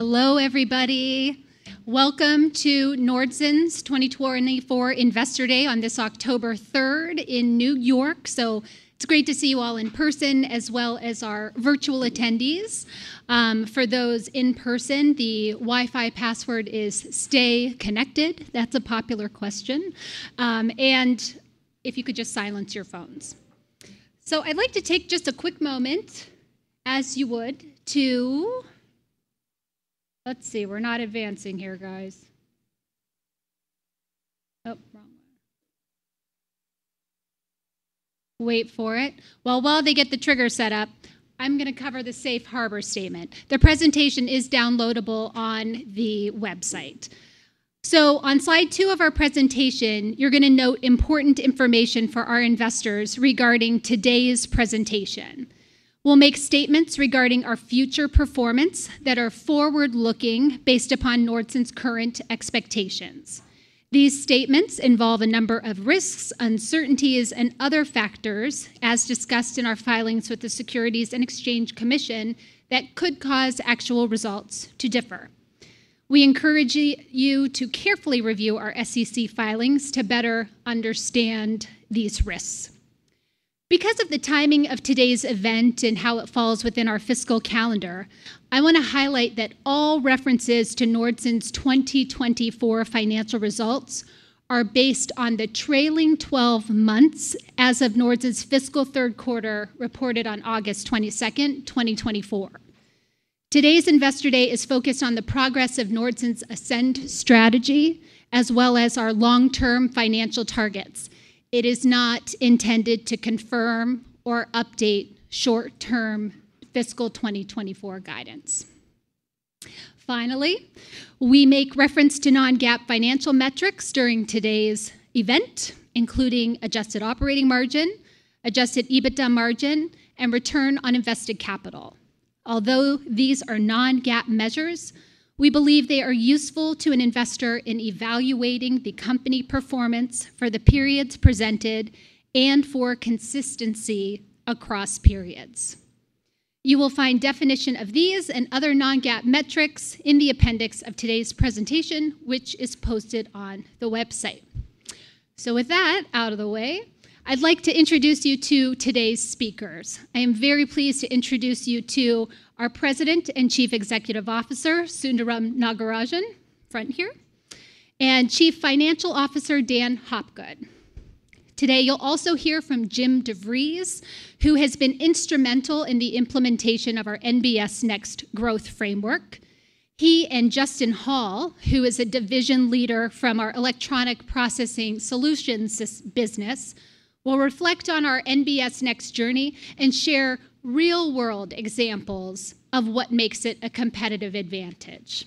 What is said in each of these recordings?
Hello, everybody. Welcome to Nordson's 2024 Investor Day on this October 3rd in New York. It's great to see you all in person, as well as our virtual attendees. For those in person, the Wi-Fi password is "stay connected." That's a popular question. And if you could just silence your phones. I'd like to take just a quick moment, as you would. Well, while they get the trigger set up, I'm gonna cover the safe harbor statement. The presentation is downloadable on the website. On slide two of our presentation, you're gonna note important information for our investors regarding today's presentation. We'll make statements regarding our future performance that are forward-looking, based upon Nordson's current expectations. These statements involve a number of risks, uncertainties, and other factors, as discussed in our filings with the Securities and Exchange Commission, that could cause actual results to differ. We encourage you to carefully review our SEC filings to better understand these risks. Because of the timing of today's event and how it falls within our fiscal calendar, I wanna highlight that all references to Nordson's 2024 financial results are based on the trailing 12 months as of Nordson's fiscal third quarter, reported on August 22nd, 2024. Today's Investor Day is focused on the progress of Nordson's Ascend Strategy, as well as our long-term financial targets. It is not intended to confirm or update short-term fiscal 2024 guidance. Finally, we make reference to non-GAAP financial metrics during today's event, including adjusted operating margin, adjusted EBITDA margin, and return on invested capital. Although these are non-GAAP measures, we believe they are useful to an investor in evaluating the company performance for the periods presented and for consistency across periods. You will find definition of these and other non-GAAP metrics in the appendix of today's presentation, which is posted on the website. So with that out of the way, I'd like to introduce you to today's speakers. I am very pleased to introduce you to our President and Chief Executive Officer, Sundaram Nagarajan, up front here, and Chief Financial Officer, Dan Hopgood. Today, you'll also hear from Jim DeVries, who has been instrumental in the implementation of our NBS Next growth framework. He and Justin Hall, who is a division leader from our Electronics Processing Solutions business, will reflect on our NBS Next Journey and share real-world examples of what makes it a competitive advantage.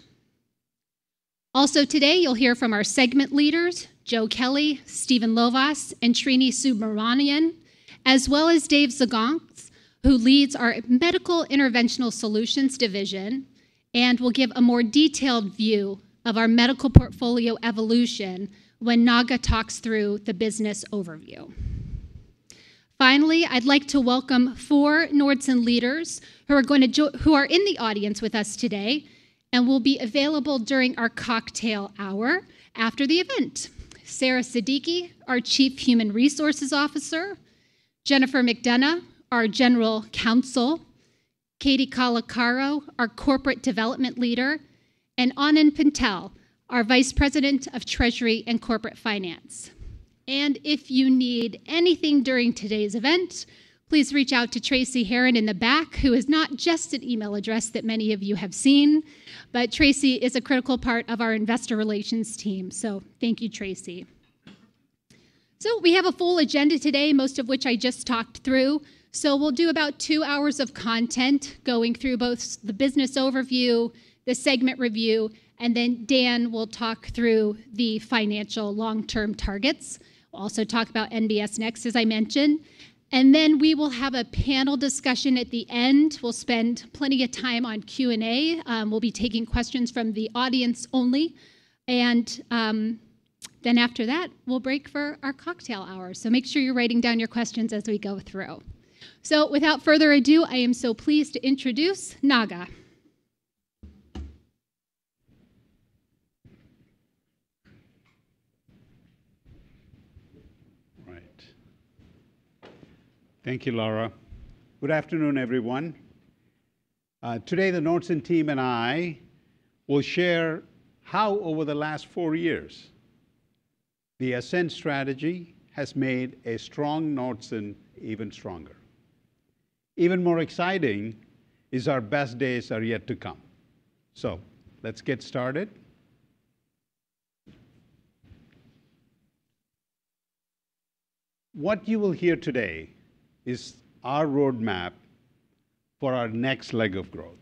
Also today, you'll hear from our segment leaders, Joe Kelley, Stephen Lovass, and Srini Subramanian, as well as David Zgonc, who leads our Medical Interventional Solutions division and will give a more detailed view of our medical portfolio evolution when Naga talks through the business overview. Finally, I'd like to welcome four Nordson leaders who are in the audience with us today and will be available during our cocktail hour after the event: Sarah Siddiqui, our Chief Human Resources Officer; Jennifer McDonough, our General Counsel; Katie Colacarro, our Corporate Development Leader; and Anand Patel, our Vice President of Treasury and Corporate Finance. And if you need anything during today's event, please reach out to Tracy Herron in the back, who is not just an email address that many of you have seen, but Tracy is a critical part of our investor relations team. So thank you, Tracy. So we have a full agenda today, most of which I just talked through. So we'll do about two hours of content, going through both the business overview, the segment review, and then Dan will talk through the financial long-term targets. We'll also talk about NBS Next, as I mentioned, and then we will have a panel discussion at the end. We'll spend plenty of time on Q&A. We'll be taking questions from the audience only, and then after that, we'll break for our cocktail hour. So make sure you're writing down your questions as we go through. So without further ado, I am so pleased to introduce Naga. Right. Thank you, Lara. Good afternoon, everyone. Today, the Nordson team and I will share how, over the last four years, the Ascend Strategy has made a strong Nordson even stronger. Even more exciting is our best days are yet to come. So let's get started. What you will hear today is our roadmap for our next leg of growth.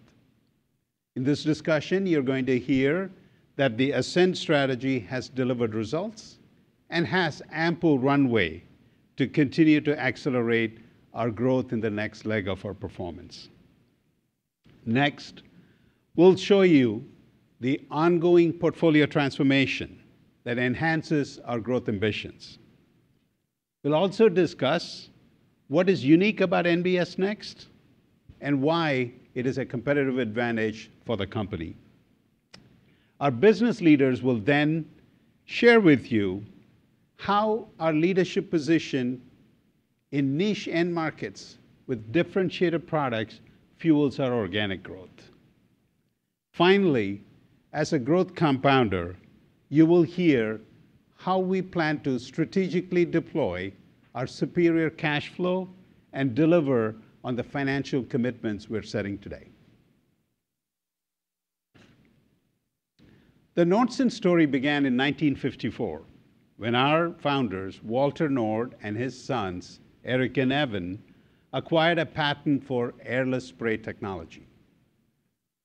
In this discussion, you're going to hear that the Ascend Strategy has delivered results and has ample runway to continue to accelerate our growth in the next leg of our performance. Next, we'll show you the ongoing portfolio transformation that enhances our growth ambitions.... We'll also discuss what is unique about NBS Next, and why it is a competitive advantage for the company. Our business leaders will then share with you how our leadership position in niche end markets with differentiated products fuels our organic growth. Finally, as a growth compounder, you will hear how we plan to strategically deploy our superior cash flow and deliver on the financial commitments we're setting today. The Nordson story began in 1954, when our founders, Walter Nord and his sons, Eric Nord and Evan Nord, acquired a patent for airless spray technology.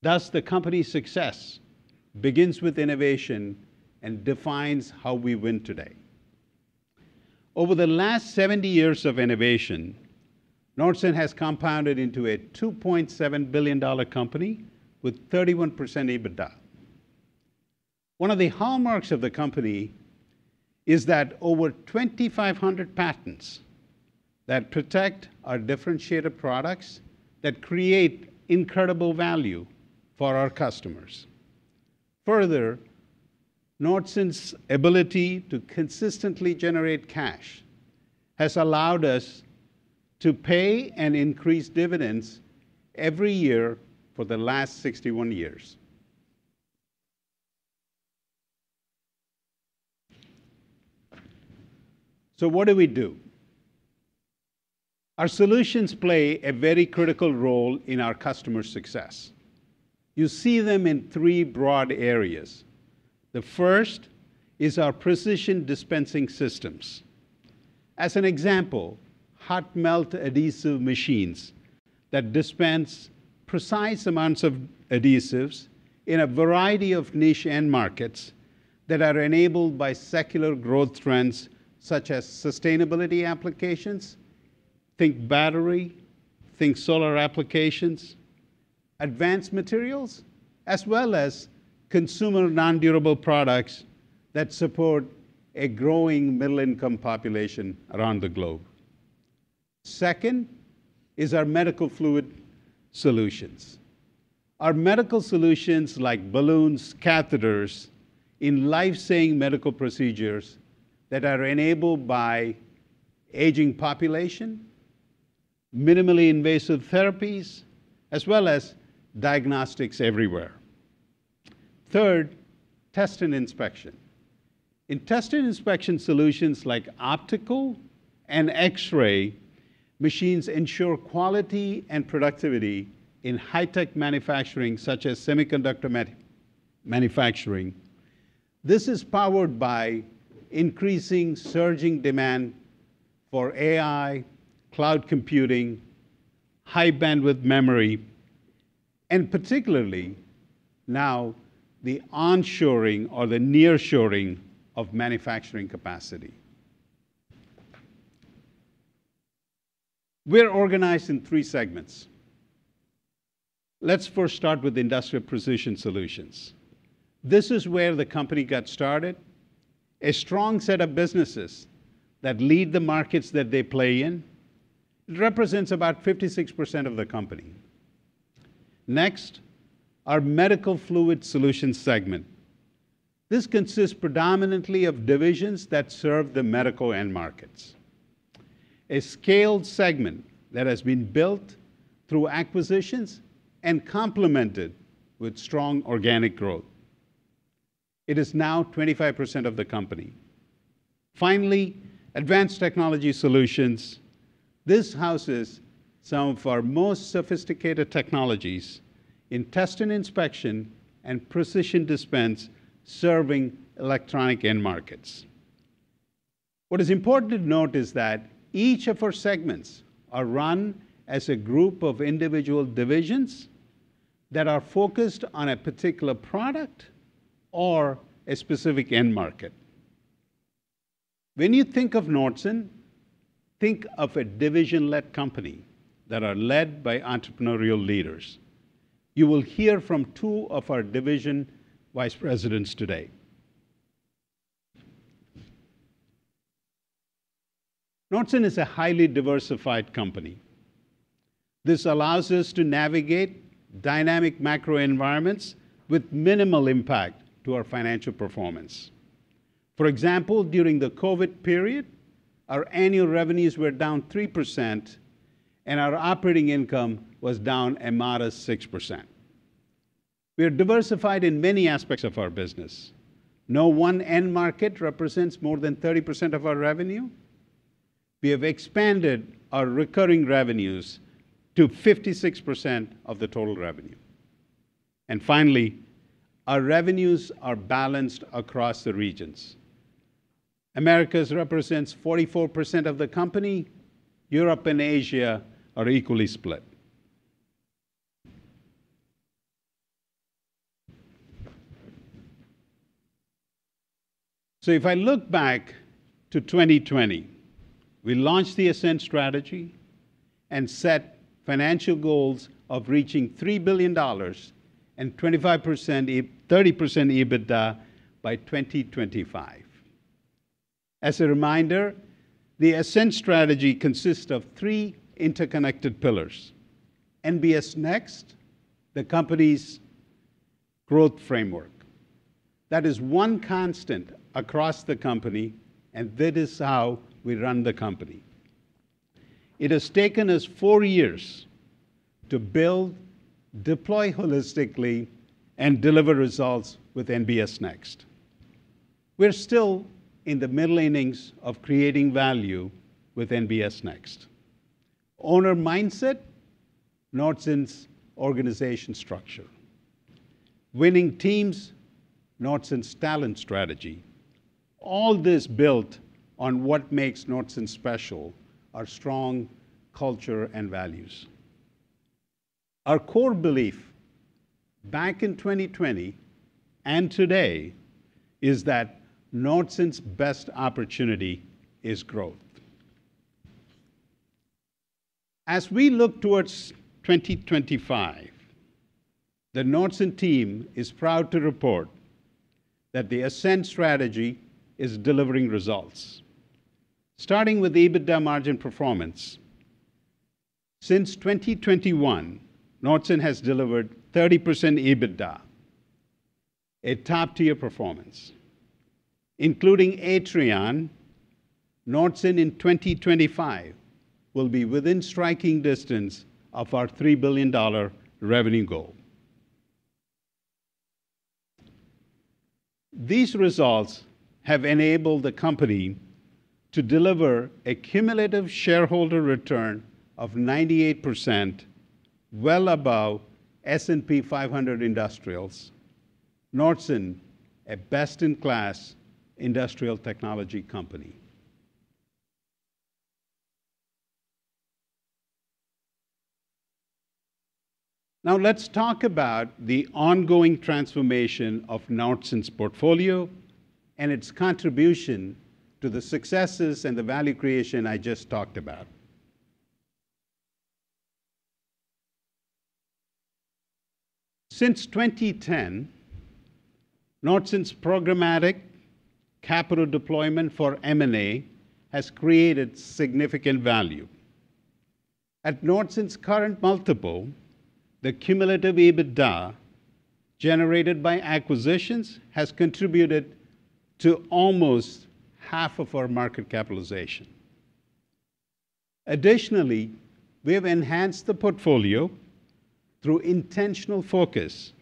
Thus, the company's success begins with innovation and defines how we win today. Over the last 70 years of innovation, Nordson has compounded into a $2.7 billion company with 31% EBITDA. One of the hallmarks of the company is that over 2,500 patents that protect our differentiated products that create incredible value for our customers. Further, Nordson's ability to consistently generate cash has allowed us to pay and increase dividends every year for the last 61 years. So what do we do? Our solutions play a very critical role in our customer success. You see them in three broad areas. The first is our Precision Dispensing Systems. As an example, hot melt adhesive machines that dispense precise amounts of adhesives in a variety of niche end markets that are enabled by secular growth trends, such as sustainability applications, think battery, think solar applications, advanced materials, as well as consumer non-durable products that support a growing middle-income population around the globe. Second is our Medical Fluid Solutions. Our Medical Solutions, like balloons, catheters, in life-saving medical procedures that are enabled by aging population, minimally invasive therapies, as well as diagnostics everywhere. Third, Test and Inspection. In Test and Inspection solutions, like optical and X-ray, machines ensure quality and productivity in high-tech manufacturing, such as semiconductor manufacturing. This is powered by increasing surging demand for AI, cloud computing, High Bandwidth Memory, and particularly now, the onshoring or the nearshoring of manufacturing capacity. We're organized in three segments. Let's first start with Industrial Precision Solutions. This is where the company got started. A strong set of businesses that lead the markets that they play in. It represents about 56% of the company. Next, our Medical Fluid Solutions segment. This consists predominantly of divisions that serve the medical end markets. A scaled segment that has been built through acquisitions and complemented with strong organic growth. It is now 25% of the company. Finally, Advanced Technology Solutions. This houses some of our most sophisticated technologies in Test and Inspection and precision dispense, serving electronic end markets. What is important to note is that each of our segments are run as a group of individual divisions that are focused on a particular product or a specific end market. When you think of Nordson, think of a division-led company that are led by entrepreneurial leaders. You will hear from two of our division Vice Presidents today. Nordson is a highly diversified company. This allows us to navigate dynamic macro environments with minimal impact to our financial performance. For example, during the COVID period, our annual revenues were down 3%, and our operating income was down a modest 6%. We are diversified in many aspects of our business. No one end market represents more than 30% of our revenue. We have expanded our recurring revenues to 56% of the total revenue. And finally, our revenues are balanced across the regions. Americas represents 44% of the company. Europe and Asia are equally split, so if I look back to 2020, we launched the Ascend Strategy and set financial goals of reaching $3 billion and 25% EB, 30% EBITDA by 2025. As a reminder, the Ascend Strategy consists of three interconnected pillars: NBS Next, the company's growth framework. That is one constant across the company, and that is how we run the company. It has taken us four years to build, deploy holistically, and deliver results with NBS Next. We're still in the middle innings of creating value with NBS Next. Owner Mindset, Nordson's organization structure. Winning Teams, Nordson's talent strategy. All this built on what makes Nordson special, our strong culture and values. Our core belief, back in 2020 and today, is that Nordson's best opportunity is growth. As we look towards 2025, the Nordson team is proud to report that the Ascend Strategy is delivering results. Starting with EBITDA margin performance, since 2021, Nordson has delivered 30% EBITDA, a top-tier performance. Including Atrion, Nordson in 2025 will be within striking distance of our $3 billion revenue goal. These results have enabled the company to deliver a cumulative shareholder return of 98%, well above S&P 500 Industrials. Nordson, a best-in-class industrial technology company. Now, let's talk about the ongoing transformation of Nordson's portfolio and its contribution to the successes and the value creation I just talked about. Since 2010, Nordson's programmatic capital deployment for M&A has created significant value. At Nordson's current multiple, the cumulative EBITDA generated by acquisitions has contributed to almost half of our market capitalization. Additionally, we have enhanced the portfolio through intentional focus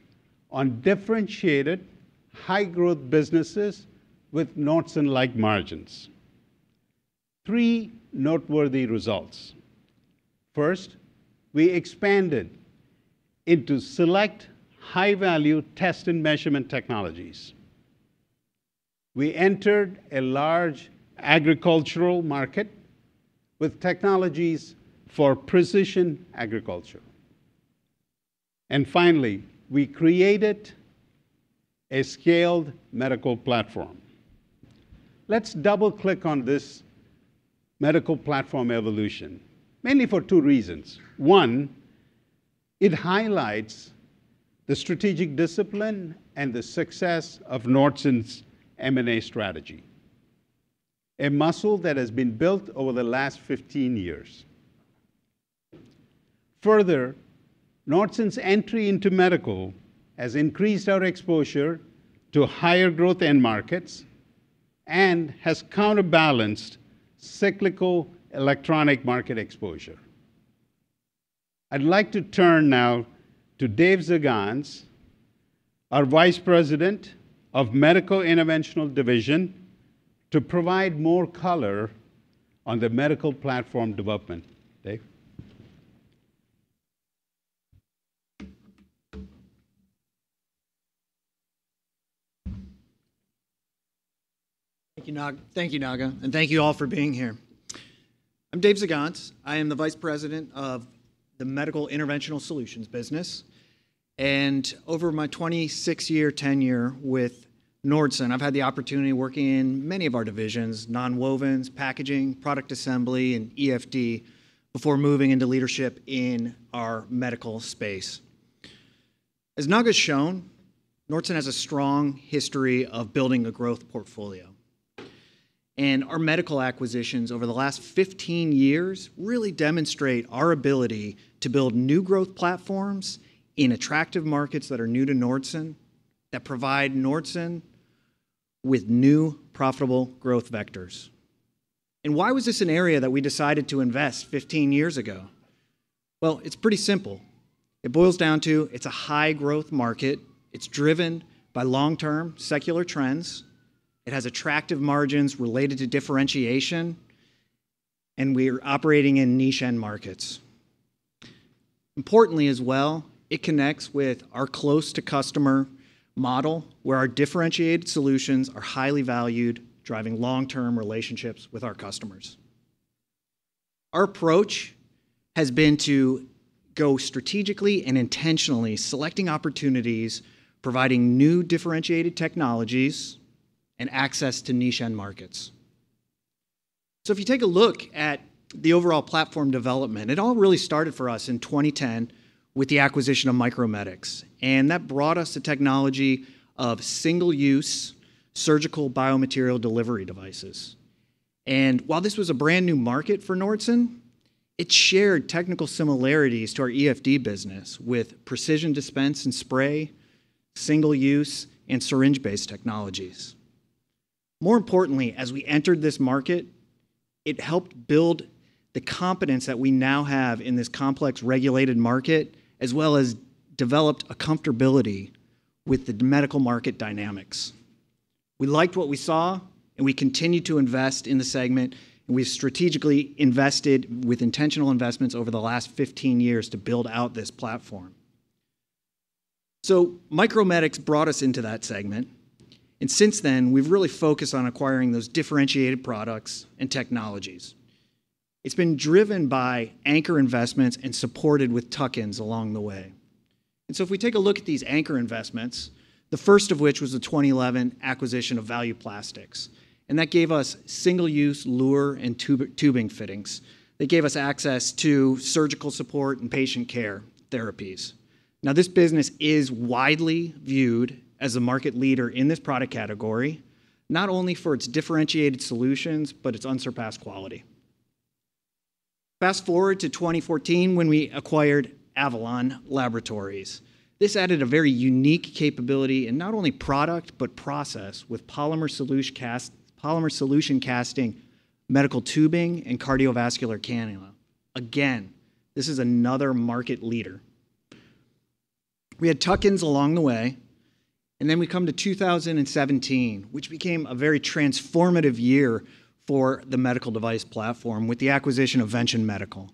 on differentiated, high-growth businesses with Nordson-like margins. Three noteworthy results: First, we expanded into select high-value test and measurement technologies. We entered a large agricultural market with technologies for precision agriculture. And finally, we created a scaled medical platform. Let's double-click on this medical platform evolution, mainly for two reasons. One, it highlights the strategic discipline and the success of Nordson's M&A strategy, a muscle that has been built over the last fifteen years. Further, Nordson's entry into medical has increased our exposure to higher growth end markets and has counterbalanced cyclical electronic market exposure. I'd like to turn now to David Zgonc, our Vice President, Medical Interventional Solutions Division, to provide more color on the medical platform development. Dave? Thank you, Nag- thank you, Naga, and thank you all for being here. I'm Dave Zgonc. I am the Vice President of the Medical Interventional Solutions business, and over my 26 year tenure with Nordson, I've had the opportunity of working in many of our divisions: nonwovens, packaging, product assembly, and EFD, before moving into leadership in our medical space. As Naga's shown, Nordson has a strong history of building a growth portfolio, and our medical acquisitions over the last 15 years really demonstrate our ability to build new growth platforms in attractive markets that are new to Nordson, that provide Nordson with new, profitable growth vectors. And why was this an area that we decided to invest 15 years ago? Well, it's pretty simple. It boils down to it's a high-growth market, it's driven by long-term secular trends, it has attractive margins related to differentiation, and we are operating in niche end markets. Importantly as well, it connects with our close-to-customer model, where our differentiated solutions are highly valued, driving long-term relationships with our customers. Our approach has been to go strategically and intentionally, selecting opportunities, providing new differentiated technologies and access to niche end markets. So if you take a look at the overall platform development, it all really started for us in 2010 with the acquisition of Micromedics, and that brought us the technology of single-use surgical biomaterial delivery devices. And while this was a brand-new market for Nordson, it shared technical similarities to our EFD business, with precision dispense and spray, single-use, and syringe-based technologies. More importantly, as we entered this market, it helped build the competence that we now have in this complex, regulated market, as well as developed a comfortability with the medical market dynamics. We liked what we saw, and we continued to invest in the segment, and we've strategically invested with intentional investments over the last 15 years to build out this platform. So Micromedics brought us into that segment, and since then, we've really focused on acquiring those differentiated products and technologies. It's been driven by anchor investments and supported with tuck-ins along the way. And so if we take a look at these anchor investments, the first of which was the 2011 acquisition of Value Plastics, and that gave us single-use luer and tubing fittings. They gave us access to surgical support and patient care therapies. Now, this business is widely viewed as a market leader in this product category, not only for its differentiated solutions, but its unsurpassed quality. Fast-forward to 2014, when we acquired Avalon Laboratories. This added a very unique capability in not only product, but process, with polymer solution casting, medical tubing, and cardiovascular cannula. Again, this is another market leader. We had tuck-ins along the way, and then we come to 2017, which became a very transformative year for the medical device platform with the acquisition of Vention Medical.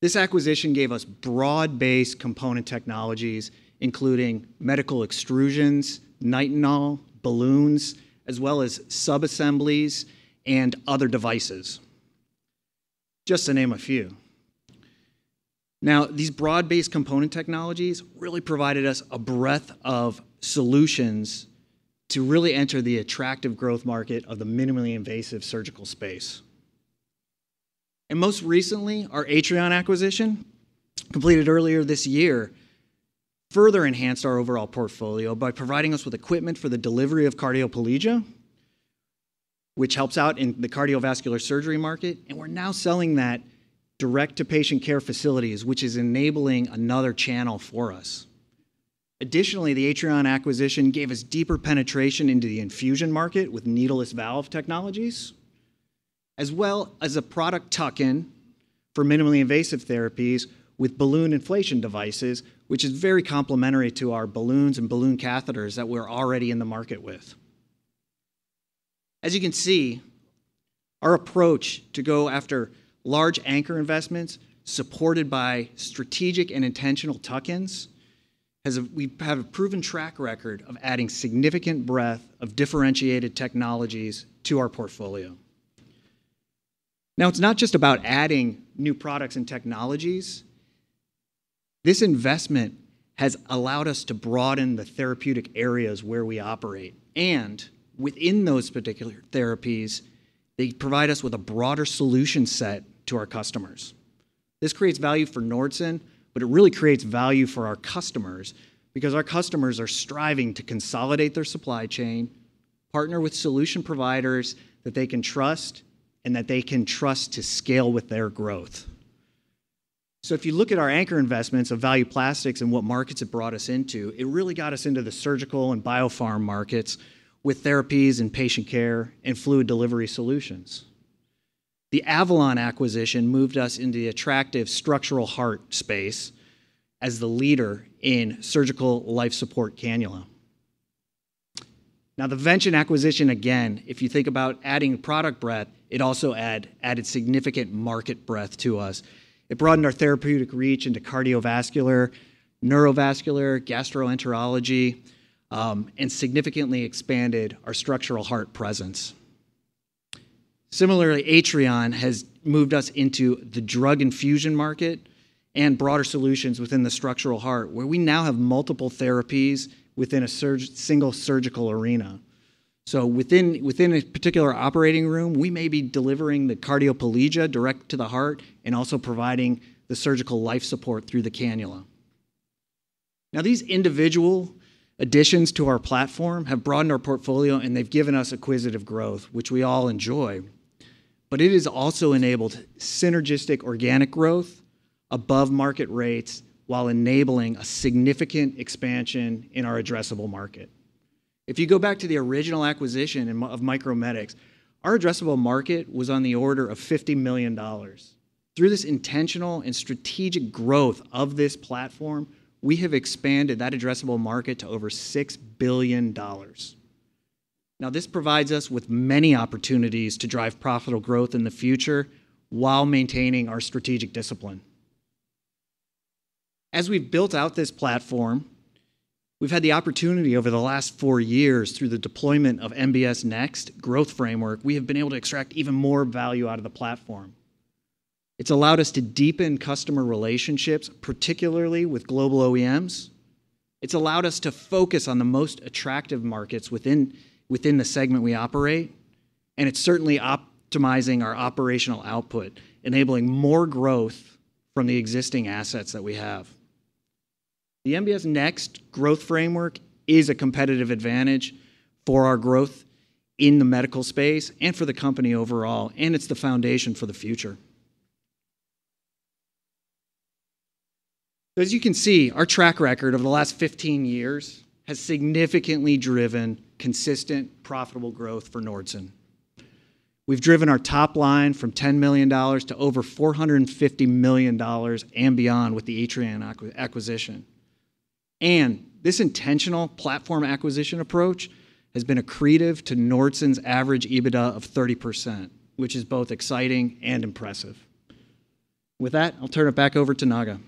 This acquisition gave us broad-based component technologies, including medical extrusions, Nitinol, balloons, as well as subassemblies and other devices, just to name a few. Now, these broad-based component technologies really provided us a breadth of solutions to really enter the attractive growth market of the minimally invasive surgical space. And most recently, our Atrion acquisition, completed earlier this year, further enhanced our overall portfolio by providing us with equipment for the delivery of cardioplegia, which helps out in the cardiovascular surgery market, and we're now selling that direct to patient care facilities, which is enabling another channel for us. Additionally, the Atrion acquisition gave us deeper penetration into the infusion market with needleless valve technologies, as well as a product tuck-in for minimally invasive therapies with balloon inflation devices, which is very complementary to our balloons and balloon catheters that we're already in the market with. As you can see, our approach to go after large anchor investments, supported by strategic and intentional tuck-ins, we have a proven track record of adding significant breadth of differentiated technologies to our portfolio. Now, it's not just about adding new products and technologies. This investment has allowed us to broaden the therapeutic areas where we operate, and within those particular therapies, they provide us with a broader solution set to our customers. This creates value for Nordson, but it really creates value for our customers, because our customers are striving to consolidate their supply chain, partner with solution providers that they can trust and that they can trust to scale with their growth. If you look at our anchor investments of Value Plastics and what markets it brought us into, it really got us into the surgical and biopharma markets with therapies and patient care and fluid delivery solutions. The Avalon acquisition moved us into the attractive structural heart space as the leader in surgical life support cannula. Now, the Vention acquisition, again, if you think about adding product breadth, it also added significant market breadth to us. It broadened our therapeutic reach into cardiovascular, neurovascular, gastroenterology, and significantly expanded our structural heart presence. Similarly, Atrion has moved us into the drug infusion market and broader solutions within the structural heart, where we now have multiple therapies within a single surgical arena. So within a particular operating room, we may be delivering the cardioplegia direct to the heart and also providing the surgical life support through the cannula. Now, these individual additions to our platform have broadened our portfolio, and they've given us acquisitive growth, which we all enjoy. But it has also enabled synergistic organic growth above market rates while enabling a significant expansion in our addressable market. If you go back to the original acquisition of Micromedics, our addressable market was on the order of $50 million. Through this intentional and strategic growth of this platform, we have expanded that addressable market to over $6 billion. Now, this provides us with many opportunities to drive profitable growth in the future while maintaining our strategic discipline. As we've built out this platform, we've had the opportunity over the last four years, through the deployment of NBS Next growth framework. We have been able to extract even more value out of the platform. It's allowed us to deepen customer relationships, particularly with global OEMs. It's allowed us to focus on the most attractive markets within the segment we operate, and it's certainly optimizing our operational output, enabling more growth from the existing assets that we have. The NBS Next growth framework is a competitive advantage for our growth in the medical space and for the company overall, and it's the foundation for the future. As you can see, our track record over the last 15 years has significantly driven consistent, profitable growth for Nordson. We've driven our top line from $10 million to over $450 million, and beyond with the Atrion acquisition. This intentional platform acquisition approach has been accretive to Nordson's average EBITDA of 30%, which is both exciting and impressive. With that, I'll turn it back over to Naga.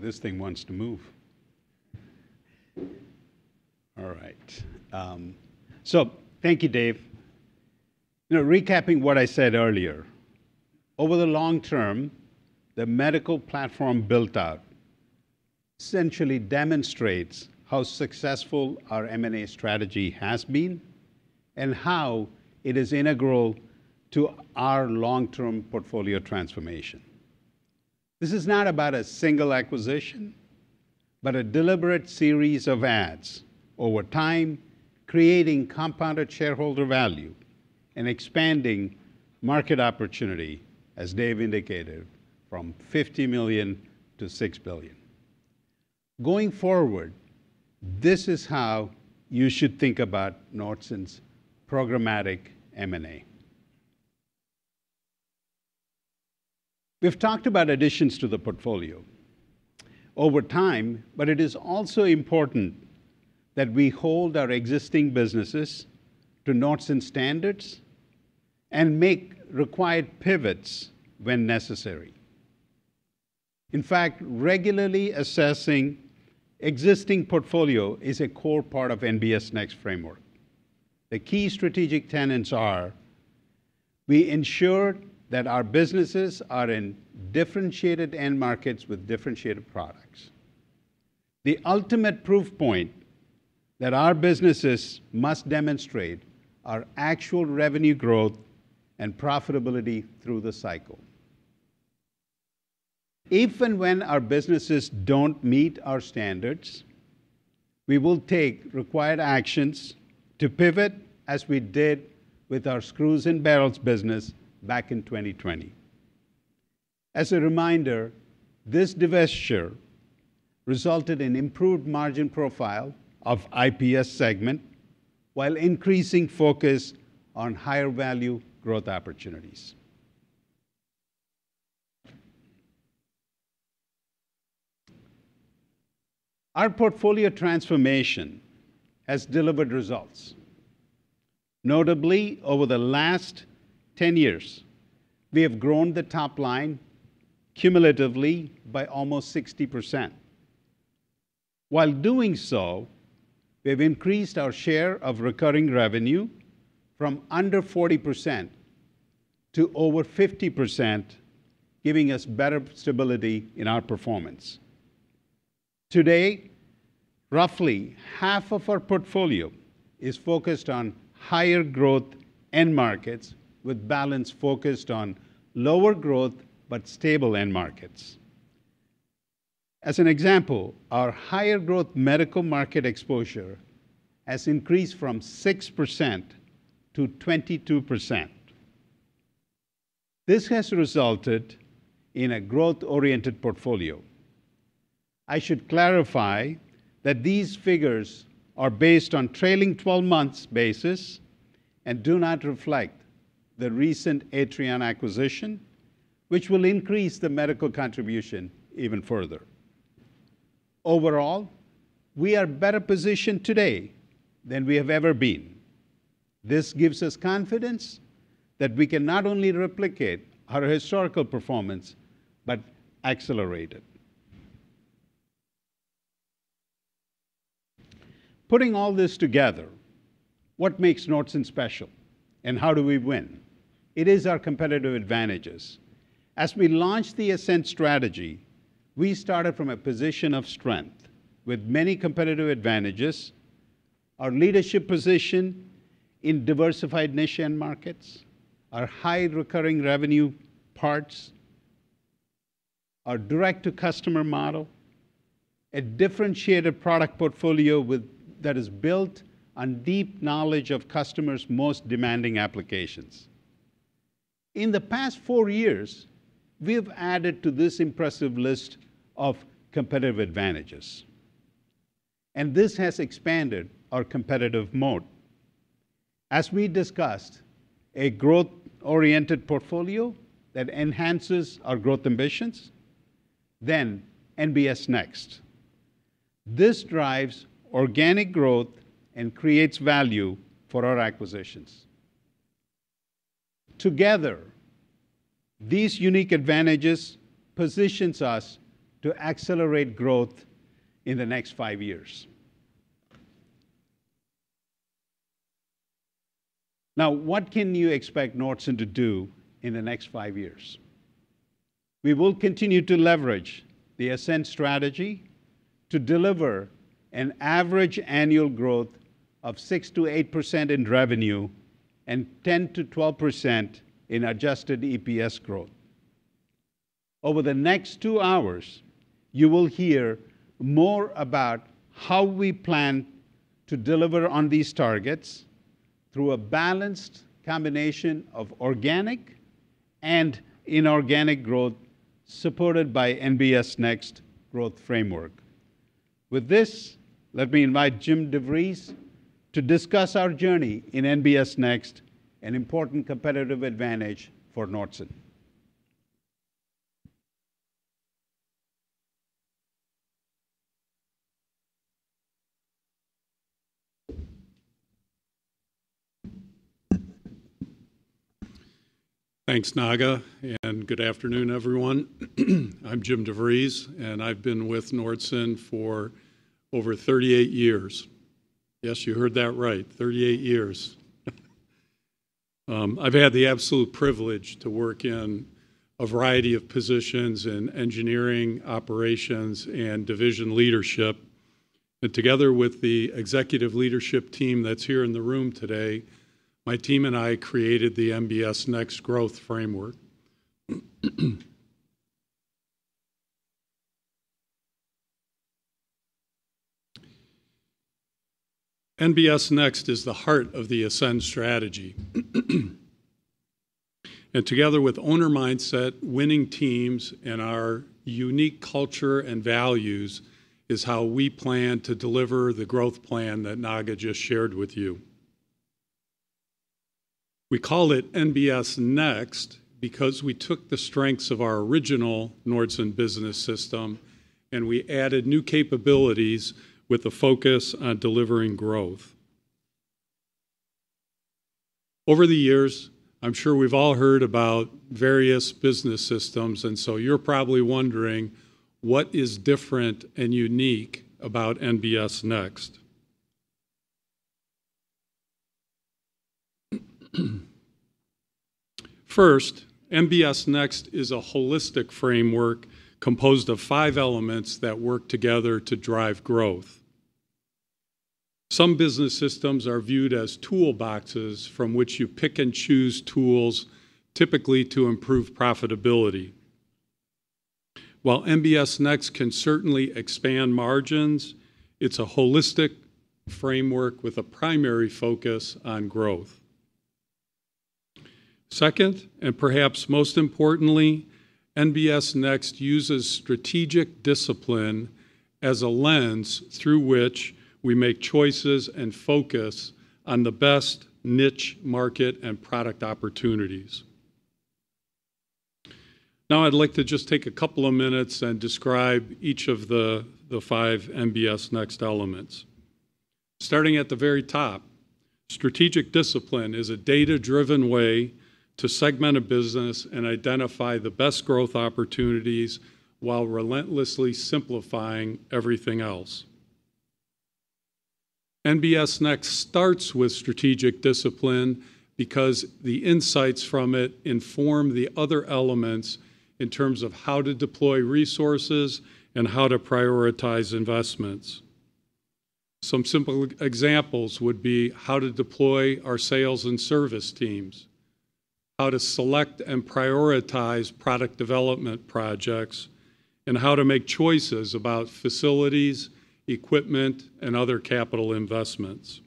Good job. Thank you. Boy, this thing wants to move! All right, so thank you, Dave. You know, recapping what I said earlier, over the long term, the medical platform built out essentially demonstrates how successful our M&A strategy has been and how it is integral to our long-term portfolio transformation. This is not about a single acquisition, but a deliberate series of adds over time, creating compounded shareholder value and expanding market opportunity, as Dave indicated, from $50 million to $6 billion. Going forward, this is how you should think about Nordson's programmatic M&A. We've talked about additions to the portfolio over time, but it is also important that we hold our existing businesses to Nordson standards and make required pivots when necessary. In fact, regularly assessing existing portfolio is a core part of NBS Next framework. The key strategic tenets are: we ensure that our businesses are in differentiated end markets with differentiated products. The ultimate proof point that our businesses must demonstrate are actual revenue growth and profitability through the cycle. If and when our businesses don't meet our standards, we will take required actions to pivot, as we did with our screws and barrels business back in 2020. As a reminder, this divestiture resulted in improved margin profile of IPS segment, while increasing focus on higher value growth opportunities. Our portfolio transformation has delivered results. Notably, over the last 10 years, we have grown the top line cumulatively by almost 60%. While doing so, we've increased our share of recurring revenue from under 40% to over 50%, giving us better stability in our performance. Today, roughly half of our portfolio is focused on higher growth end markets, with balance focused on lower growth but stable end markets. As an example, our higher growth medical market exposure has increased from 6% to 22%. This has resulted in a growth-oriented portfolio. I should clarify that these figures are based on trailing 12 months basis and do not reflect the recent Atrion acquisition, which will increase the medical contribution even further. Overall, we are better positioned today than we have ever been. This gives us confidence that we can not only replicate our historical performance, but accelerate it. Putting all this together, what makes Nordson special, and how do we win? It is our competitive advantages. As we launched the Ascend Strategy, we started from a position of strength with many competitive advantages: our leadership position in diversified niche end markets, our high recurring revenue parts, our direct-to-customer model, a differentiated product portfolio with that is built on deep knowledge of customers' most demanding applications. In the past four years, we have added to this impressive list of competitive advantages, and this has expanded our competitive moat. As we discussed, a growth-oriented portfolio that enhances our growth ambitions, then NBS Next. This drives organic growth and creates value for our acquisitions. Together, these unique advantages positions us to accelerate growth in the next five years. Now, what can you expect Nordson to do in the next five years? We will continue to leverage the Ascend Strategy to deliver an average annual growth of 6%-8% in revenue and 10%-12% in adjusted EPS growth. Over the next two hours, you will hear more about how we plan to deliver on these targets through a balanced combination of organic and inorganic growth, supported by NBS Next growth framework. With this, let me invite Jim DeVries to discuss our journey in NBS Next, an important competitive advantage for Nordson. Thanks, Naga, and good afternoon, everyone. I'm Jim DeVries, and I've been with Nordson for over 38 years. Yes, you heard that right, 38 years. I've had the absolute privilege to work in a variety of positions in engineering, operations, and division leadership, and together with the executive leadership team that's here in the room today, my team and I created the NBS Next growth framework. NSS Next is the heart of the Ascend Strategy, and together with Owner Mindset, Winning Teams, and our unique culture and values, is how we plan to deliver the growth plan that Naga just shared with you. We call it NBS Next because we took the strengths of our original Nordson Business System, and we added new capabilities with a focus on delivering growth. Over the years, I'm sure we've all heard about various business systems, and so you're probably wondering what is different and unique about NBS Next? First, NBS Next is a holistic framework composed of five elements that work together to drive growth. Some business systems are viewed as toolboxes from which you pick and choose tools, typically to improve profitability. While NBS Next can certainly expand margins, it's a holistic framework with a primary focus on growth. Second, and perhaps most importantly, NBS Next uses strategic discipline as a lens through which we make choices and focus on the best niche market and product opportunities. Now, I'd like to just take a couple of minutes and describe each of the five NBS Next elements. Starting at the very top, strategic discipline is a data-driven way to segment a business and identify the best growth opportunities while relentlessly simplifying everything else. NBS Next starts with strategic discipline because the insights from it inform the other elements in terms of how to deploy resources and how to prioritize investments. Some simple examples would be how to deploy our sales and service teams, how to select and prioritize product development projects, and how to make choices about facilities, equipment, and other capital investments.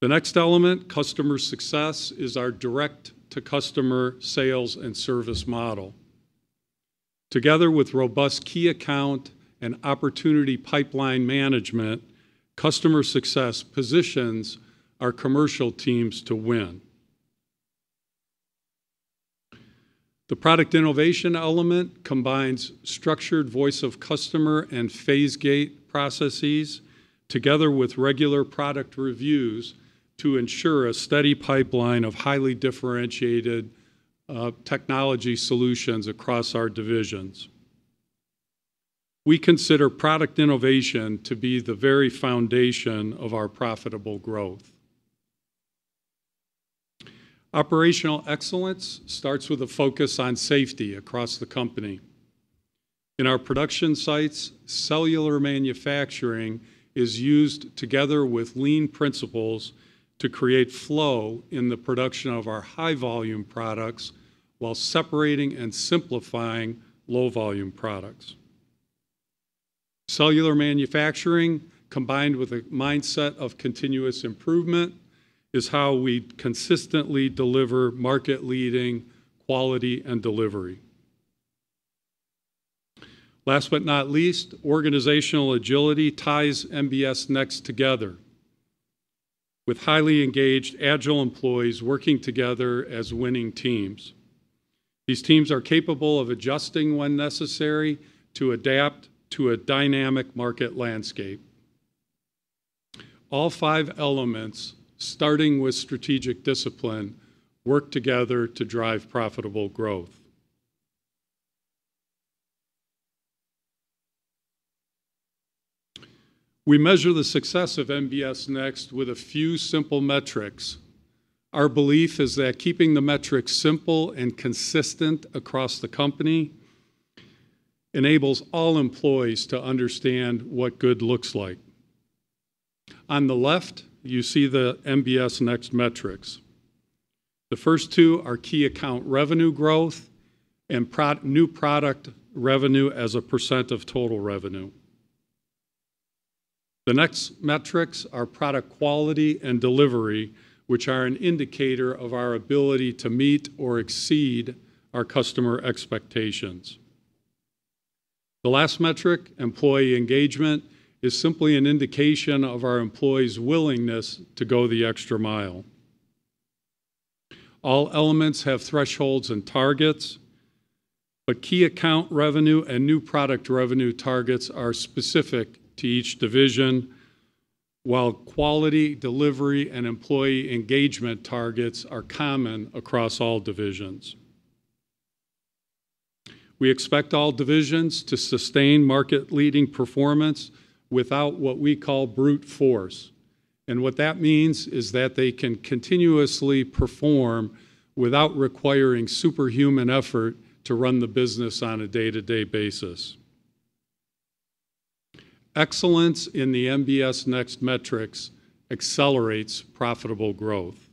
The next element, customer success, is our direct-to-customer sales and service model. Together with robust key account and opportunity pipeline management, customer success positions our commercial teams to win. The product innovation element combines structured voice of customer and phase gate processes, together with regular product reviews, to ensure a steady pipeline of highly differentiated technology solutions across our divisions. We consider product innovation to be the very foundation of our profitable growth. Operational excellence starts with a focus on safety across the company. In our production sites, cellular manufacturing is used together with lean principles to create flow in the production of our high-volume products, while separating and simplifying low-volume products. Cellular manufacturing, combined with a mindset of continuous improvement, is how we consistently deliver market-leading quality and delivery. Last but not least, organizational agility ties NBS Next together with highly engaged, agile employees working together as Winning Teams. These teams are capable of adjusting when necessary to adapt to a dynamic market landscape. All five elements, starting with strategic discipline, work together to drive profitable growth. We measure the success of NBS Next with a few simple metrics. Our belief is that keeping the metrics simple and consistent across the company, enables all employees to understand what good looks like. On the left, you see the NBS Next metrics. The first two are key account revenue growth and new product revenue as a % of total revenue. The next metrics are product quality and delivery, which are an indicator of our ability to meet or exceed our customer expectations. The last metric, employee engagement, is simply an indication of our employees' willingness to go the extra mile. All elements have thresholds and targets, but key account revenue and new product revenue targets are specific to each division, while quality, delivery, and employee engagement targets are common across all divisions. We expect all divisions to sustain market-leading performance without what we call brute force, and what that means is that they can continuously perform without requiring superhuman effort to run the business on a day-to-day basis. Excellence in the NBS Next metrics accelerates profitable growth.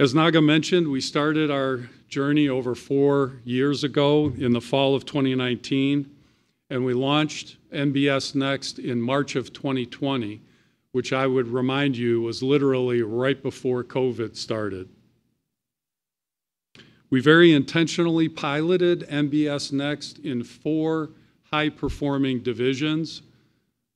As Naga mentioned, we started our journey over four years ago in the fall of 2019, and we launched NBS Next in March of 2020, which I would remind you, was literally right before COVID started. We very intentionally piloted NBS Next in four high-performing divisions,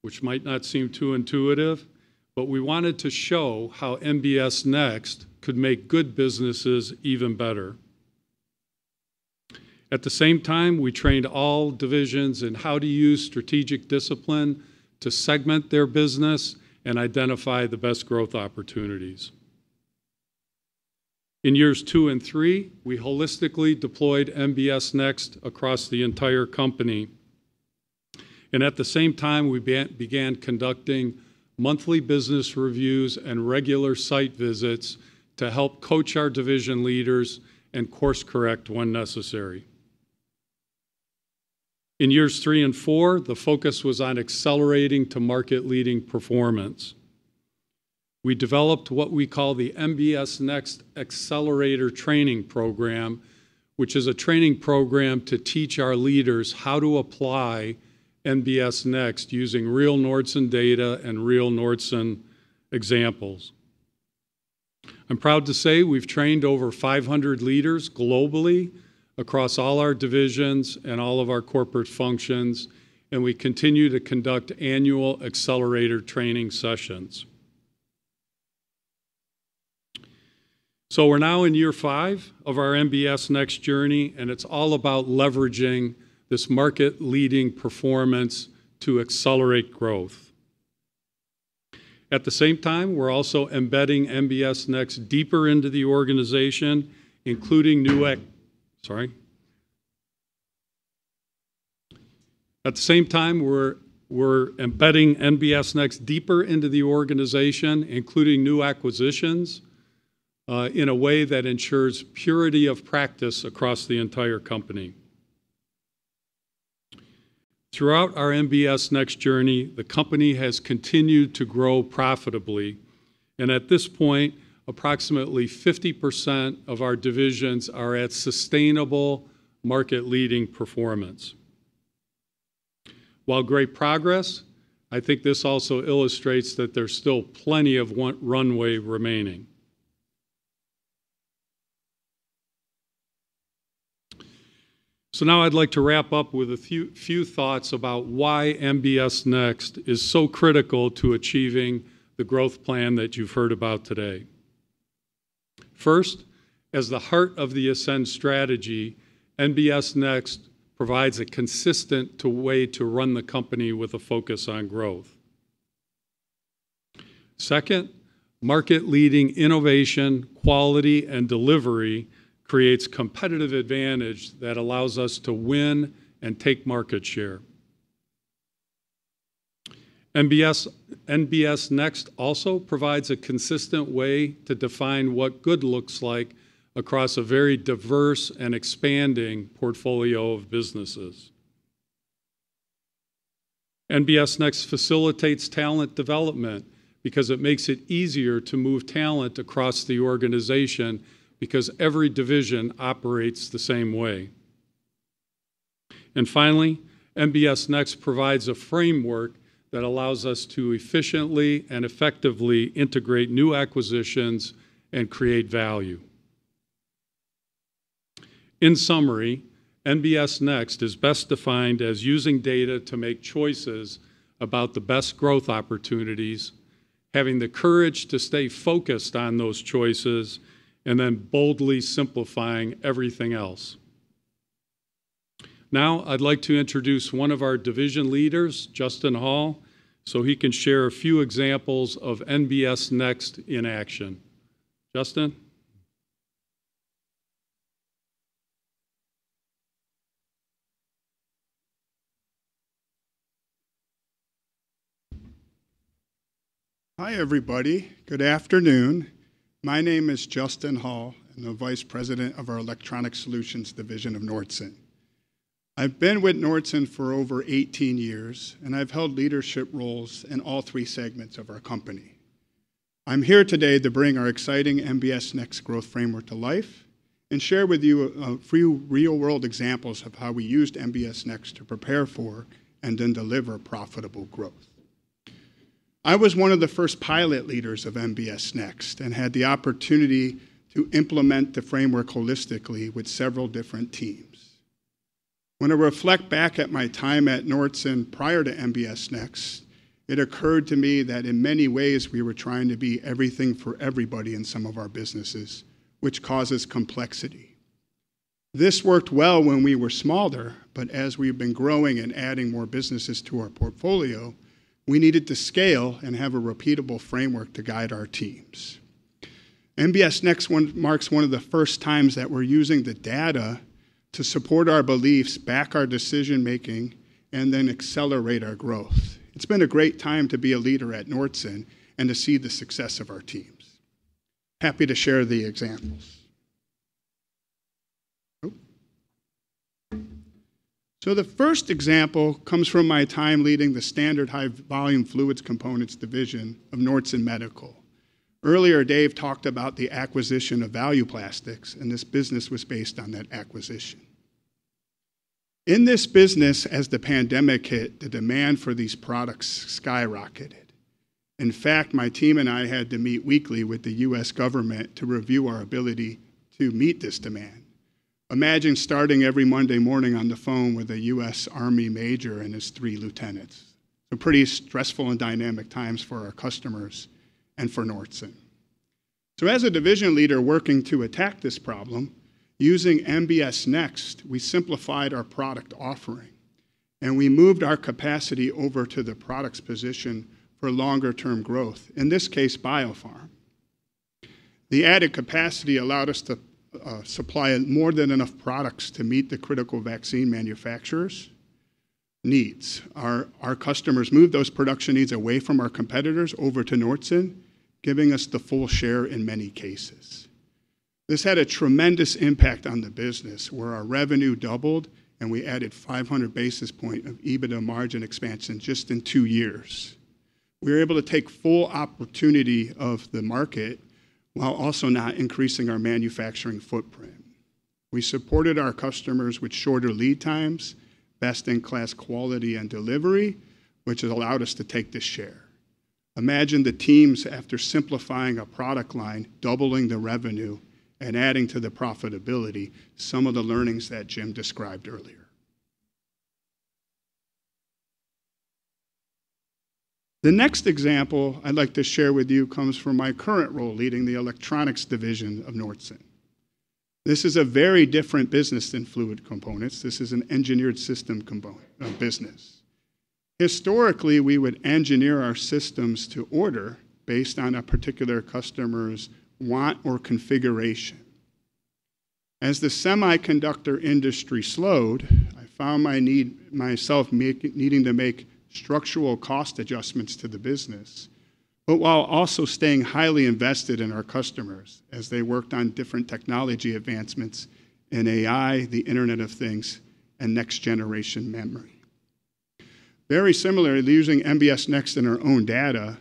which might not seem too intuitive, but we wanted to show how NBS Next could make good businesses even better. At the same time, we trained all divisions in how to use strategic discipline to segment their business and identify the best growth opportunities. In years two and three, we holistically deployed NBS Next across the entire company, and at the same time, we began conducting monthly business reviews and regular site visits to help coach our division leaders and course-correct when necessary. In years three and four, the focus was on accelerating to market-leading performance. We developed what we call the NBS Next Accelerator Training Program, which is a training program to teach our leaders how to apply NBS Next using real Nordson data and real Nordson examples. I'm proud to say we've trained over 500 leaders globally across all our divisions and all of our corporate functions, and we continue to conduct annual accelerator training sessions. So we're now in year five of our NBS Next journey, and it's all about leveraging this market-leading performance to accelerate growth. At the same time, we're also embedding NBS Next deeper into the organization, including new ac... Sorry. At the same time, we're embedding NBS Next deeper into the organization, including new acquisitions, in a way that ensures purity of practice across the entire company. Throughout our NBS Next journey, the company has continued to grow profitably, and at this point, approximately 50% of our divisions are at sustainable market-leading performance. While great progress, I think this also illustrates that there's still plenty of runway remaining. So now I'd like to wrap up with a few thoughts about why NBS Next is so critical to achieving the growth plan that you've heard about today. First, as the heart of the Ascend Strategy, NBS Next provides a consistent way to run the company with a focus on growth. Second, market-leading innovation, quality, and delivery creates competitive advantage that allows us to win and take market share. NBS Next also provides a consistent way to define what good looks like across a very diverse and expanding portfolio of businesses. NBS Next facilitates talent development because it makes it easier to move talent across the organization because every division operates the same way. And finally, NBS Next provides a framework that allows us to efficiently and effectively integrate new acquisitions and create value. In summary, NBS Next is best defined as using data to make choices about the best growth opportunities, having the courage to stay focused on those choices, and then boldly simplifying everything else. Now, I'd like to introduce one of our division leaders, Justin Hall, so he can share a few examples of NBS Next in action. Justin? Hi, everybody. Good afternoon. My name is Justin Hall. I'm the Vice President of our Electronics Solutions division of Nordson. I've been with Nordson for over 18 years, and I've held leadership roles in all three segments of our company. I'm here today to bring our exciting NBS Next growth framework to life and share with you a, a few real-world examples of how we used NBS Next to prepare for and then deliver profitable growth. I was one of the first pilot leaders of NBS Next and had the opportunity to implement the framework holistically with several different teams. When I reflect back at my time at Nordson prior to NBS Next, it occurred to me that in many ways we were trying to be everything for everybody in some of our businesses, which causes complexity. This worked well when we were smaller, but as we've been growing and adding more businesses to our portfolio, we needed to scale and have a repeatable framework to guide our teams. NBS Next one marks one of the first times that we're using the data to support our beliefs, back our decision-making, and then accelerate our growth. It's been a great time to be a leader at Nordson and to see the success of our teams. Happy to share the examples. Oh. So the first example comes from my time leading the standard high volume fluids components division of Nordson Medical. Earlier, Dave talked about the acquisition of Value Plastics, and this business was based on that acquisition. In this business, as the pandemic hit, the demand for these products skyrocketed. In fact, my team and I had to meet weekly with the U.S. government to review our ability to meet this demand. Imagine starting every Monday morning on the phone with a U.S. Army major and his three lieutenants, so pretty stressful and dynamic times for our customers and for Nordson, so as a division leader working to attack this problem, using NBS Next, we simplified our product offering, and we moved our capacity over to the products position for longer-term growth, in this case, biopharma. The added capacity allowed us to supply more than enough products to meet the critical vaccine manufacturers' needs. Our customers moved those production needs away from our competitors over to Nordson, giving us the full share in many cases. This had a tremendous impact on the business, where our revenue doubled, and we added 500 basis points of EBITDA margin expansion just in two years. We were able to take full opportunity of the market while also not increasing our manufacturing footprint. We supported our customers with shorter lead times, best-in-class quality and delivery, which has allowed us to take the share. Imagine the teams, after simplifying a product line, doubling the revenue and adding to the profitability, some of the learnings that Jim described earlier. The next example I'd like to share with you comes from my current role leading the Electronics division of Nordson. This is a very different business than Fluid Components. This is an engineered system component business. Historically, we would engineer our systems to order based on a particular customer's want or configuration. As the semiconductor industry slowed, I found myself needing to make structural cost adjustments to the business, but while also staying highly invested in our customers as they worked on different technology advancements in AI, the Internet of Things, and next-generation memory. Very similarly, using NBS Next and our own data,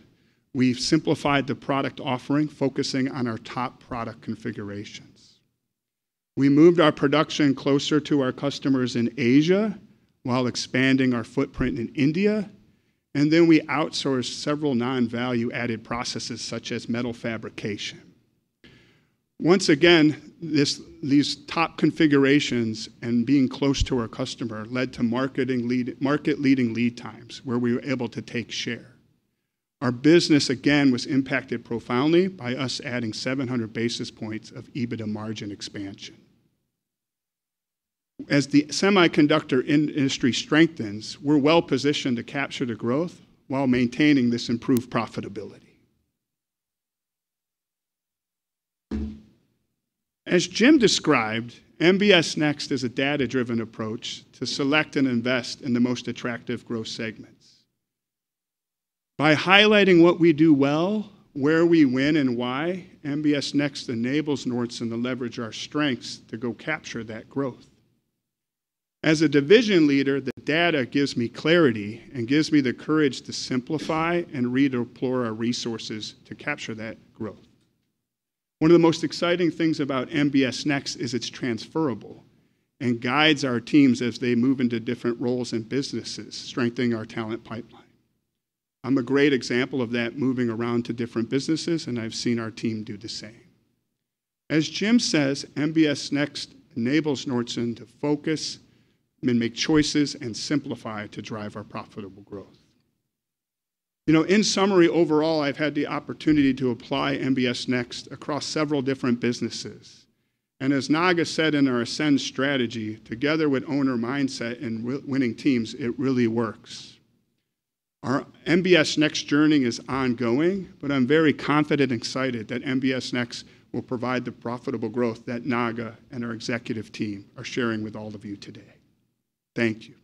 we've simplified the product offering, focusing on our top product configurations. We moved our production closer to our customers in Asia while expanding our footprint in India, and then we outsourced several non-value-added processes, such as metal fabrication. Once again, these top configurations and being close to our customer led to market-leading lead times, where we were able to take share. Our business, again, was impacted profoundly by us adding seven hundred basis points of EBITDA margin expansion. As the semiconductor industry strengthens, we're well-positioned to capture the growth while maintaining this improved profitability. As Jim described, NBS Next is a data-driven approach to select and invest in the most attractive growth segments. By highlighting what we do well, where we win and why, NBS Next enables Nordson to leverage our strengths to go capture that growth. As a division leader, the data gives me clarity and gives me the courage to simplify and redeploy our resources to capture that growth. One of the most exciting things about NBS Next is it's transferable and guides our teams as they move into different roles and businesses, strengthening our talent pipeline. I'm a great example of that, moving around to different businesses, and I've seen our team do the same. As Jim says, NBS Next enables Nordson to focus and make choices and simplify to drive our profitable growth. You know, in summary, overall, I've had the opportunity to apply NBS Next across several different businesses, and as Naga said in our Ascend Strategy, together with Owner Mindset and Winning Teams, it really works. Our NBS Next journey is ongoing, but I'm very confident and excited that NBS Next will provide the profitable growth that Naga and our executive team are sharing with all of you today. Thank you.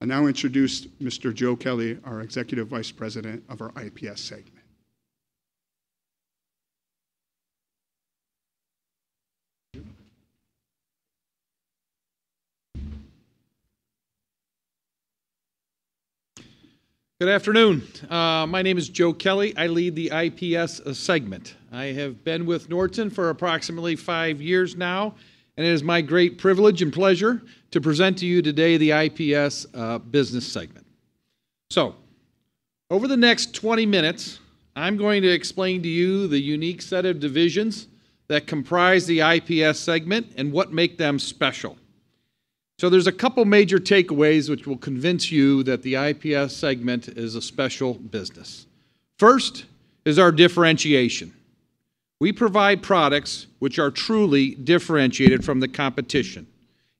I now introduce Mr. Joe Kelley, our Executive Vice President of our IPS segment. Good afternoon. My name is Joe Kelley. I lead the IPS segment. I have been with Nordson for approximately five years now, and it is my great privilege and pleasure to present to you today the IPS business segment. Over the next 20 minutes, I'm going to explain to you the unique set of divisions that comprise the IPS segment and what make them special. There's a couple major takeaways which will convince you that the IPS segment is a special business. First is our differentiation. We provide products which are truly differentiated from the competition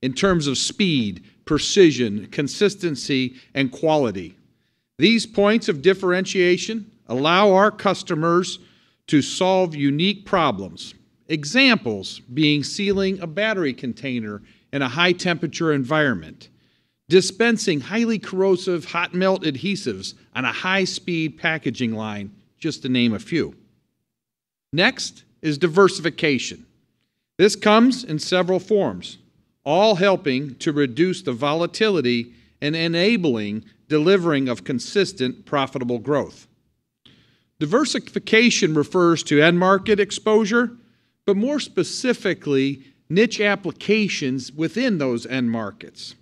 in terms of speed, precision, consistency, and quality. These points of differentiation allow our customers to solve unique problems, examples being sealing a battery container in a high-temperature environment, dispensing highly corrosive hot melt adhesives on a high-speed packaging line, just to name a few. Next is diversification. This comes in several forms, all helping to reduce the volatility and enabling delivering of consistent, profitable growth. Diversification refers to end-market exposure, but more specifically, niche applications within those end markets.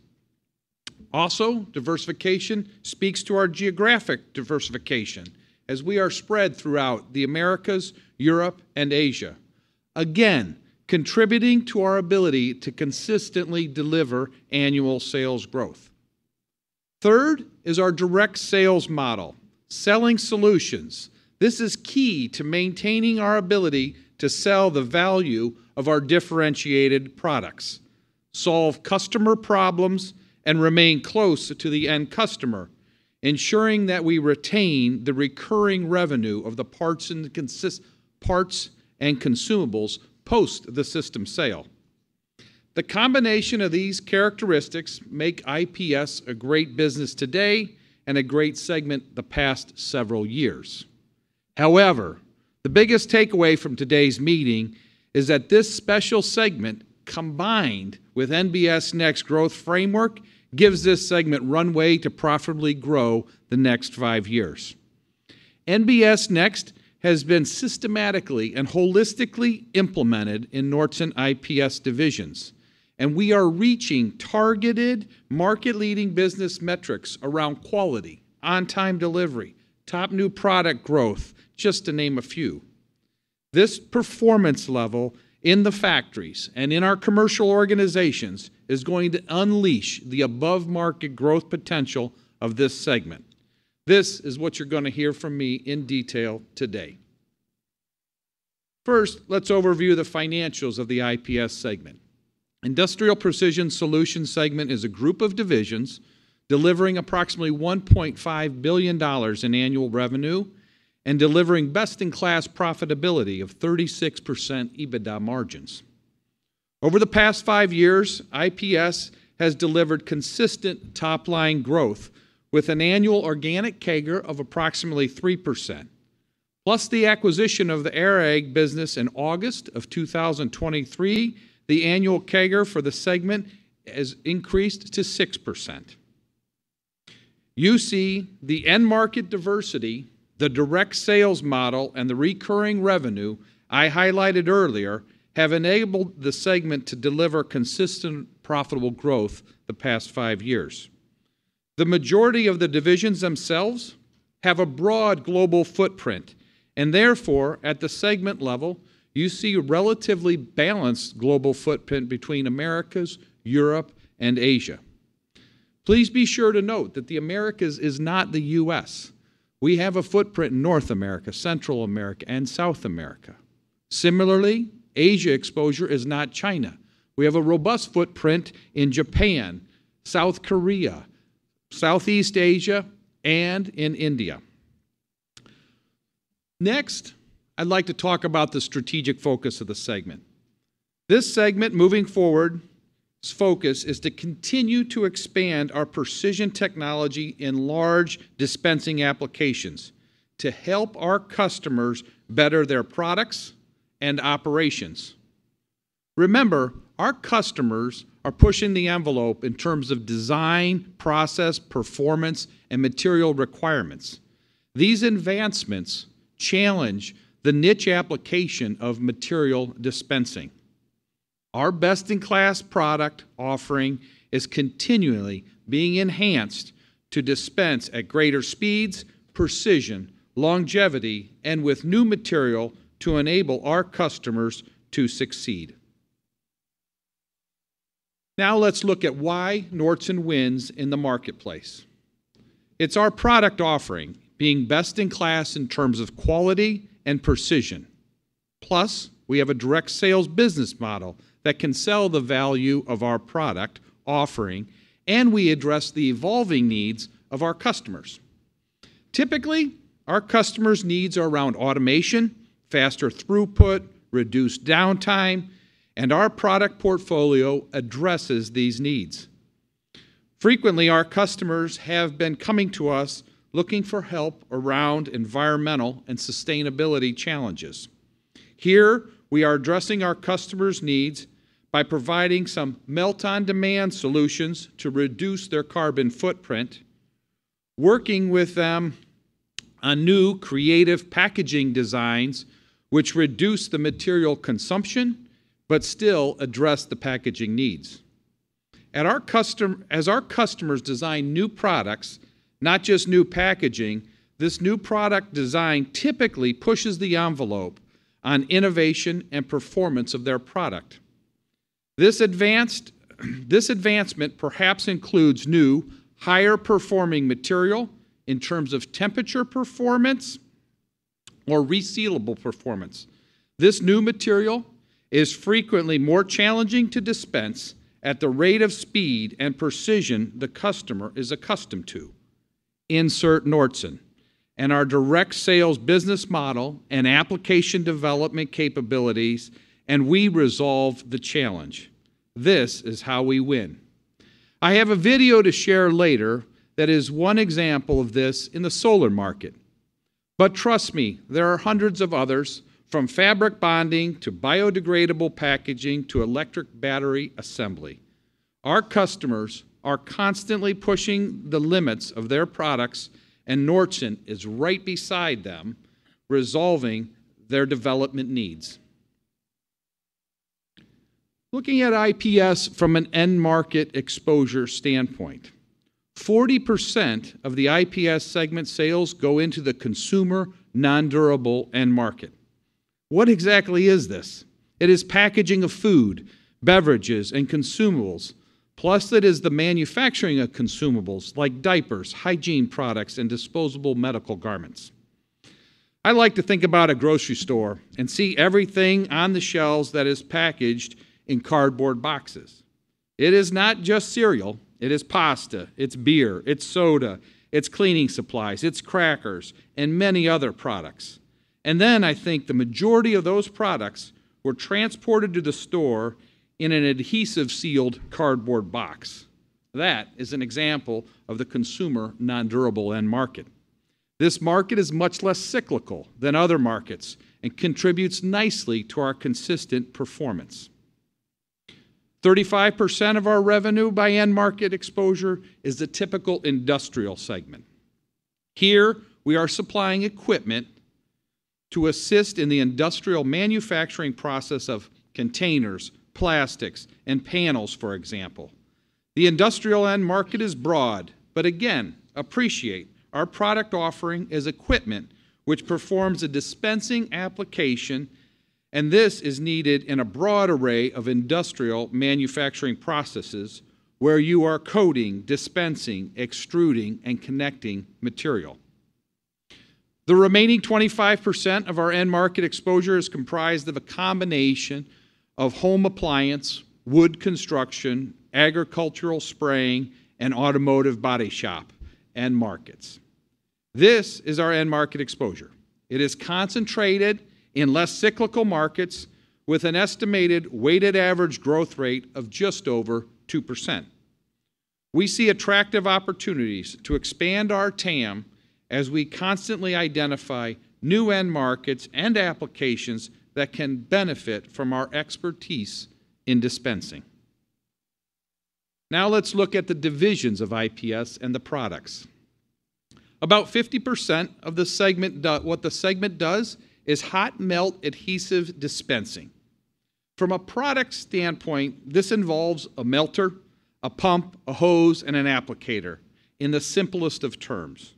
Also, diversification speaks to our geographic diversification, as we are spread throughout the Americas, Europe, and Asia, again, contributing to our ability to consistently deliver annual sales growth. Third is our direct sales model, selling solutions. This is key to maintaining our ability to sell the value of our differentiated products, solve customer problems, and remain close to the end customer, ensuring that we retain the recurring revenue of the parts and consumables post the system sale. The combination of these characteristics make IPS a great business today and a great segment the past several years. However, the biggest takeaway from today's meeting is that this special segment, combined with NBS Next growth framework, gives this segment runway to profitably grow the next five years. NBS Next has been systematically and holistically implemented in Nordson IPS divisions, and we are reaching targeted, market-leading business metrics around quality, on-time delivery, top new product growth, just to name a few. This performance level in the factories and in our commercial organizations is going to unleash the above-market growth potential of this segment. This is what you're gonna hear from me in detail today. First, let's overview the financials of the IPS segment. Industrial Precision Solutions segment is a group of divisions delivering approximately $1.5 billion in annual revenue and delivering best-in-class profitability of 36% EBITDA margins. Over the past five years, IPS has delivered consistent top-line growth with an annual organic CAGR of approximately 3%, plus the acquisition of the ARAG business in August of 2023, the annual CAGR for the segment has increased to 6%. You see, the end-market diversity, the direct sales model, and the recurring revenue I highlighted earlier have enabled the segment to deliver consistent, profitable growth the past five years. The majority of the divisions themselves have a broad global footprint, and therefore, at the segment level, you see a relatively balanced global footprint between Americas, Europe, and Asia. Please be sure to note that the Americas is not the U.S. We have a footprint in North America, Central America, and South America. Similarly, Asia exposure is not China. We have a robust footprint in Japan, South Korea, Southeast Asia, and in India. Next, I'd like to talk about the strategic focus of the segment. This segment, moving forward, its focus is to continue to expand our precision technology in large dispensing applications to help our customers better their products and operations. Remember, our customers are pushing the envelope in terms of design, process, performance, and material requirements. These advancements challenge the niche application of material dispensing. Our best-in-class product offering is continually being enhanced to dispense at greater speeds, precision, longevity, and with new material to enable our customers to succeed. Now let's look at why Nordson wins in the marketplace. It's our product offering, being best-in-class in terms of quality and precision. Plus, we have a direct sales business model that can sell the value of our product offering, and we address the evolving needs of our customers. Typically, our customers' needs are around automation, faster throughput, reduced downtime, and our product portfolio addresses these needs. Frequently, our customers have been coming to us looking for help around environmental and sustainability challenges. Here, we are addressing our customers' needs by providing some melt-on-demand solutions to reduce their carbon footprint, working with them on new creative packaging designs which reduce the material consumption but still address the packaging needs. As our customers design new products, not just new packaging, this new product design typically pushes the envelope on innovation and performance of their product. This advancement perhaps includes new, higher-performing material in terms of temperature performance or resealable performance. This new material is frequently more challenging to dispense at the rate of speed and precision the customer is accustomed to. Insert Nordson and our direct sales business model and application development capabilities, and we resolve the challenge. This is how we win. I have a video to share later that is one example of this in the solar market. But trust me, there are hundreds of others, from fabric bonding to biodegradable packaging to electric battery assembly. Our customers are constantly pushing the limits of their products, and Nordson is right beside them, resolving their development needs. Looking at IPS from an end market exposure standpoint, 40% of the IPS segment sales go into the consumer, non-durable end market. What exactly is this? It is packaging of food, beverages, and consumables, plus it is the manufacturing of consumables, like diapers, hygiene products, and disposable medical garments. I like to think about a grocery store and see everything on the shelves that is packaged in cardboard boxes. It is not just cereal, it is pasta, it's beer, it's soda, it's cleaning supplies, it's crackers, and many other products, and then I think the majority of those products were transported to the store in an adhesive-sealed cardboard box. That is an example of the consumer non-durable end market. This market is much less cyclical than other markets and contributes nicely to our consistent performance. 35% of our revenue by end market exposure is the typical industrial segment. Here, we are supplying equipment to assist in the industrial manufacturing process of containers, plastics, and panels, for example. The industrial end market is broad, but again, appreciate our product offering is equipment which performs a dispensing application, and this is needed in a broad array of industrial manufacturing processes where you are coating, dispensing, extruding, and connecting material. The remaining 25% of our end market exposure is comprised of a combination of home appliance, wood construction, agricultural spraying, and automotive body shop end markets. This is our end market exposure. It is concentrated in less cyclical markets with an estimated weighted average growth rate of just over 2%. We see attractive opportunities to expand our TAM as we constantly identify new end markets and applications that can benefit from our expertise in dispensing. Now let's look at the divisions of IPS and the products. About 50% of the segment what the segment does is hot melt adhesive dispensing. From a product standpoint, this involves a melter, a pump, a hose, and an applicator, in the simplest of terms.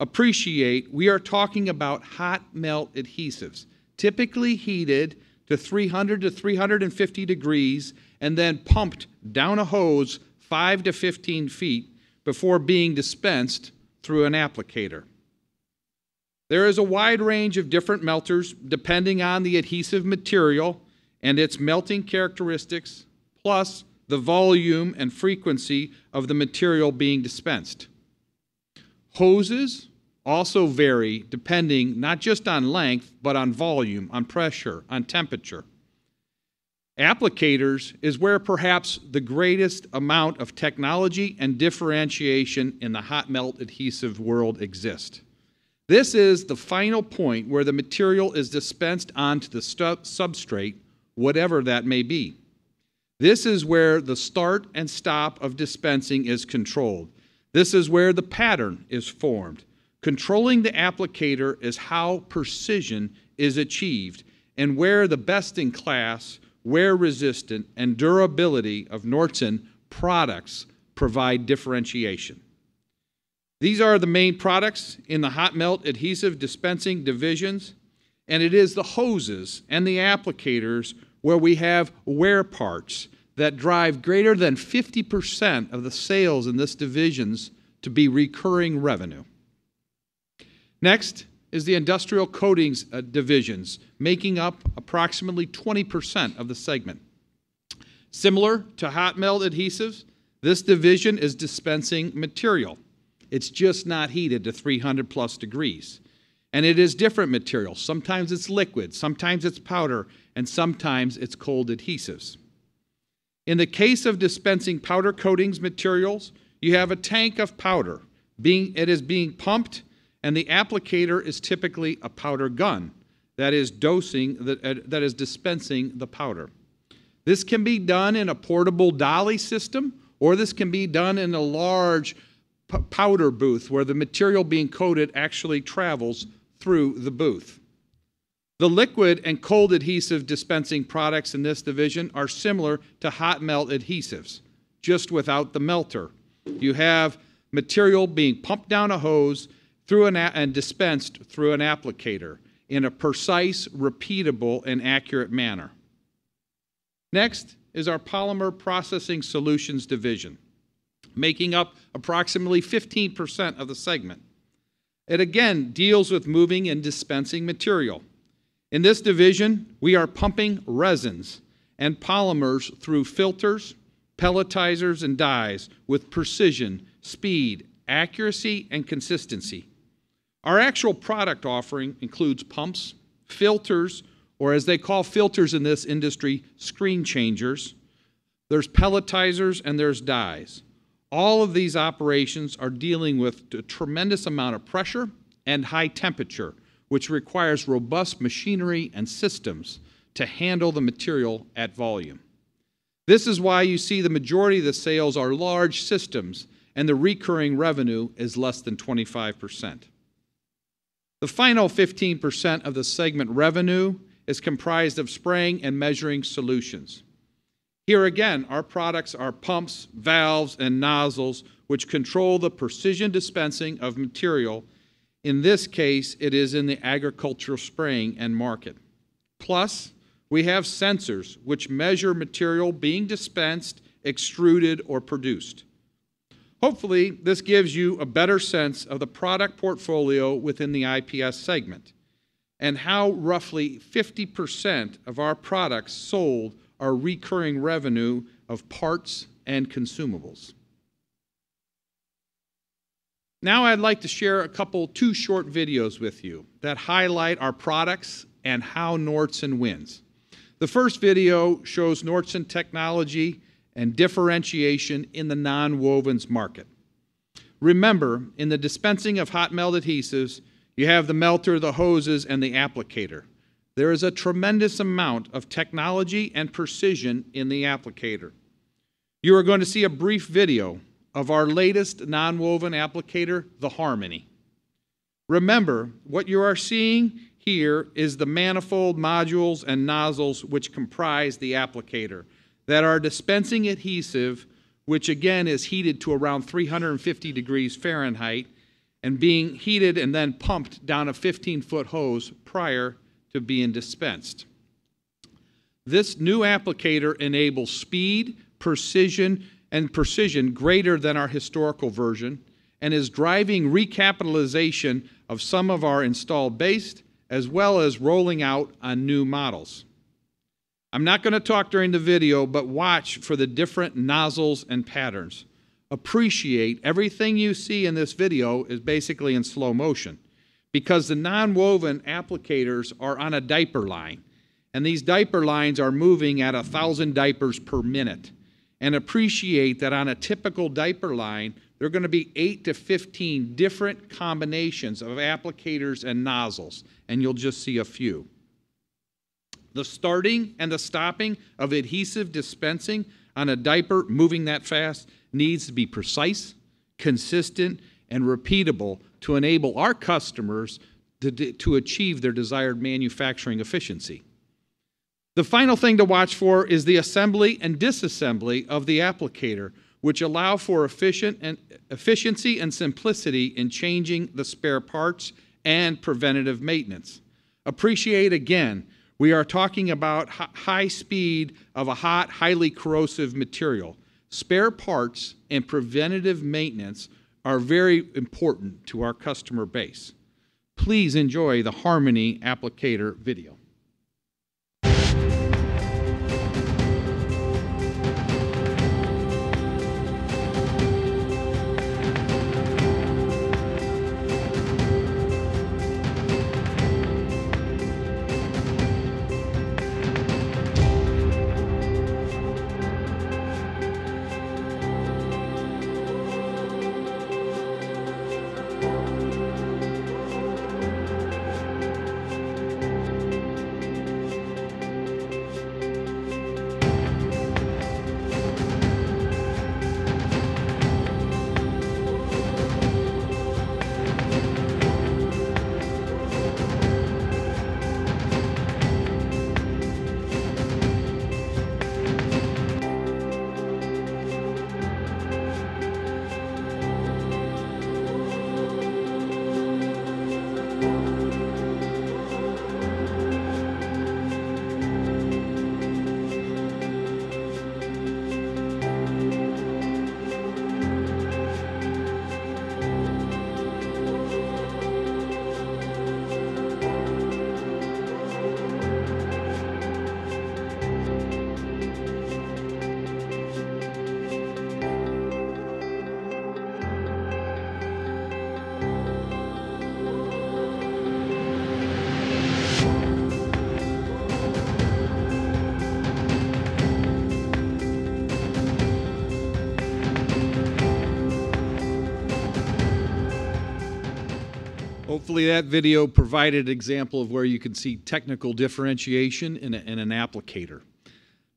Appreciate we are talking about hot melt adhesives, typically heated to 300-350 degrees Fahrenheit and then pumped down a hose 5 to 15 feet before being dispensed through an applicator. There is a wide range of different melters, depending on the adhesive material and its melting characteristics, plus the volume and frequency of the material being dispensed. Hoses also vary depending not just on length, but on volume, on pressure, on temperature. Applicators is where perhaps the greatest amount of technology and differentiation in the hot melt adhesive world exist. This is the final point where the material is dispensed onto the substrate, whatever that may be. This is where the start and stop of dispensing is controlled. This is where the pattern is formed. Controlling the applicator is how precision is achieved, and where the best-in-class, wear-resistant, and durability of Nordson products provide differentiation. These are the main products in the hot melt adhesive dispensing divisions, and it is the hoses and the applicators where we have wear parts that drive greater than 50% of the sales in this divisions to be recurring revenue. Next is the Industrial Coatings divisions, making up approximately 20% of the segment. Similar to hot melt adhesives, this division is dispensing material. It's just not heated to 300+ degrees, and it is different material. Sometimes it's liquid, sometimes it's powder, and sometimes it's cold adhesives. In the case of dispensing powder coatings materials, you have a tank of powder it is being pumped, and the applicator is typically a powder gun that is dosing, that is dispensing the powder. This can be done in a portable dolly system, or this can be done in a large powder booth, where the material being coated actually travels through the booth. The liquid and cold adhesive dispensing products in this division are similar to hot melt adhesives, just without the melter. You have material being pumped down a hose and dispensed through an applicator in a precise, repeatable, and accurate manner. Next is our Polymer Processing Solutions division, making up approximately 15% of the segment. It again deals with moving and dispensing material. In this division, we are pumping resins and polymers through filters, pelletizers, and dies with precision, speed, accuracy, and consistency. Our actual product offering includes pumps, filters, or as they call filters in this industry, screen changers. There's pelletizers, and there's dies. All of these operations are dealing with a tremendous amount of pressure and high temperature, which requires robust machinery and systems to handle the material at volume. This is why you see the majority of the sales are large systems, and the recurring revenue is less than 25%. The final 15% of the segment revenue is comprised of spraying and measuring solutions. Here again, our products are pumps, valves, and nozzles, which control the Precision Dispensing of material. In this case, it is in the agricultural spraying end market. Plus, we have sensors which measure material being dispensed, extruded, or produced. Hopefully, this gives you a better sense of the product portfolio within the IPS segment, and how roughly 50% of our products sold are recurring revenue of parts and consumables. Now, I'd like to share a couple, two short videos with you that highlight our products and how Nordson wins. The first video shows Nordson technology and differentiation in the nonwovens market. Remember, in the dispensing of hot melt adhesives, you have the melter, the hoses, and the applicator. There is a tremendous amount of technology and precision in the applicator. You are going to see a brief video of our latest nonwoven applicator, the Harmony. Remember, what you are seeing here is the manifold modules and nozzles which comprise the applicator, that are dispensing adhesive, which again, is heated to around 350 degrees Fahrenheit, and being heated and then pumped down a 15 ft hose prior to being dispensed. This new applicator enables speed, precision, and precision greater than our historical version, and is driving recapitalization of some of our installed base, as well as rolling out on new models. I'm not gonna talk during the video, but watch for the different nozzles and patterns. Appreciate everything you see in this video is basically in slow motion, because the nonwoven applicators are on a diaper line, and these diaper lines are moving at 1,000 diapers per minute. Appreciate that on a typical diaper line, there are gonna be 8-15 different combinations of applicators and nozzles, and you'll just see a few. The starting and the stopping of adhesive dispensing on a diaper moving that fast needs to be precise, consistent, and repeatable to enable our customers to achieve their desired manufacturing efficiency. The final thing to watch for is the assembly and disassembly of the applicator, which allow for efficient and efficiency and simplicity in changing the spare parts and preventative maintenance. Appreciate again, we are talking about high speed of a hot, highly corrosive material. Spare parts and preventative maintenance are very important to our customer base. Please enjoy the Harmony Applicator video. Hopefully that video provided an example of where you can see technical differentiation in an applicator.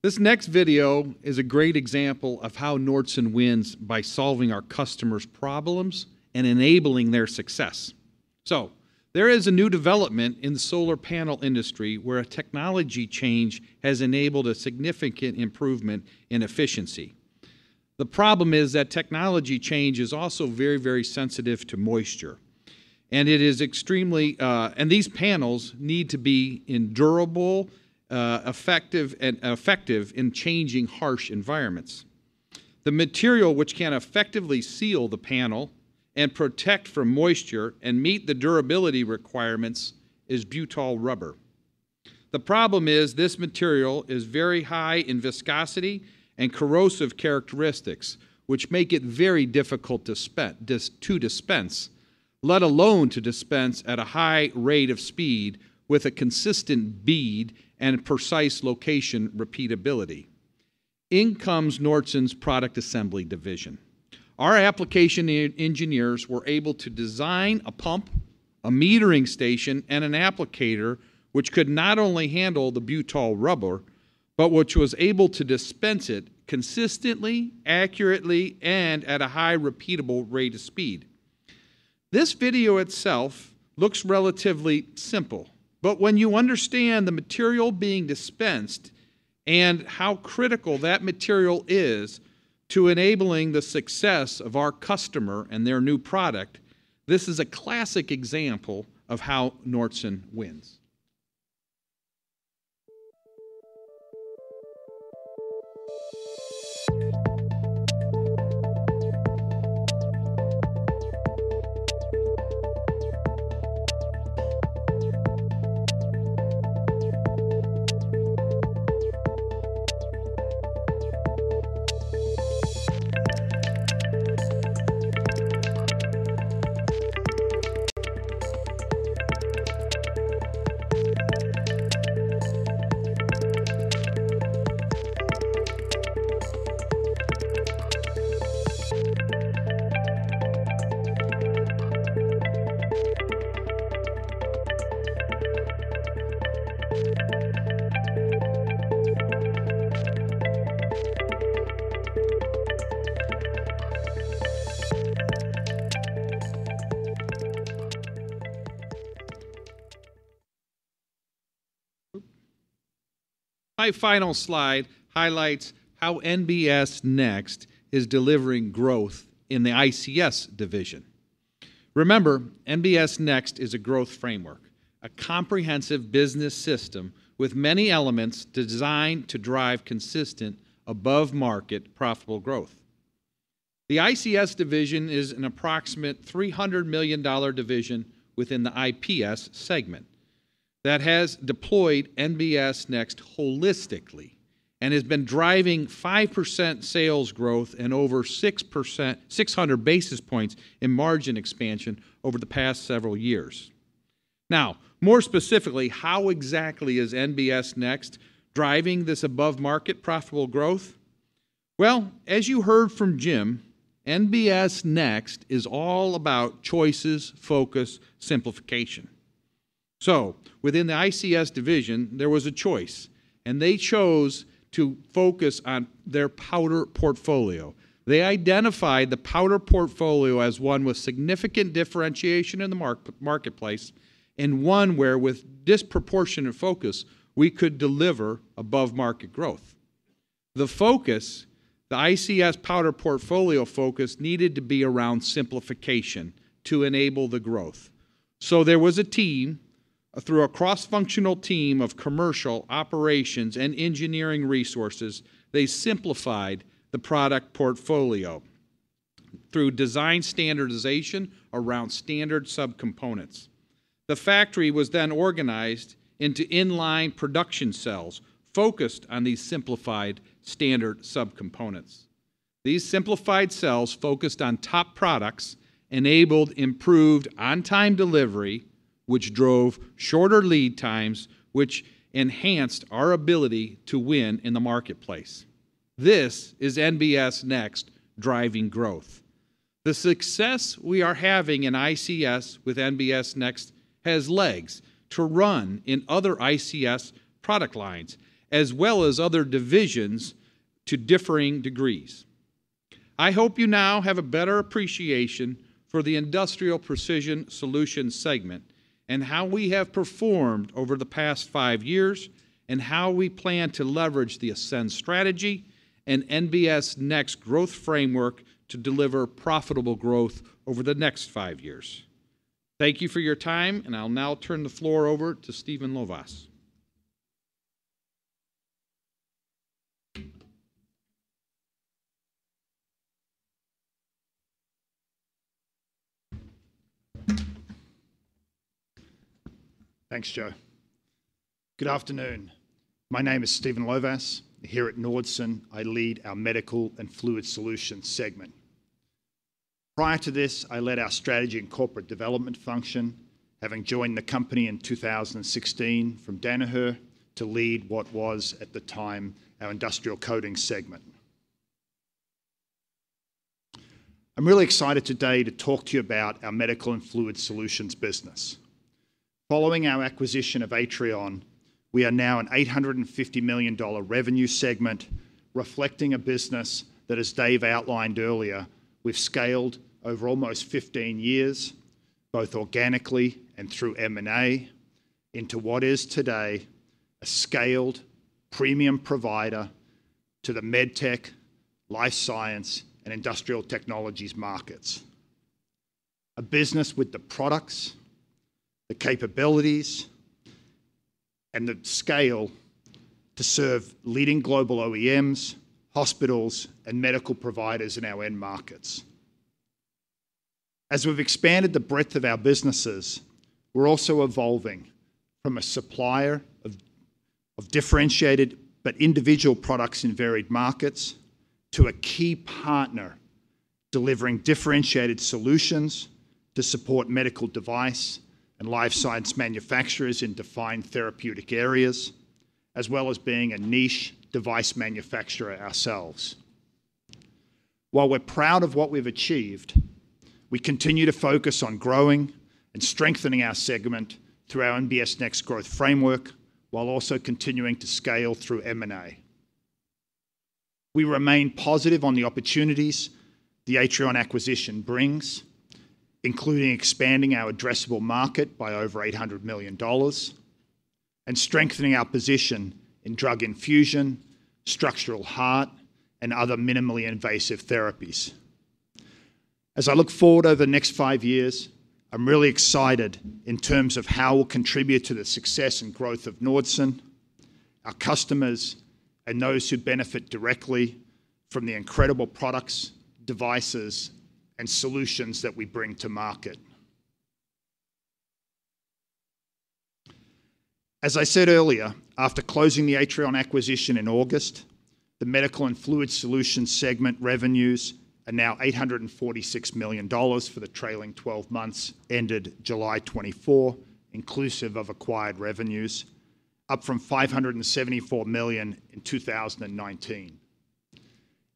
This next video is a great example of how Nordson wins by solving our customers' problems and enabling their success. So there is a new development in the solar panel industry where a technology change has enabled a significant improvement in efficiency. The problem is that technology change is also very, very sensitive to moisture, and it is extremely... And these panels need to be endurable, effective in changing harsh environments. The material which can effectively seal the panel and protect from moisture and meet the durability requirements is butyl rubber. The problem is this material is very high in viscosity and corrosive characteristics, which make it very difficult to dispense, let alone to dispense at a high rate of speed with a consistent bead and precise location repeatability. In comes Nordson's Product Assembly division. Our application engineers were able to design a pump, a metering station, and an applicator, which could not only handle the butyl rubber, but which was able to dispense it consistently, accurately, and at a high repeatable rate of speed. This video itself looks relatively simple, but when you understand the material being dispensed and how critical that material is to enabling the success of our customer and their new product, this is a classic example of how Nordson wins. My final slide highlights how NBS Next is delivering growth in the ICS division. Remember, NBS Next is a growth framework, a comprehensive business system with many elements designed to drive consistent, above-market, profitable growth. The ICS division is an approximate $300 million division within the IPS segment that has deployed NBS Next holistically and has been driving 5% sales growth and over 6%, 600 basis points in margin expansion over the past several years. Now, more specifically, how exactly is NBS Next driving this above-market, profitable growth? As you heard from Jim, NBS Next is all about choices, focus, simplification. Within the ICS division, there was a choice, and they chose to focus on their powder portfolio. They identified the powder portfolio as one with significant differentiation in the marketplace, and one where, with disproportionate focus, we could deliver above-market growth. The focus, the ICS powder portfolio focus, needed to be around simplification to enable the growth. There was a cross-functional team of commercial, operations, and engineering resources. They simplified the product portfolio through design standardization around standard subcomponents. The factory was then organized into in-line production cells focused on these simplified standard subcomponents. These simplified cells focused on top products, enabled improved on-time delivery, which drove shorter lead times, which enhanced our ability to win in the marketplace. This is NBS Next driving growth. The success we are having in ICS with NBS Next has legs to run in other ICS product lines, as well as other divisions to differing degrees. I hope you now have a better appreciation for the Industrial Precision Solutions segment and how we have performed over the past five years, and how we plan to leverage the Ascend Strategy and NBS Next growth framework to deliver profitable growth over the next five years. Thank you for your time, and I'll now turn the floor over to Stephen Lovass. Thanks, Joe. Good afternoon. My name is Stephen Lovass. Here at Nordson, I lead our Medical and Fluid Solutions segment. Prior to this, I led our strategy and corporate development function, having joined the company in 2016 from Danaher to lead what was, at the time, our Industrial Coating Segment. I'm really excited today to talk to you about our Medical and Fluid Solutions business. Following our acquisition of Atrion, we are now an $850 million revenue segment, reflecting a business that, as Dave outlined earlier, we've scaled over almost 15 years, both organically and through M&A, into what is today a scaled premium provider to the medtech, life science, and industrial technologies markets. A business with the products, the capabilities, and the scale to serve leading global OEMs, hospitals, and medical providers in our end markets. As we've expanded the breadth of our businesses, we're also evolving from a supplier of differentiated but individual products in varied markets, to a key partner delivering differentiated solutions to support medical device and life science manufacturers in defined therapeutic areas, as well as being a niche device manufacturer ourselves. While we're proud of what we've achieved, we continue to focus on growing and strengthening our segment through our NBS Next growth framework, while also continuing to scale through M&A. We remain positive on the opportunities the Atrion acquisition brings, including expanding our addressable market by over $800 million and strengthening our position in drug infusion, structural heart, and other minimally invasive therapies. As I look forward over the next five years, I'm really excited in terms of how we'll contribute to the success and growth of Nordson, our customers, and those who benefit directly from the incredible products, devices, and solutions that we bring to market. As I said earlier, after closing the Atrion acquisition in August, the Medical and Fluid Solutions segment revenues are now $846 million for the trailing 12 months ended July 2024, inclusive of acquired revenues, up from $574 million in 2019.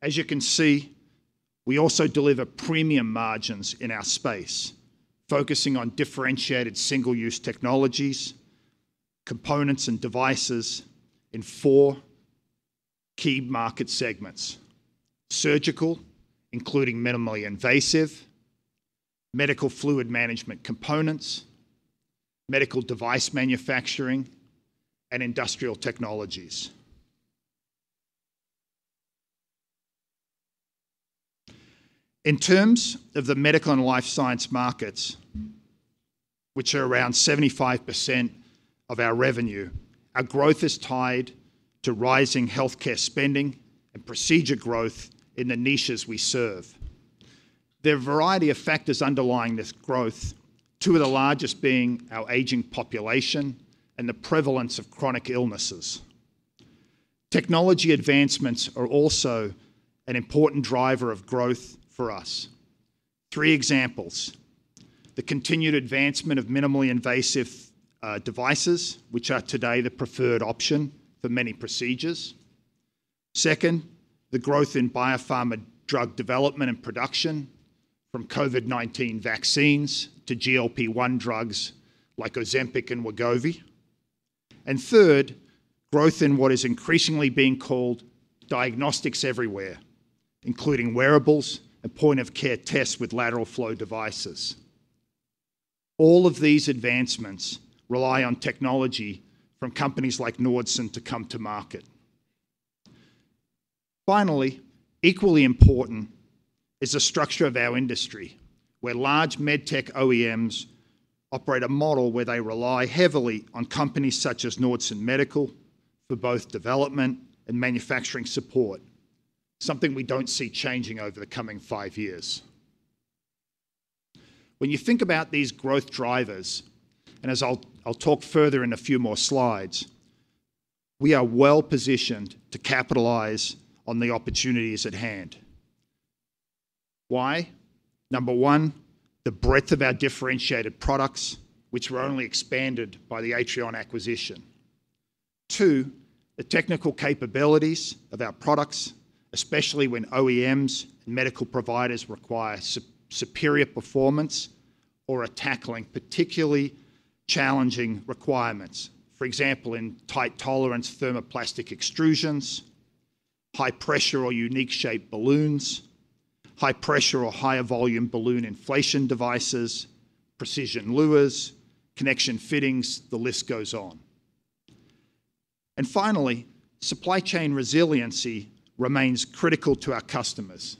As you can see, we also deliver premium margins in our space, focusing on differentiated single-use technologies, components and devices in four key market segments: surgical, including minimally invasive, medical fluid management components, medical device manufacturing, and industrial technologies. In terms of the medical and life science markets, which are around 75% of our revenue, our growth is tied to rising healthcare spending and procedure growth in the niches we serve. There are a variety of factors underlying this growth, two of the largest being our aging population and the prevalence of chronic illnesses. Technology advancements are also an important driver of growth for us. Three examples: the continued advancement of minimally invasive devices, which are today the preferred option for many procedures. Second, the growth in biopharma drug development and production, from COVID-19 vaccines to GLP-1 drugs like Ozempic and Wegovy. And third, growth in what is increasingly being called diagnostics everywhere, including wearables and point-of-care tests with lateral flow devices. All of these advancements rely on technology from companies like Nordson to come to market. Finally, equally important is the structure of our industry, where large medtech OEMs operate a model where they rely heavily on companies such as Nordson Medical for both development and manufacturing support, something we don't see changing over the coming five years. When you think about these growth drivers, and as I'll talk further in a few more slides, we are well-positioned to capitalize on the opportunities at hand. Why? Number one, the breadth of our differentiated products, which were only expanded by the Atrion acquisition. Two, the technical capabilities of our products, especially when OEMs and medical providers require superior performance or are tackling particularly challenging requirements. For example, in tight tolerance thermoplastic extrusions, high pressure or unique shape balloons, high pressure or higher volume balloon inflation devices, precision luers, connection fittings, the list goes on. Finally, supply chain resiliency remains critical to our customers,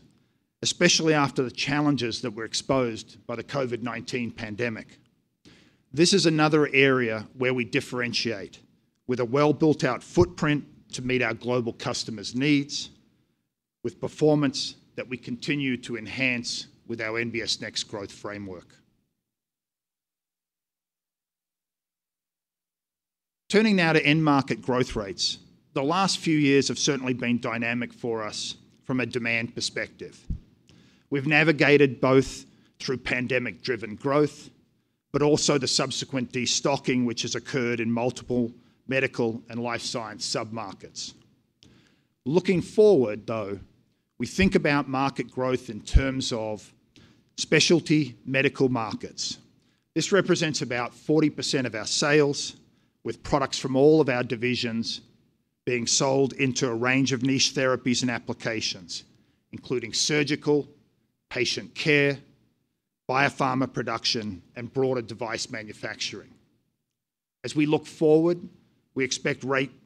especially after the challenges that were exposed by the COVID-19 pandemic. This is another area where we differentiate with a well-built-out footprint to meet our global customers' needs, with performance that we continue to enhance with our NBS Next Growth Framework. Turning now to end market growth rates, the last few years have certainly been dynamic for us from a demand perspective. We've navigated both through pandemic-driven growth, but also the subsequent destocking, which has occurred in multiple medical and life science submarkets. Looking forward, though, we think about market growth in terms of specialty medical markets. This represents about 40% of our sales, with products from all of our divisions being sold into a range of niche therapies and applications, including surgical, patient care, biopharma production, and broader device manufacturing. As we look forward, we expect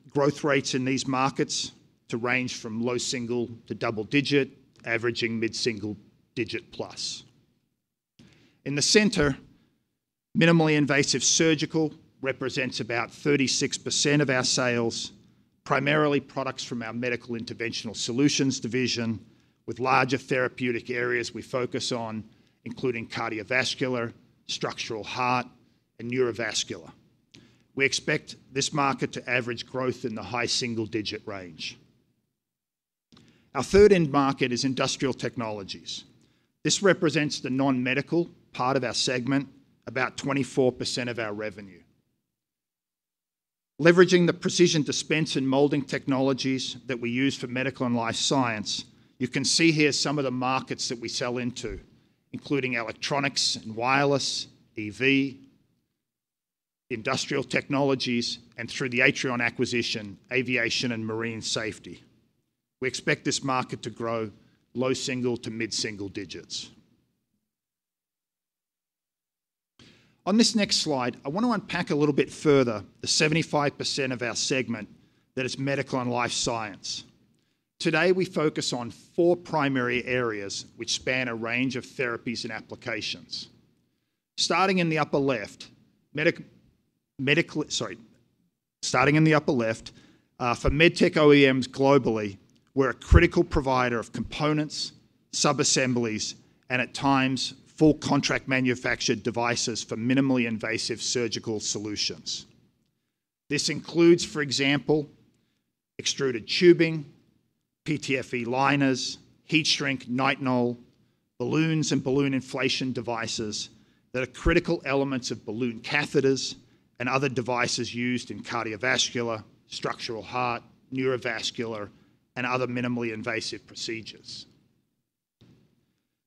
growth rates in these markets to range from low single to double digit, averaging mid-single digit plus. In the center, minimally invasive surgical represents about 36% of our sales, primarily products from our Medical Interventional Solutions division, with larger therapeutic areas we focus on, including cardiovascular, structural heart, and neurovascular. We expect this market to average growth in the high single-digit range. Our third end market is industrial technologies. This represents the non-medical part of our segment, about 24% of our revenue. Leveraging the precision dispense and molding technologies that we use for medical and life science, you can see here some of the markets that we sell into, including electronics and wireless, EV, industrial technologies, and through the Atrion acquisition, aviation and marine safety. We expect this market to grow low single to mid-single digits. On this next slide, I want to unpack a little bit further the 75% of our segment that is medical and life science. Today, we focus on four primary areas, which span a range of therapies and applications. Starting in the upper left, for medtech OEMs globally, we're a critical provider of components, subassemblies, and at times, full contract manufactured devices for minimally invasive surgical solutions. This includes, for example, extruded tubing, PTFE liners, heat shrink Nitinol, balloons and balloon inflation devices that are critical elements of balloon catheters and other devices used in cardiovascular, structural heart, neurovascular, and other minimally invasive procedures.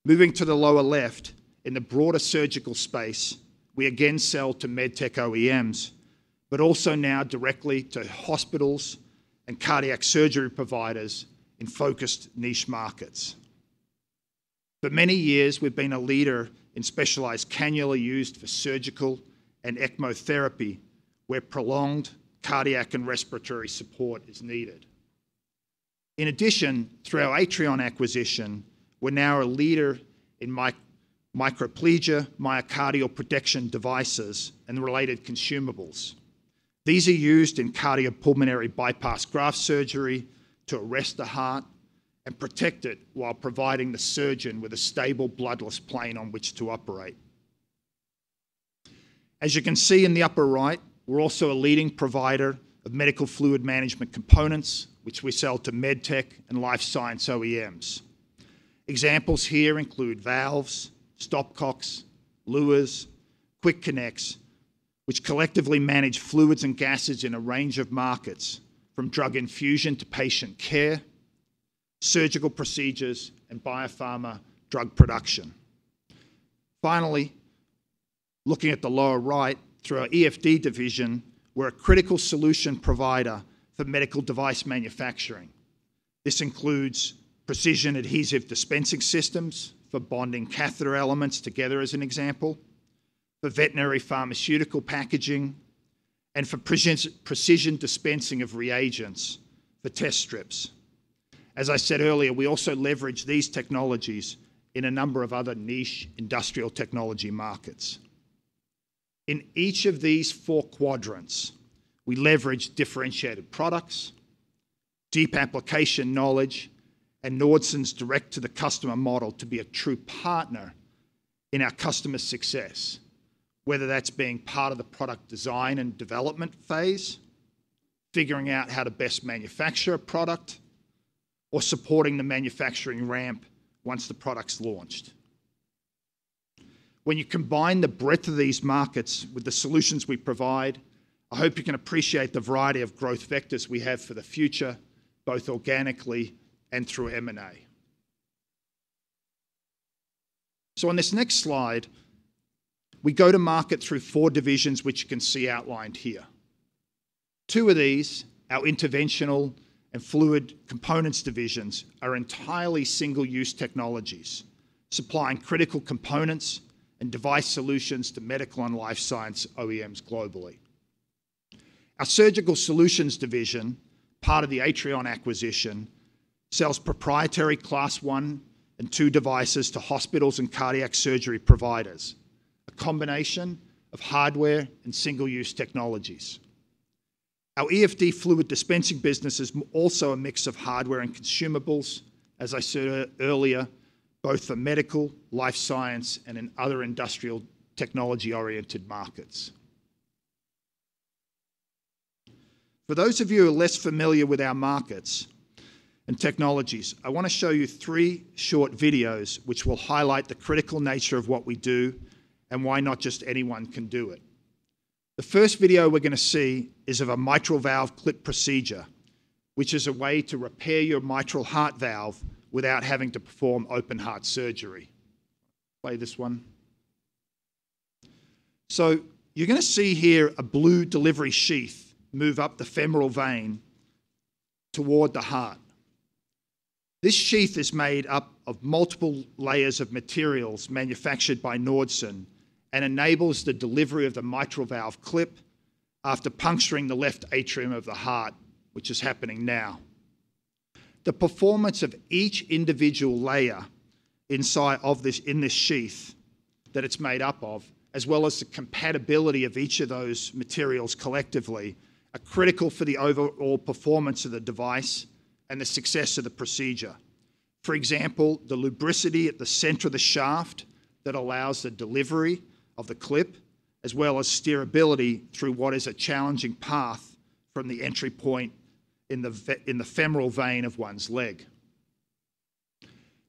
Moving to the lower left, in the broader surgical space, we again sell to medtech OEMs, but also now directly to hospitals and cardiac surgery providers in focused niche markets. For many years, we've been a leader in specialized cannula used for surgical and ECMO therapy, where prolonged cardiac and respiratory support is needed. In addition, through our Atrion acquisition, we're now a leader in microplegia myocardial protection devices and the related consumables. These are used in cardiopulmonary bypass graft surgery to arrest the heart and protect it while providing the surgeon with a stable, bloodless plane on which to operate. As you can see in the upper right, we're also a leading provider of medical fluid management components, which we sell to medtech and life science OEMs. Examples here include valves, stopcocks, luers, quick connects, which collectively manage fluids and gases in a range of markets, from drug infusion to patient care, surgical procedures, and biopharma drug production. Finally, looking at the lower right, through our EFD division, we're a critical solution provider for medical device manufacturing. This includes precision adhesives dispensing systems for bonding catheter elements together, as an example, for veterinary pharmaceutical packaging, and for Precision Dispensing of reagents for test strips. As I said earlier, we also leverage these technologies in a number of other niche industrial technology markets. In each of these four quadrants, we leverage differentiated products, deep application knowledge, and Nordson's direct-to-the-customer model to be a true partner in our customers' success, whether that's being part of the product design and development phase, figuring out how to best manufacture a product, or supporting the manufacturing ramp once the product's launched. When you combine the breadth of these markets with the solutions we provide, I hope you can appreciate the variety of growth vectors we have for the future, both organically and through M&A. So on this next slide, we go to market through four divisions, which you can see outlined here. Two of these, our Interventional and Fluid Components divisions, are entirely single-use technologies, supplying critical components and device solutions to medical and life science OEMs globally. Our Surgical Solutions division, part of the Atrion acquisition, sells proprietary Class One and Two devices to hospitals and cardiac surgery providers, a combination of hardware and single-use technologies. Our EFD fluid dispensing business is also a mix of hardware and consumables, as I said earlier, both for medical, life science, and in other industrial technology-oriented markets. For those of you who are less familiar with our markets and technologies, I wanna show you three short videos which will highlight the critical nature of what we do and why not just anyone can do it. The first video we're gonna see is of a mitral valve clip procedure, which is a way to repair your mitral heart valve without having to perform open heart surgery. Play this one. So you're gonna see here a blue delivery sheath move up the femoral vein toward the heart. This sheath is made up of multiple layers of materials manufactured by Nordson and enables the delivery of the mitral valve clip after puncturing the left atrium of the heart, which is happening now. The performance of each individual layer inside of this, in this sheath that it's made up of, as well as the compatibility of each of those materials collectively, are critical for the overall performance of the device and the success of the procedure. For example, the lubricity at the center of the shaft that allows the delivery of the clip, as well as steerability through what is a challenging path from the entry point in the femoral vein of one's leg.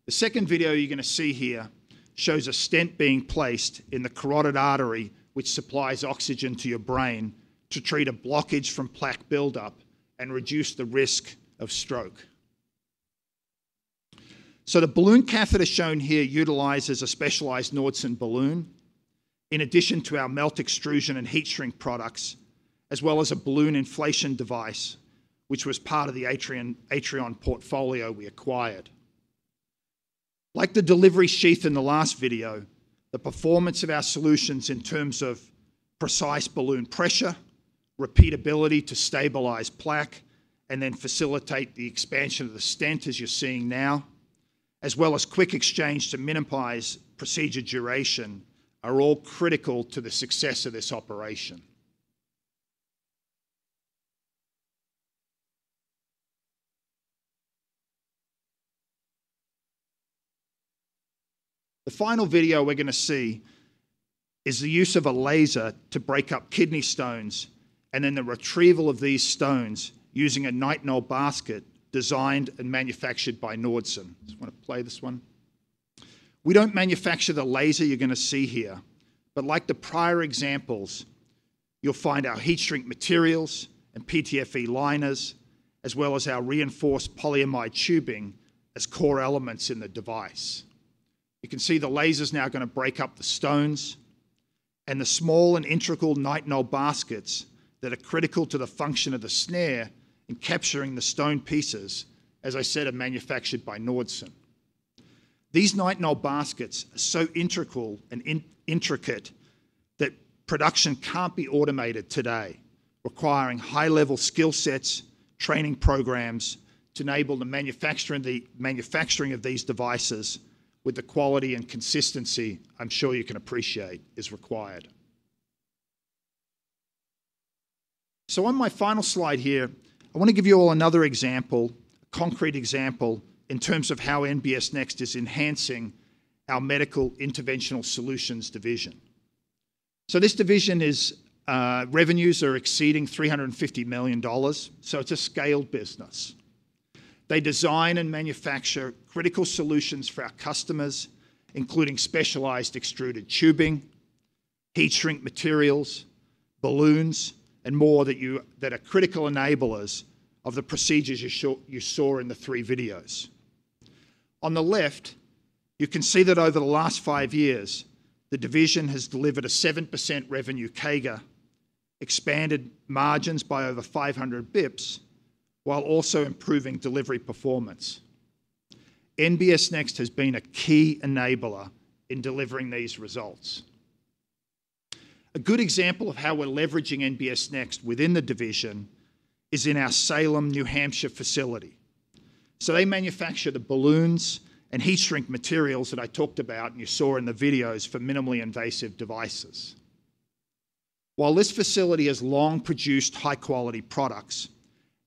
The second video you're gonna see here shows a stent being placed in the carotid artery, which supplies oxygen to your brain, to treat a blockage from plaque buildup and reduce the risk of stroke, so the balloon catheter shown here utilizes a specialized Nordson balloon, in addition to our melt extrusion and heat shrink products, as well as a balloon inflation device, which was part of the Atrion portfolio we acquired. Like the delivery sheath in the last video, the performance of our solutions in terms of precise balloon pressure, repeatability to stabilize plaque, and then facilitate the expansion of the stent, as you're seeing now, as well as quick exchange to minimize procedure duration, are all critical to the success of this operation. The final video we're gonna see is the use of a laser to break up kidney stones and then the retrieval of these stones using a Nitinol basket designed and manufactured by Nordson. Just wanna play this one. We don't manufacture the laser you're gonna see here, but like the prior examples, you'll find our heat shrink materials and PTFE liners, as well as our reinforced polyimide tubing, as core elements in the device. You can see the laser's now gonna break up the stones, and the small and integral Nitinol baskets that are critical to the function of the snare in capturing the stone pieces, as I said, are manufactured by Nordson. These Nitinol baskets are so integral and intricate that production can't be automated today, requiring high-level skill sets, training programs to enable the manufacturing of these devices with the quality and consistency I'm sure you can appreciate is required. On my final slide here, I wanna give you all another example, concrete example, in terms of how NBS Next is enhancing our Medical Interventional Solutions division. This division is revenues are exceeding $350 million, so it's a scaled business. They design and manufacture critical solutions for our customers, including specialized extruded tubing, heat shrink materials, balloons, and more that are critical enablers of the procedures you saw in the three videos. On the left, you can see that over the last five years, the division has delivered a 7% revenue CAGR, expanded margins by over 500 basis points, while also improving delivery performance. NBS Next has been a key enabler in delivering these results. A good example of how we're leveraging NBS Next within the division is in our Salem, New Hampshire Facility. So they manufacture the balloons and heat shrink materials that I talked about and you saw in the videos for minimally invasive devices. While this facility has long produced high-quality products,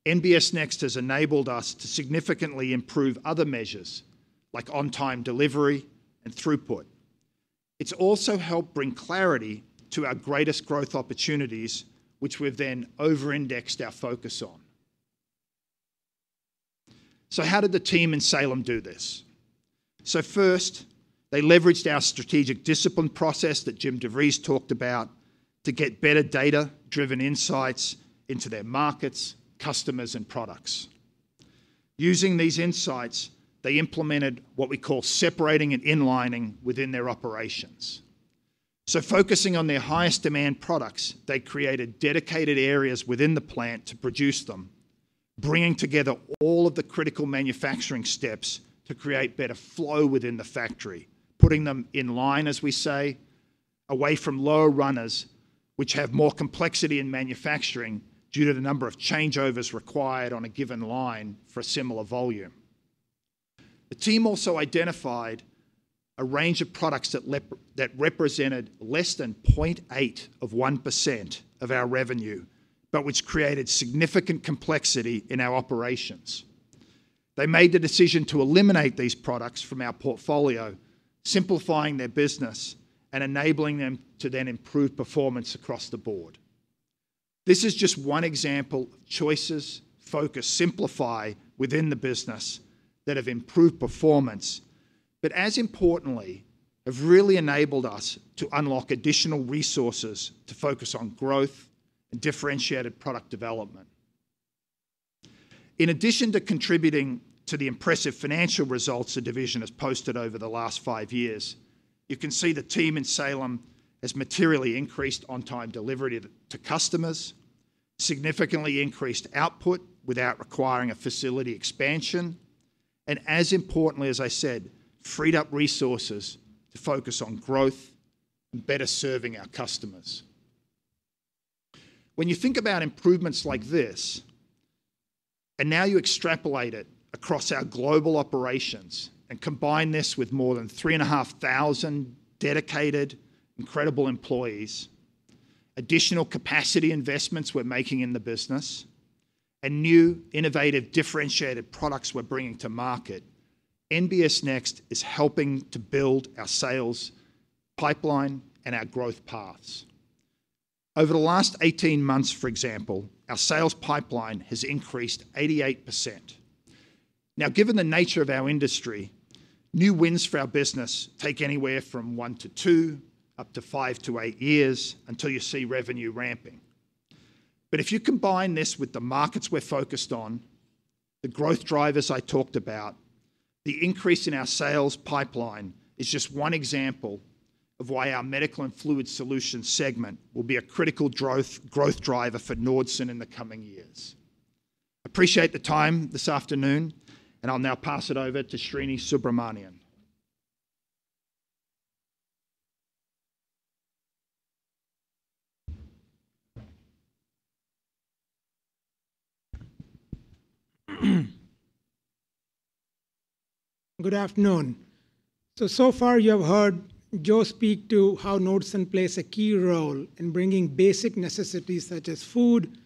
NBS Next has enabled us to significantly improve other measures, like on-time delivery and throughput. It's also helped bring clarity to our greatest growth opportunities, which we've then over-indexed our focus on. How did the team in Salem do this? First, they leveraged our strategic discipline process that Jim DeVries talked about to get better data-driven insights into their markets, customers, and products. Using these insights, they implemented what we call separating and inlining within their operations. Focusing on their highest demand products, they created dedicated areas within the plant to produce them, bringing together all of the critical manufacturing steps to create better flow within the factory, putting them in line, as we say, away from lower runners, which have more complexity in manufacturing due to the number of changeovers required on a given line for a similar volume. The team also identified a range of products that represented less than 0.8% of 1% of our revenue, but which created significant complexity in our operations. They made the decision to eliminate these products from our portfolio, simplifying their business and enabling them to then improve performance across the board. This is just one example of choices, focus, simplify within the business that have improved performance, but as importantly, have really enabled us to unlock additional resources to focus on growth and differentiated product development. In addition to contributing to the impressive financial results the division has posted over the last five years, you can see the team in Salem has materially increased on-time delivery to customers, significantly increased output without requiring a facility expansion, and as importantly, as I said, freed up resources to focus on growth and better serving our customers. When you think about improvements like this, and now you extrapolate it across our global operations and combine this with more than 3,500 dedicated, incredible employees, additional capacity investments we're making in the business, and new, innovative, differentiated products we're bringing to market, NBS Next is helping to build our sales pipeline and our growth paths. Over the last 18 months, for example, our sales pipeline has increased 88%. Now, given the nature of our industry, new wins for our business take anywhere from 1-2, up to 5-8 years until you see revenue ramping. But if you combine this with the markets we're focused on, the growth drivers I talked about, the increase in our sales pipeline is just one example of why our Medical and Fluid Solutions Segment will be a critical growth, growth driver for Nordson in the coming years. Appreciate the time this afternoon, and I'll now pass it over to Srini Subramanian. Good afternoon. So far you have heard Joe speak to how Nordson plays a key role in bringing basic necessities, such as food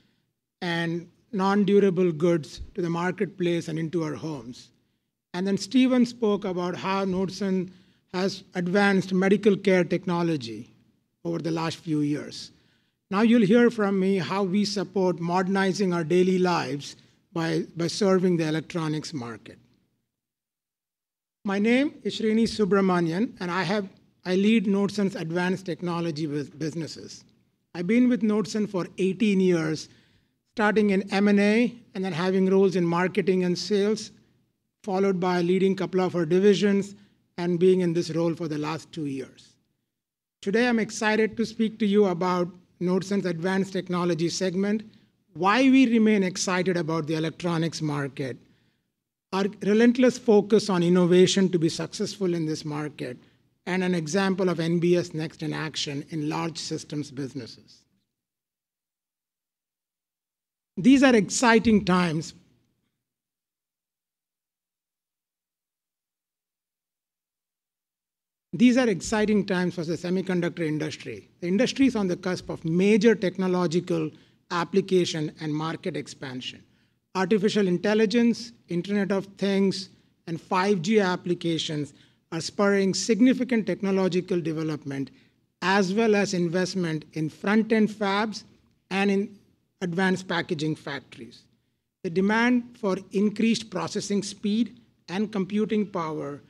and non-durable goods, to the marketplace and into our homes. And then Stephen spoke about how Nordson has advanced medical care technology over the last few years. Now, you'll hear from me how we support modernizing our daily lives by serving the electronics market. My name is Srini Subramanian, and I lead Nordson's Advanced Technology with businesses. I've been with Nordson for eighteen years, starting in M&A and then having roles in marketing and sales, followed by leading a couple of our divisions and being in this role for the last two years. Today, I'm excited to speak to you about Nordson's Advanced Technology Segment, why we remain excited about the electronics market, our relentless focus on innovation to be successful in this market, and an example of NBS Next in action in large systems businesses. These are exciting times. These are exciting times for the semiconductor industry. The industry is on the cusp of major technological application and market expansion. Artificial Intelligence, Internet of Things, and 5G applications are spurring significant technological development, as well as investment in front-end fabs and in advanced packaging factories. The demand for increased processing speed and computing power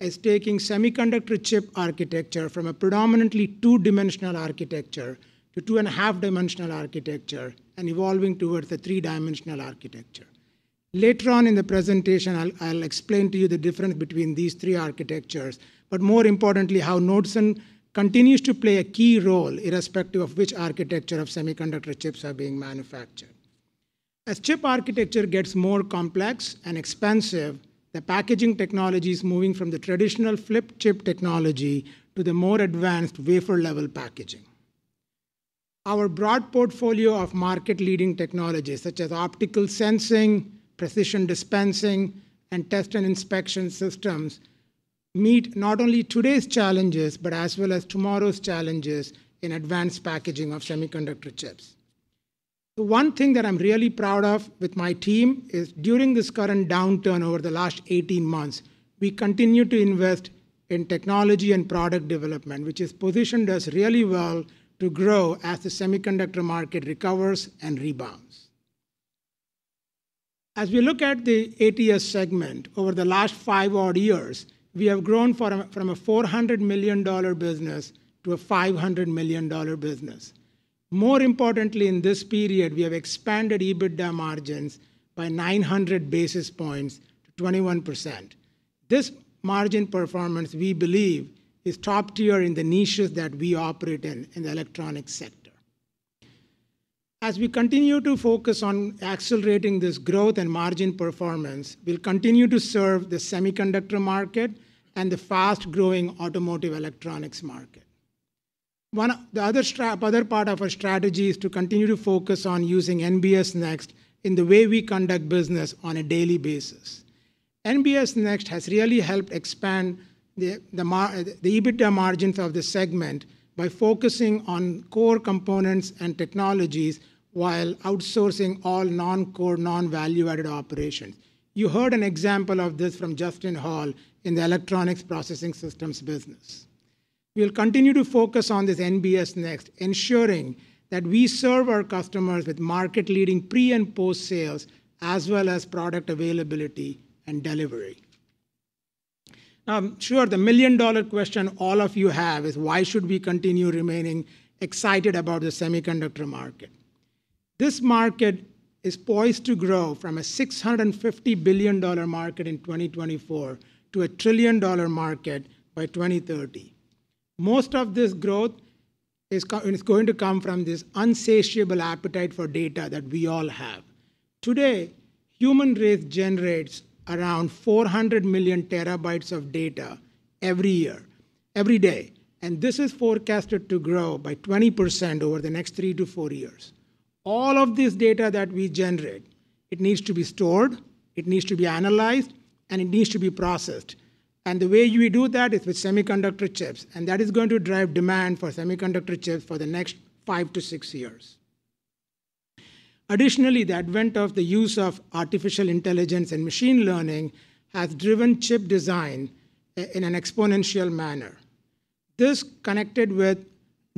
is taking semiconductor chip architecture from a predominantly two-dimensional architecture to two-and-a-half-dimensional architecture and evolving towards a three-dimensional architecture. Later on in the presentation, I'll explain to you the difference between these three architectures, but more importantly, how Nordson continues to play a key role, irrespective of which architecture of semiconductor chips are being manufactured. As chip architecture gets more complex and expensive, the packaging technology is moving from the traditional flip-chip technology to the more advanced wafer-level packaging. Our broad portfolio of market-leading technologies, such as optical sensing, Precision Dispensing, and Test and Inspection systems, meet not only today's challenges, but as well as tomorrow's challenges in advanced packaging of semiconductor chips. The one thing that I'm really proud of with my team is, during this current downturn over the last 18 months, we continued to invest in technology and product development, which has positioned us really well to grow as the semiconductor market recovers and rebounds. As we look at the ATS segment, over the last five odd years, we have grown from a $400 million business to a $500 million dollar business. More importantly, in this period, we have expanded EBITDA margins by 900 basis points to 21%. This margin performance, we believe, is top tier in the niches that we operate in, in the electronic sector. As we continue to focus on accelerating this growth and margin performance, we'll continue to serve the semiconductor market and the fast-growing automotive electronics market. One, the other part of our strategy is to continue to focus on using NBS Next in the way we conduct business on a daily basis. NBS Next has really helped expand the EBITDA margins of this segment by focusing on core components and technologies, while outsourcing all non-core, non-value-added operations. You heard an example of this from Justin Hall in the Electronics Processing Systems business. We'll continue to focus on this NBS Next, ensuring that we serve our customers with market-leading pre- and post-sales, as well as product availability and delivery. Now, I'm sure the million-dollar question all of you have is: why should we continue remaining excited about the semiconductor market? This market is poised to grow from a $650 billion market in 2024 to a $1 trillion market by 2030. Most of this growth is going to come from this insatiable appetite for data that we all have. Today, human race generates around 400 million terabytes of data every year, every day, and this is forecasted to grow by 20% over the next three to four years. All of this data that we generate, it needs to be stored, it needs to be analyzed, and it needs to be processed, and the way we do that is with semiconductor chips, and that is going to drive demand for semiconductor chips for the next five to six years. Additionally, the advent of the use of artificial intelligence and machine learning has driven chip design in an exponential manner. This, connected with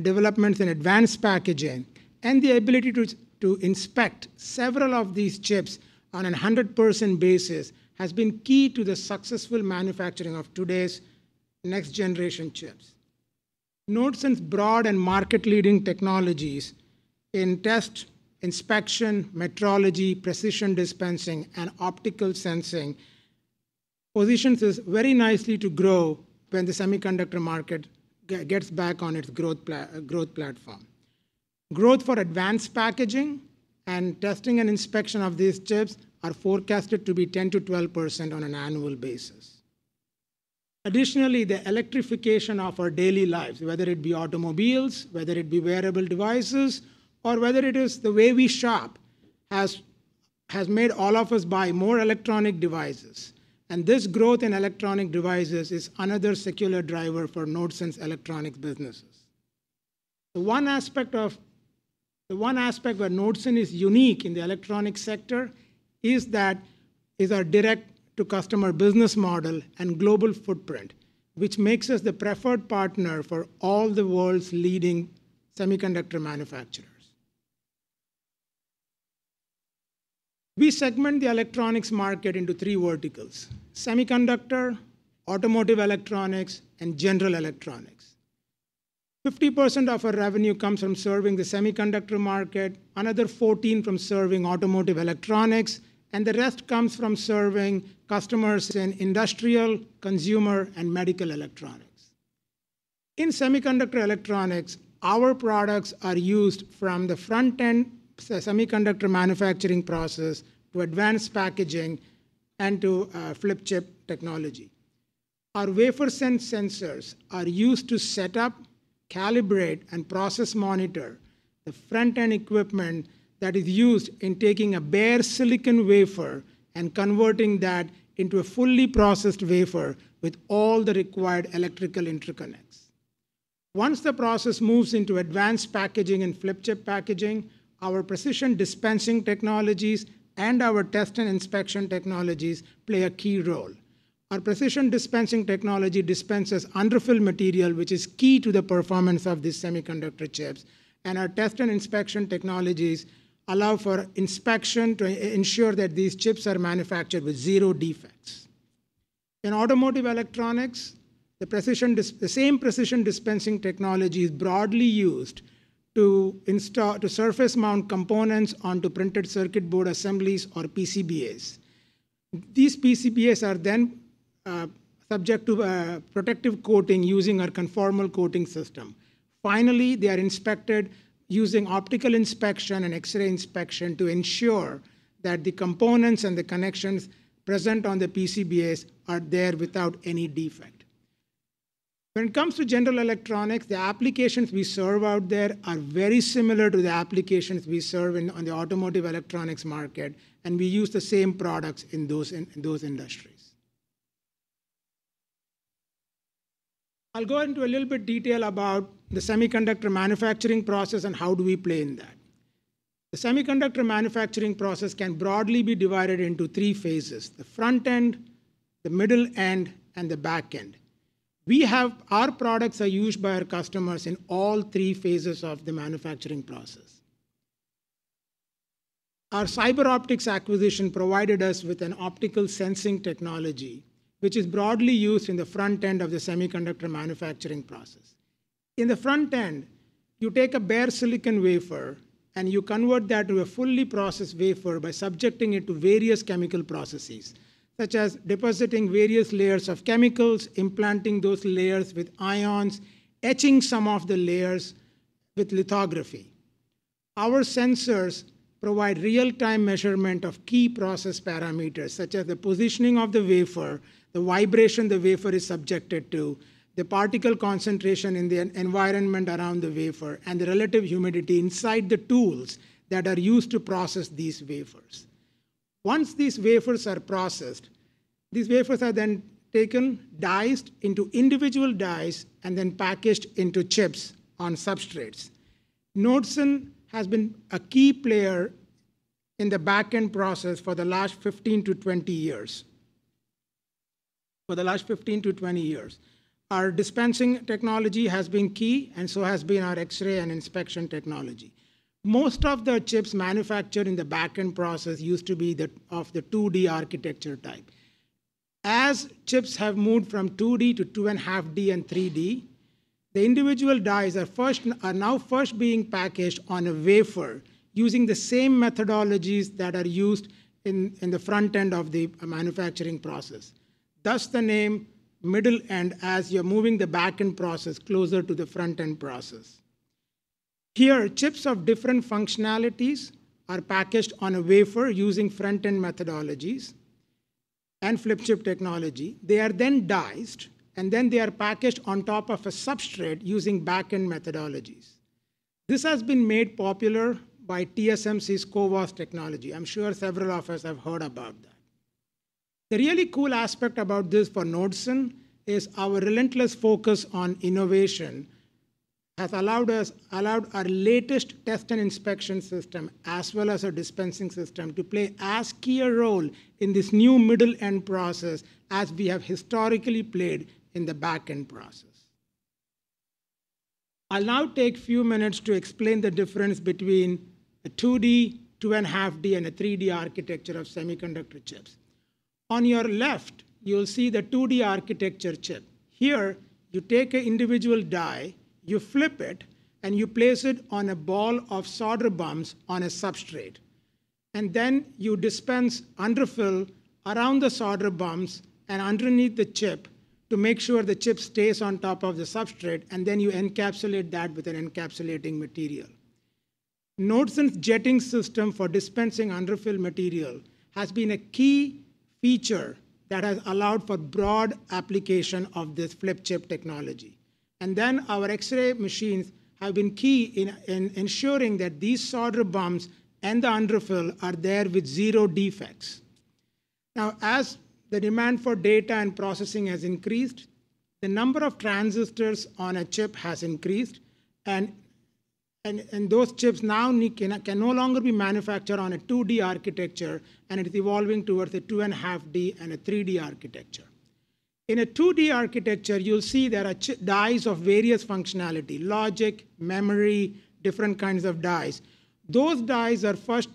developments in advanced packaging and the ability to inspect several of these chips on a 100% basis, has been key to the successful manufacturing of today's next-generation chips. Nordson's broad and market-leading technologies in test, inspection, metrology, Precision Dispensing, and optical sensing, positions us very nicely to grow when the semiconductor market gets back on its growth platform. Growth for advanced packaging and testing and inspection of these chips are forecasted to be 10%-12% on an annual basis. Additionally, the electrification of our daily lives, whether it be automobiles, whether it be wearable devices, or whether it is the way we shop, has made all of us buy more electronic devices, and this growth in electronic devices is another secular driver for Nordson's electronics businesses. The one aspect where Nordson is unique in the electronic sector is our direct-to-customer business model and global footprint, which makes us the preferred partner for all the world's leading semiconductor manufacturers. We segment the electronics market into three verticals: semiconductor, automotive electronics, and general electronics. 50% of our revenue comes from serving the semiconductor market, another 14% from serving automotive electronics, and the rest comes from serving customers in industrial, consumer, and medical electronics. In semiconductor electronics, our products are used from the front-end semiconductor manufacturing process to advanced packaging and to flip-chip technology. Our WaferSense sensors are used to set up, calibrate, and process monitor the front-end equipment that is used in taking a bare silicon wafer and converting that into a fully processed wafer with all the required electrical interconnects. Once the process moves into advanced packaging and flip-chip packaging, our Precision Dispensing technologies and our Test and Inspection technologies play a key role. Our Precision Dispensing technology dispenses underfill material, which is key to the performance of the semiconductor chips, and our Test and Inspection technologies allow for inspection to ensure that these chips are manufactured with zero defects. In automotive electronics, the same Precision Dispensing technology is broadly used to install, to surface mount components onto printed circuit board assemblies or PCBAs. These PCBAs are then subject to a protective coating using our conformal coating system. Finally, they are inspected using optical inspection and X-ray inspection to ensure that the components and the connections present on the PCBAs are there without any defect. When it comes to general electronics, the applications we serve out there are very similar to the applications we serve in on the automotive electronics market, and we use the same products in those industries. I'll go into a little bit detail about the semiconductor manufacturing process and how do we play in that.... The semiconductor manufacturing process can broadly be divided into three phases: the front end, the middle end, and the back end. We have. Our products are used by our customers in all three phases of the manufacturing process. Our CyberOptics acquisition provided us with an optical sensing technology, which is broadly used in the front end of the semiconductor manufacturing process. In the front end, you take a bare silicon wafer, and you convert that to a fully processed wafer by subjecting it to various chemical processes, such as depositing various layers of chemicals, implanting those layers with ions, etching some of the layers with lithography. Our sensors provide real-time measurement of key process parameters, such as the positioning of the wafer, the vibration the wafer is subjected to, the particle concentration in the environment around the wafer, and the relative humidity inside the tools that are used to process these wafers. Once these wafers are processed, these wafers are then taken, diced into individual dies, and then packaged into chips on substrates. Nordson has been a key player in the back-end process for the last 15-20 years, for the last 15-20 years. Our dispensing technology has been key, and so has been our X-ray and inspection technology. Most of the chips manufactured in the back-end process used to be the 2D architecture type. As chips have moved from 2D to 2.5D and 3D, the individual dies are first being packaged on a wafer using the same methodologies that are used in the front end of the manufacturing process. Thus, the name middle end, as you're moving the back-end process closer to the front-end process. Here, chips of different functionalities are packaged on a wafer using front-end methodologies and flip-chip technology. They are then diced, and then they are packaged on top of a substrate using back-end methodologies. This has been made popular by TSMC's CoWoS technology. I'm sure several of us have heard about that. The really cool aspect about this for Nordson is our relentless focus on innovation has allowed our latest test and inspection system, as well as our dispensing system, to play as key a role in this new middle-end process as we have historically played in the back-end process. I'll now take a few minutes to explain the difference between a 2D, 2.5D and a 3D architecture of semiconductor chips. On your left, you'll see the 2D architecture chip. Here, you take a individual die, you flip it, and you place it on a ball of solder bumps on a substrate, and then you dispense underfill around the solder bumps and underneath the chip to make sure the chip stays on top of the substrate, and then you encapsulate that with an encapsulating material. Nordson's jetting system for dispensing underfill material has been a key feature that has allowed for broad application of this flip-chip technology, and then our X-ray machines have been key in ensuring that these solder bumps and the underfill are there with zero defects. Now, as the demand for data and processing has increased, the number of transistors on a chip has increased, and those chips now can no longer be manufactured on a 2D architecture, and it is evolving towards a 2.5D and a 3D architecture. In a 2D architecture, you'll see there are dies of various functionality: logic, memory, different kinds of dies. Those dies are first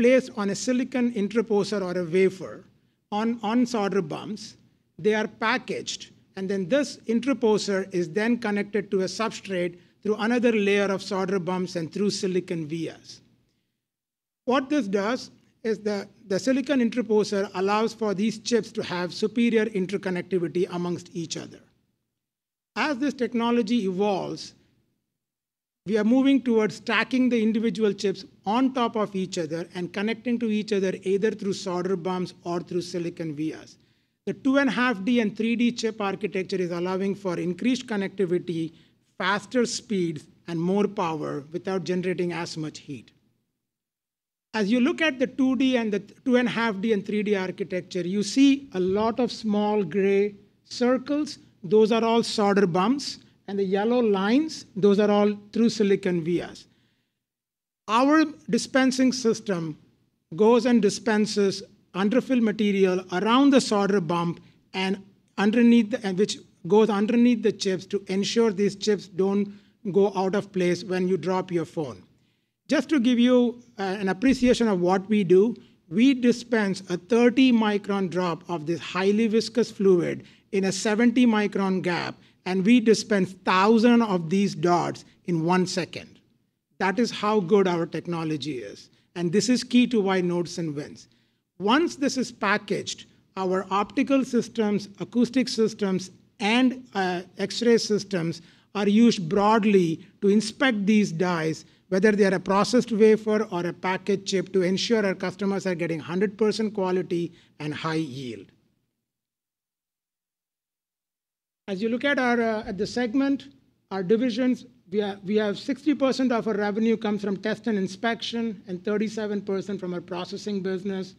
placed on a silicon interposer or a wafer on solder bumps. They are packaged, and then this interposer is then connected to a substrate through another layer of solder bumps and through silicon vias. What this does is, the silicon interposer allows for these chips to have superior interconnectivity among each other. As this technology evolves, we are moving towards stacking the individual chips on top of each other and connecting to each other, either through solder bumps or through silicon vias. The two and a half D and 3D chip architecture is allowing for increased connectivity, faster speeds, and more power without generating as much heat. As you look at the 2D and the 2.5D and 3D architecture, you see a lot of small gray circles. Those are all solder bumps, and the yellow lines, those are all through silicon vias. Our dispensing system goes and dispenses underfill material around the solder bump and underneath the chips to ensure these chips don't go out of place when you drop your phone. Just to give you an appreciation of what we do, we dispense a 30-micron drop of this highly viscous fluid in a 70-micron gap, and we dispense thousand of these dots in one second. That is how good our technology is, and this is key to why Nordson wins. Once this is packaged, our optical systems, acoustic systems, and X-ray systems are used broadly to inspect these dies, whether they are a processed wafer or a packaged chip, to ensure our customers are getting 100% quality and high yield. As you look at our, at the segment, our divisions, we are we have 60% of our revenue comes from test and inspection, and 37% from our processing business.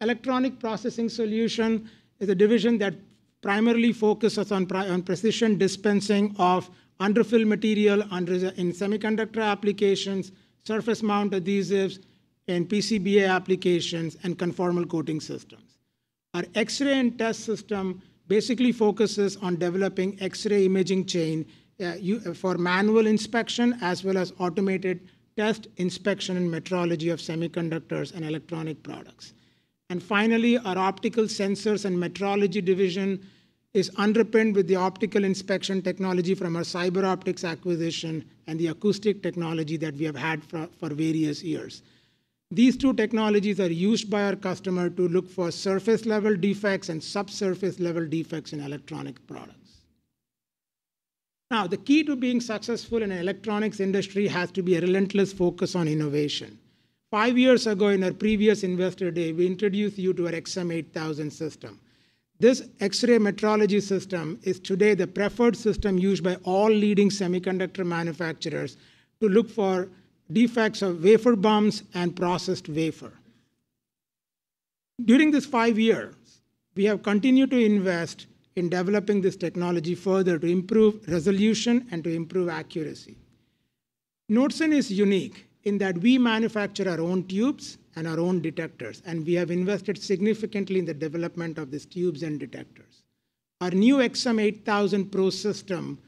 Electronics Processing Solutions is a division that primarily focuses on on Precision Dispensing of underfill material under the, in semiconductor applications, surface mount adhesives, and PCBA applications, and conformal coating systems. Our X-ray and test system basically focuses on developing X-ray imaging chain for manual inspection, as well as automated test inspection and metrology of semiconductors and electronic products. And finally, our optical sensors and metrology division is underpinned with the optical inspection technology from our CyberOptics acquisition and the acoustic technology that we have had for, for various years. These two technologies are used by our customer to look for surface-level defects and subsurface-level defects in electronic products. Now, the key to being successful in the electronics industry has to be a relentless focus on innovation. Five years ago, in our previous Investor Day, we introduced you to our XM8000 system. This X-ray metrology system is today the preferred system used by all leading semiconductor manufacturers to look for defects of wafer bumps and processed wafer. During this five years, we have continued to invest in developing this technology further to improve resolution and to improve accuracy. Nordson is unique in that we manufacture our own tubes and our own detectors, and we have invested significantly in the development of these tubes and detectors. Our new XM8000 Pro system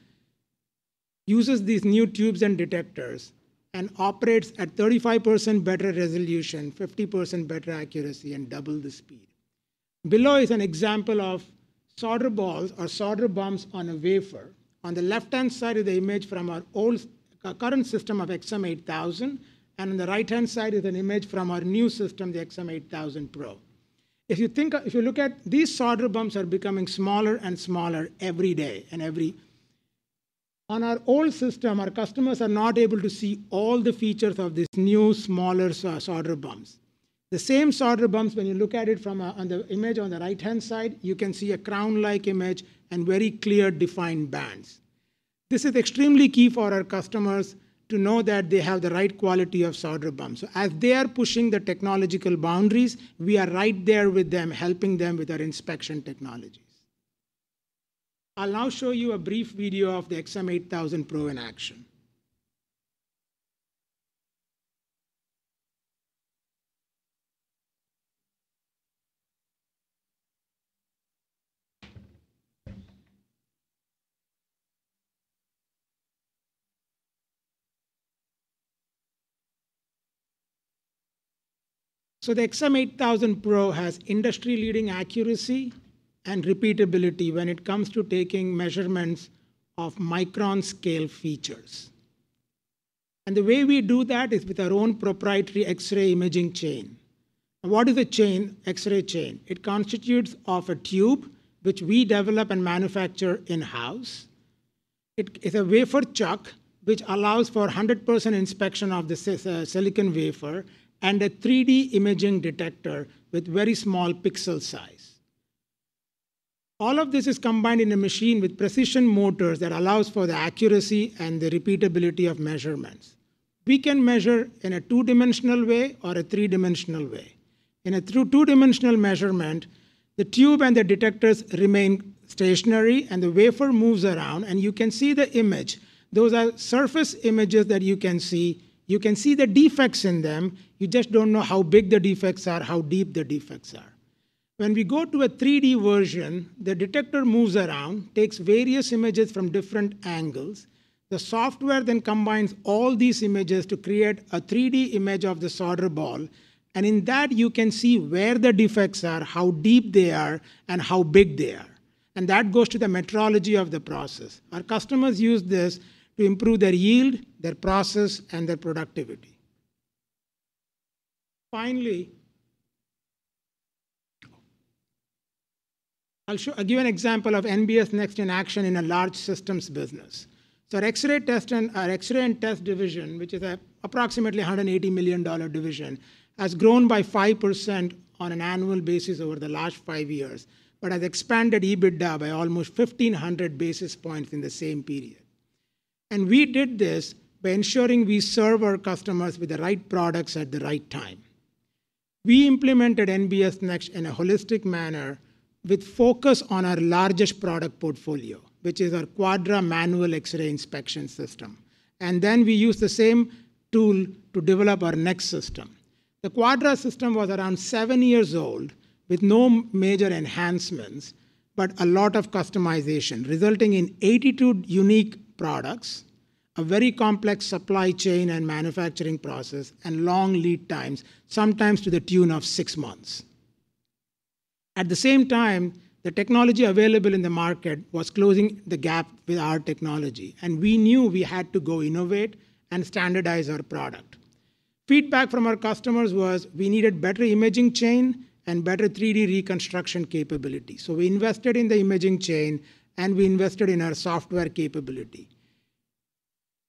uses these new tubes and detectors and operates at 35% better resolution, 50% better accuracy, and double the speed. Below is an example of solder balls or solder bumps on a wafer. On the left-hand side is the image from our old, current system of XM8000, and on the right-hand side is an image from our new system, the XM8000 Pro. If you look at these solder bumps are becoming smaller and smaller every day. On our old system, our customers are not able to see all the features of these new smaller solder bumps. The same solder bumps, when you look at it from a, on the image on the right-hand side, you can see a crown-like image and very clear, defined bands. This is extremely key for our customers to know that they have the right quality of solder bumps. So as they are pushing the technological boundaries, we are right there with them, helping them with our inspection technologies. I'll now show you a brief video of the XM8000 Pro in action, so the XM8000 Pro has industry-leading accuracy and repeatability when it comes to taking measurements of micron-scale features, and the way we do that is with our own proprietary X-ray imaging chain, and what is a chain, X-ray chain? It constitutes of a tube, which we develop and manufacture in-house. It is a wafer chuck, which allows for 100% inspection of the silicon wafer, and a 3D imaging detector with very small pixel size. All of this is combined in a machine with precision motors that allows for the accuracy and the repeatability of measurements. We can measure in a two-dimensional way or a three-dimensional way. In a 2D measurement, the tube and the detectors remain stationary, and the wafer moves around, and you can see the image. Those are surface images that you can see. You can see the defects in them. You just don't know how big the defects are, how deep the defects are. When we go to a 3D version, the detector moves around, takes various images from different angles. The software then combines all these images to create a 3D image of the solder ball, and in that, you can see where the defects are, how deep they are, and how big they are, and that goes to the metrology of the process. Our customers use this to improve their yield, their process, and their productivity. Finally, I'll give an example of NBS Next in action in a large systems business. So our X-ray and test division, which is approximately a $180 million division, has grown by 5% on an annual basis over the last five years but has expanded EBITDA by almost 1,500 basis points in the same period. And we did this by ensuring we serve our customers with the right products at the right time. We implemented NBS Next in a holistic manner with focus on our largest product portfolio, which is our Quadra manual X-ray inspection system, and then we used the same tool to develop our next system. The Quadra system was around seven years old, with no major enhancements, but a lot of customization, resulting in 82 unique products, a very complex supply chain and manufacturing process, and long lead times, sometimes to the tune of six months. At the same time, the technology available in the market was closing the gap with our technology, and we knew we had to go innovate and standardize our product. Feedback from our customers was we needed better imaging chain and better 3D reconstruction capability, so we invested in the imaging chain, and we invested in our software capability.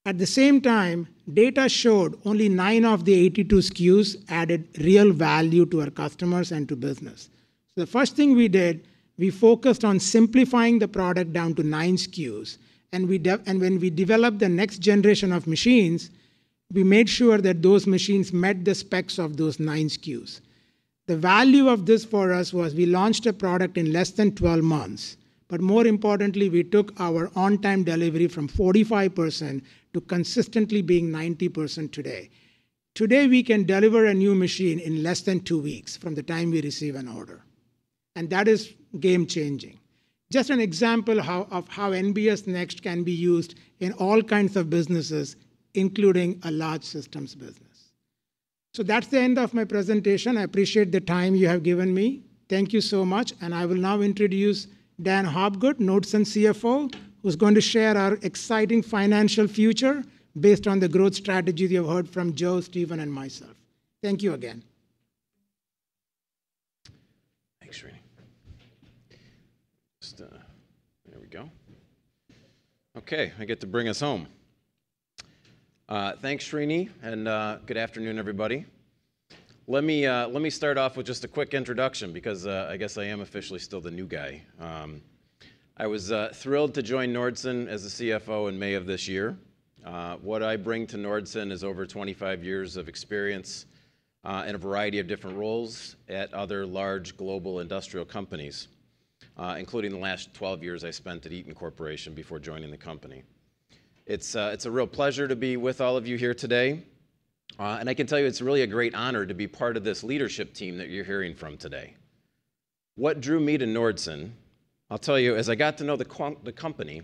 At the same time, data showed only nine of the 82 SKUs added real value to our customers and to business. The first thing we did, we focused on simplifying the product down to nine SKUs, and when we developed the next generation of machines. We made sure that those machines met the specs of those nine SKUs. The value of this for us was we launched a product in less than 12 months, but more importantly, we took our on-time delivery from 45% to consistently being 90% today. Today, we can deliver a new machine in less than two weeks from the time we receive an order, and that is game-changing. Just an example of how NBS Next can be used in all kinds of businesses, including a large systems business. So that's the end of my presentation. I appreciate the time you have given me. Thank you so much, and I will now introduce Dan Hopgood, Nordson CFO, who's going to share our exciting financial future based on the growth strategies you've heard from Joe, Stephen, and myself. Thank you again. Thanks, Srini. Just, there we go. Okay, I get to bring us home. Thanks, Srini, and good afternoon, everybody. Let me start off with just a quick introduction because I guess I am officially still the new guy. I was thrilled to join Nordson as the CFO in May of this year. What I bring to Nordson is over 25 years of experience in a variety of different roles at other large global industrial companies, including the last 12 years I spent at Eaton Corporation before joining the company. It's a real pleasure to be with all of you here today, and I can tell you, it's really a great honor to be part of this leadership team that you're hearing from today. What drew me to Nordson? I'll tell you, as I got to know the company,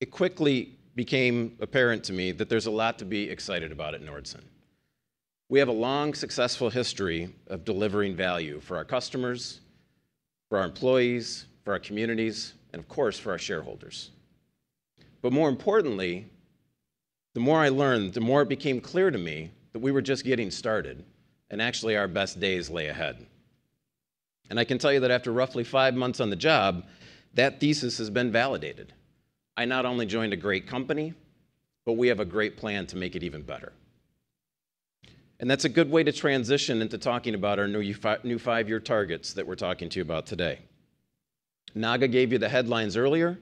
it quickly became apparent to me that there's a lot to be excited about at Nordson. We have a long, successful history of delivering value for our customers, for our employees, for our communities, and of course, for our shareholders. But more importantly, the more I learned, the more it became clear to me that we were just getting started, and actually, our best days lay ahead. And I can tell you that after roughly five months on the job, that thesis has been validated. I not only joined a great company, but we have a great plan to make it even better. And that's a good way to transition into talking about our new five-year targets that we're talking to you about today. Naga gave you the headlines earlier,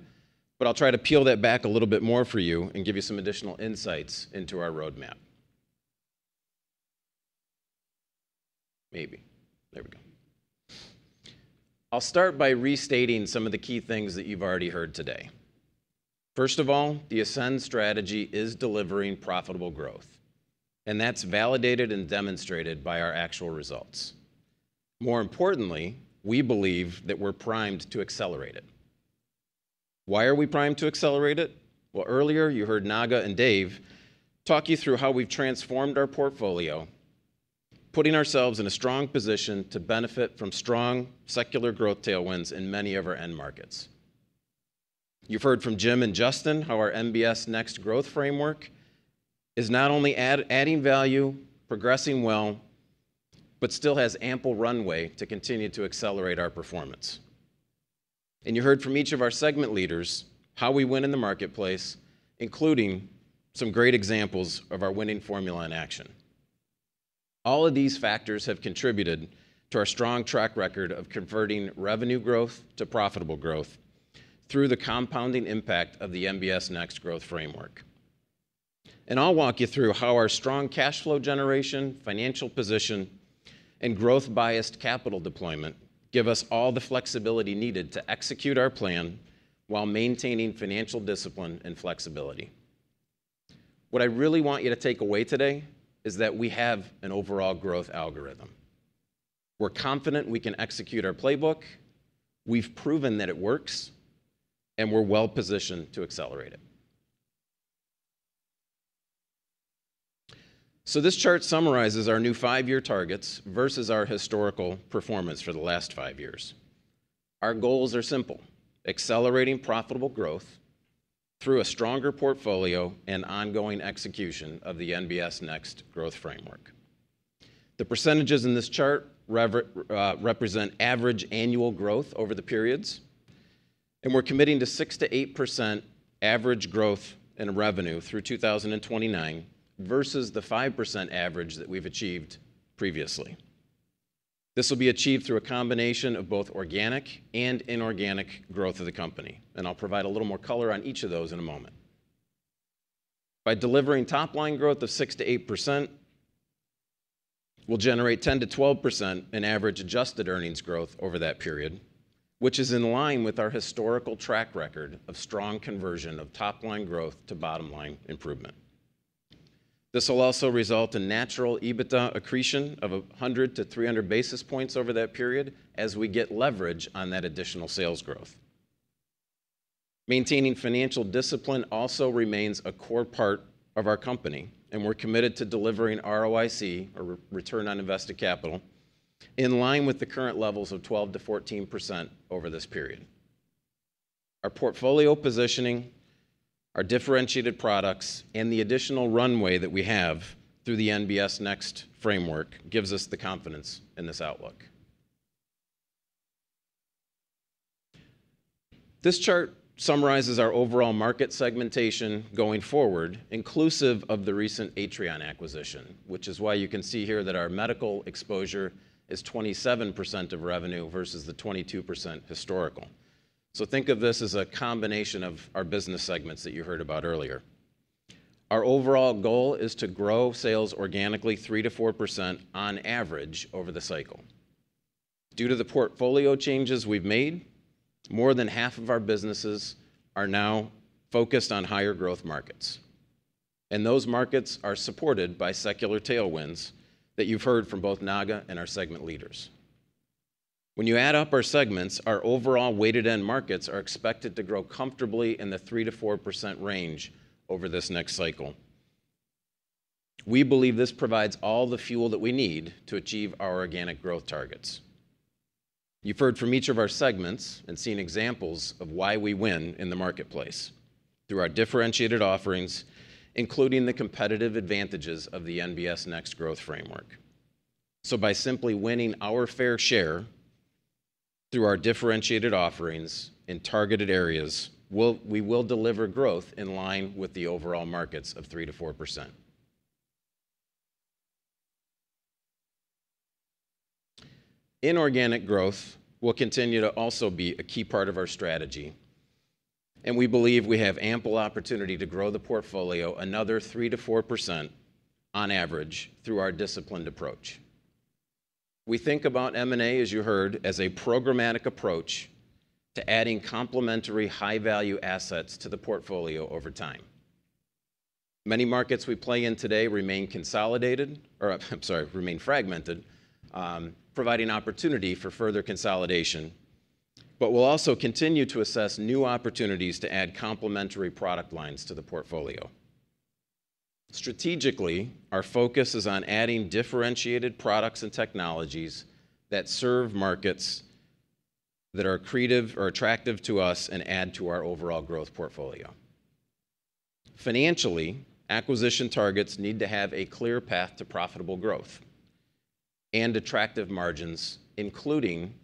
but I'll try to peel that back a little bit more for you and give you some additional insights into our roadmap. Maybe. There we go. I'll start by restating some of the key things that you've already heard today. First of all, the Ascend Strategy is delivering profitable growth, and that's validated and demonstrated by our actual results. More importantly, we believe that we're primed to accelerate it. Why are we primed to accelerate it? Well, earlier, you heard Naga and Dave talk you through how we've transformed our portfolio, putting ourselves in a strong position to benefit from strong secular growth tailwinds in many of our end markets. You've heard from Jim and Justin how our NBS Next growth framework is not only adding value, progressing well, but still has ample runway to continue to accelerate our performance. And you heard from each of our segment leaders how we win in the marketplace, including some great examples of our winning formula in action. All of these factors have contributed to our strong track record of converting revenue growth to profitable growth through the compounding impact of the NBS Next growth framework. And I'll walk you through how our strong cash flow generation, financial position, and growth-biased capital deployment give us all the flexibility needed to execute our plan while maintaining financial discipline and flexibility. What I really want you to take away today is that we have an overall growth algorithm. We're confident we can execute our playbook, we've proven that it works, and we're well-positioned to accelerate it. So this chart summarizes our new five-year targets versus our historical performance for the last five years. Our goals are simple: accelerating profitable growth through a stronger portfolio and ongoing execution of the NBS Next growth framework. The percentages in this chart represent average annual growth over the periods, and we're committing to 6%-8% average growth in revenue through 2029 versus the 5% average that we've achieved previously. This will be achieved through a combination of both organic and inorganic growth of the company, and I'll provide a little more color on each of those in a moment. By delivering top-line growth of 6%-8%, we'll generate 10%-12% in average adjusted earnings growth over that period, which is in line with our historical track record of strong conversion of top-line growth to bottom-line improvement. This will also result in natural EBITDA accretion of 100 to 300 basis points over that period as we get leverage on that additional sales growth. Maintaining financial discipline also remains a core part of our company, and we're committed to delivering ROIC, or return on invested capital, in line with the current levels of 12%-14% over this period. Our portfolio positioning, our differentiated products, and the additional runway that we have through the NBS Next framework gives us the confidence in this outlook. This chart summarizes our overall market segmentation going forward, inclusive of the recent Atrion acquisition, which is why you can see here that our medical exposure is 27% of revenue versus the 22% historical. So think of this as a combination of our business segments that you heard about earlier. Our overall goal is to grow sales organically 3%-4% on average over the cycle. Due to the portfolio changes we've made, more than half of our businesses are now focused on higher growth markets, and those markets are supported by secular tailwinds that you've heard from both Naga and our segment leaders. When you add up our segments, our overall weighted end markets are expected to grow comfortably in the 3%-4% range over this next cycle. We believe this provides all the fuel that we need to achieve our organic growth targets. You've heard from each of our segments and seen examples of why we win in the marketplace, through our differentiated offerings, including the competitive advantages of the NBS Next growth framework. So by simply winning our fair share through our differentiated offerings in targeted areas, we'll - we will deliver growth in line with the overall markets of 3%-4%. Inorganic growth will continue to also be a key part of our strategy, and we believe we have ample opportunity to grow the portfolio another 3%-4% on average through our disciplined approach. We think about M&A, as you heard, as a programmatic approach to adding complementary high-value assets to the portfolio over time. Many markets we play in today remain consolidated, or, I'm sorry, remain fragmented, providing opportunity for further consolidation. But we'll also continue to assess new opportunities to add complementary product lines to the portfolio. Strategically, our focus is on adding differentiated products and technologies that serve markets that are creative or attractive to us and add to our overall growth portfolio. Financially, acquisition targets need to have a clear path to profitable growth and attractive margins, including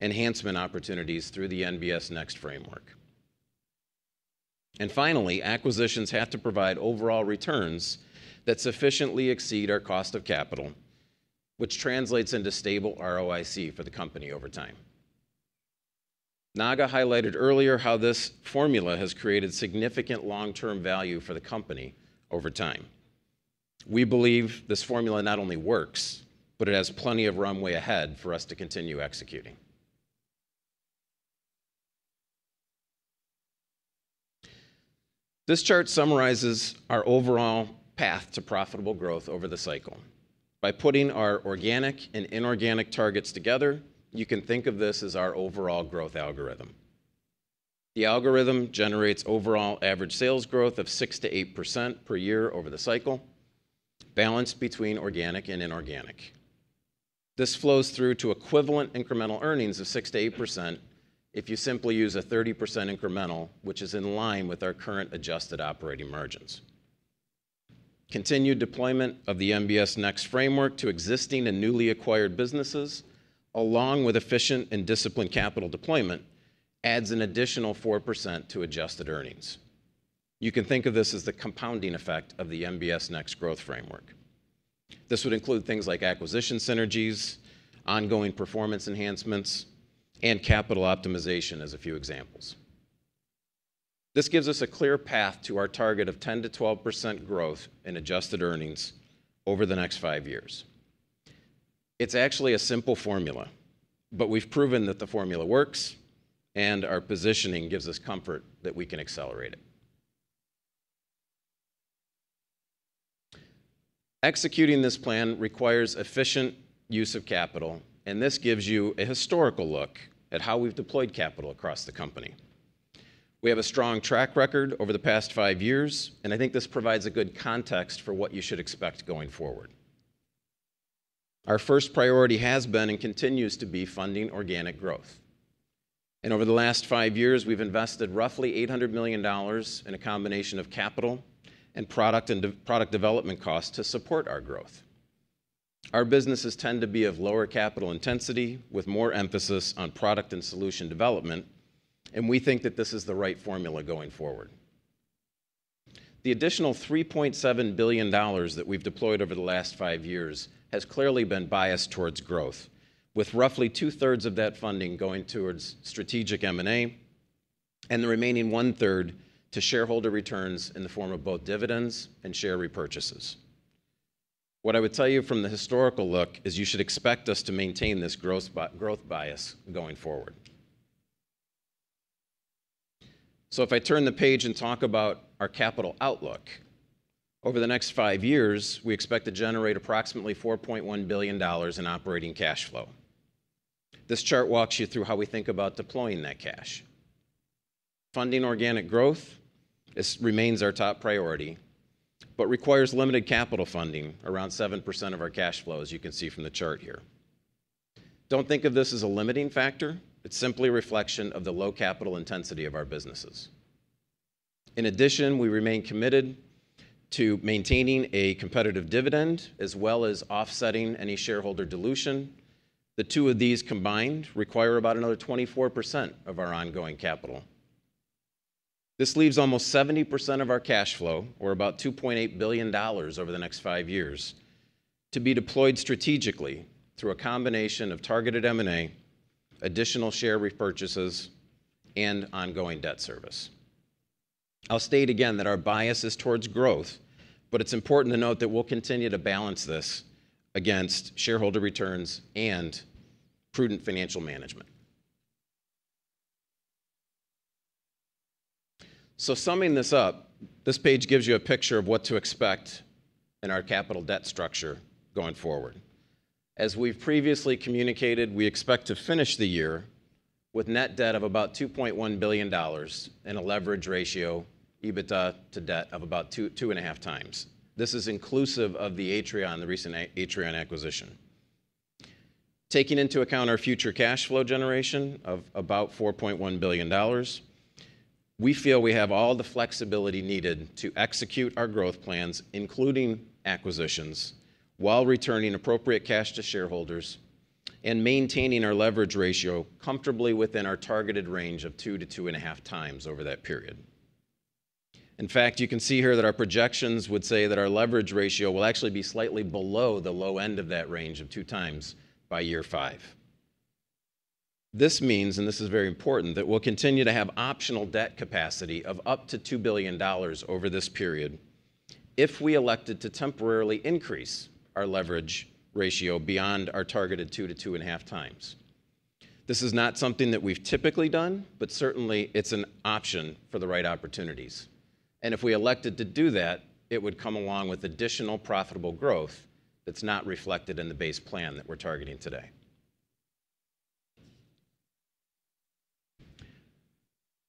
enhancement opportunities through the NBS Next framework. And finally, acquisitions have to provide overall returns that sufficiently exceed our cost of capital, which translates into stable ROIC for the company over time. Naga highlighted earlier how this formula has created significant long-term value for the company over time. We believe this formula not only works, but it has plenty of runway ahead for us to continue executing. This chart summarizes our overall path to profitable growth over the cycle. By putting our organic and inorganic targets together, you can think of this as our overall growth algorithm. The algorithm generates overall average sales growth of 6%-8% per year over the cycle, balanced between organic and inorganic. This flows through to equivalent incremental earnings of 6%-8% if you simply use a 30% incremental, which is in line with our current adjusted operating margins. Continued deployment of the NBS Next framework to existing and newly acquired businesses, along with efficient and disciplined capital deployment, adds an additional 4% to adjusted earnings. You can think of this as the compounding effect of the NBS Next growth framework. This would include things like acquisition synergies, ongoing performance enhancements, and capital optimization, as a few examples. This gives us a clear path to our target of 10%-12% growth in adjusted earnings over the next five years. It's actually a simple formula, but we've proven that the formula works, and our positioning gives us comfort that we can accelerate it. Executing this plan requires efficient use of capital, and this gives you a historical look at how we've deployed capital across the company. We have a strong track record over the past five years, and I think this provides a good context for what you should expect going forward. Our first priority has been, and continues to be, funding organic growth. Over the last five years, we've invested roughly $800 million in a combination of capital and product development costs to support our growth. Our businesses tend to be of lower capital intensity, with more emphasis on product and solution development, and we think that this is the right formula going forward. The additional $3.7 billion that we've deployed over the last five years has clearly been biased towards growth, with roughly 2/3 of that funding going towards strategic M&A and the remaining 1/3 to shareholder returns in the form of both dividends and share repurchases. What I would tell you from the historical look is you should expect us to maintain this growth bias going forward. So if I turn the page and talk about our capital outlook, over the next five years, we expect to generate approximately $4.1 billion in operating cash flow. This chart walks you through how we think about deploying that cash. Funding organic growth, this remains our top priority, but requires limited capital funding, around 7% of our cash flow, as you can see from the chart here. Don't think of this as a limiting factor. It's simply a reflection of the low capital intensity of our businesses. In addition, we remain committed to maintaining a competitive dividend, as well as offsetting any shareholder dilution. The two of these combined require about another 24% of our ongoing capital. This leaves almost 70% of our cash flow, or about $2.8 billion over the next five years, to be deployed strategically through a combination of targeted M&A, additional share repurchases, and ongoing debt service. I'll state again that our bias is towards growth, but it's important to note that we'll continue to balance this against shareholder returns and prudent financial management. So summing this up, this page gives you a picture of what to expect in our capital debt structure going forward. As we've previously communicated, we expect to finish the year with net debt of about $2.1 billion, and a leverage ratio, EBITDA to debt, of about 2-2.5x. This is inclusive of the Atrion, the recent Atrion acquisition. Taking into account our future cash flow generation of about $4.1 billion, we feel we have all the flexibility needed to execute our growth plans, including acquisitions, while returning appropriate cash to shareholders and maintaining our leverage ratio comfortably within our targeted range of 2-2.5x over that period. In fact, you can see here that our projections would say that our leverage ratio will actually be slightly below the low end of that range of 2x by year five. This means, and this is very important, that we'll continue to have optional debt capacity of up to $2 billion over this period if we elected to temporarily increase our leverage ratio beyond our targeted 2-2.5x. This is not something that we've typically done, but certainly it's an option for the right opportunities, and if we elected to do that, it would come along with additional profitable growth that's not reflected in the base plan that we're targeting today.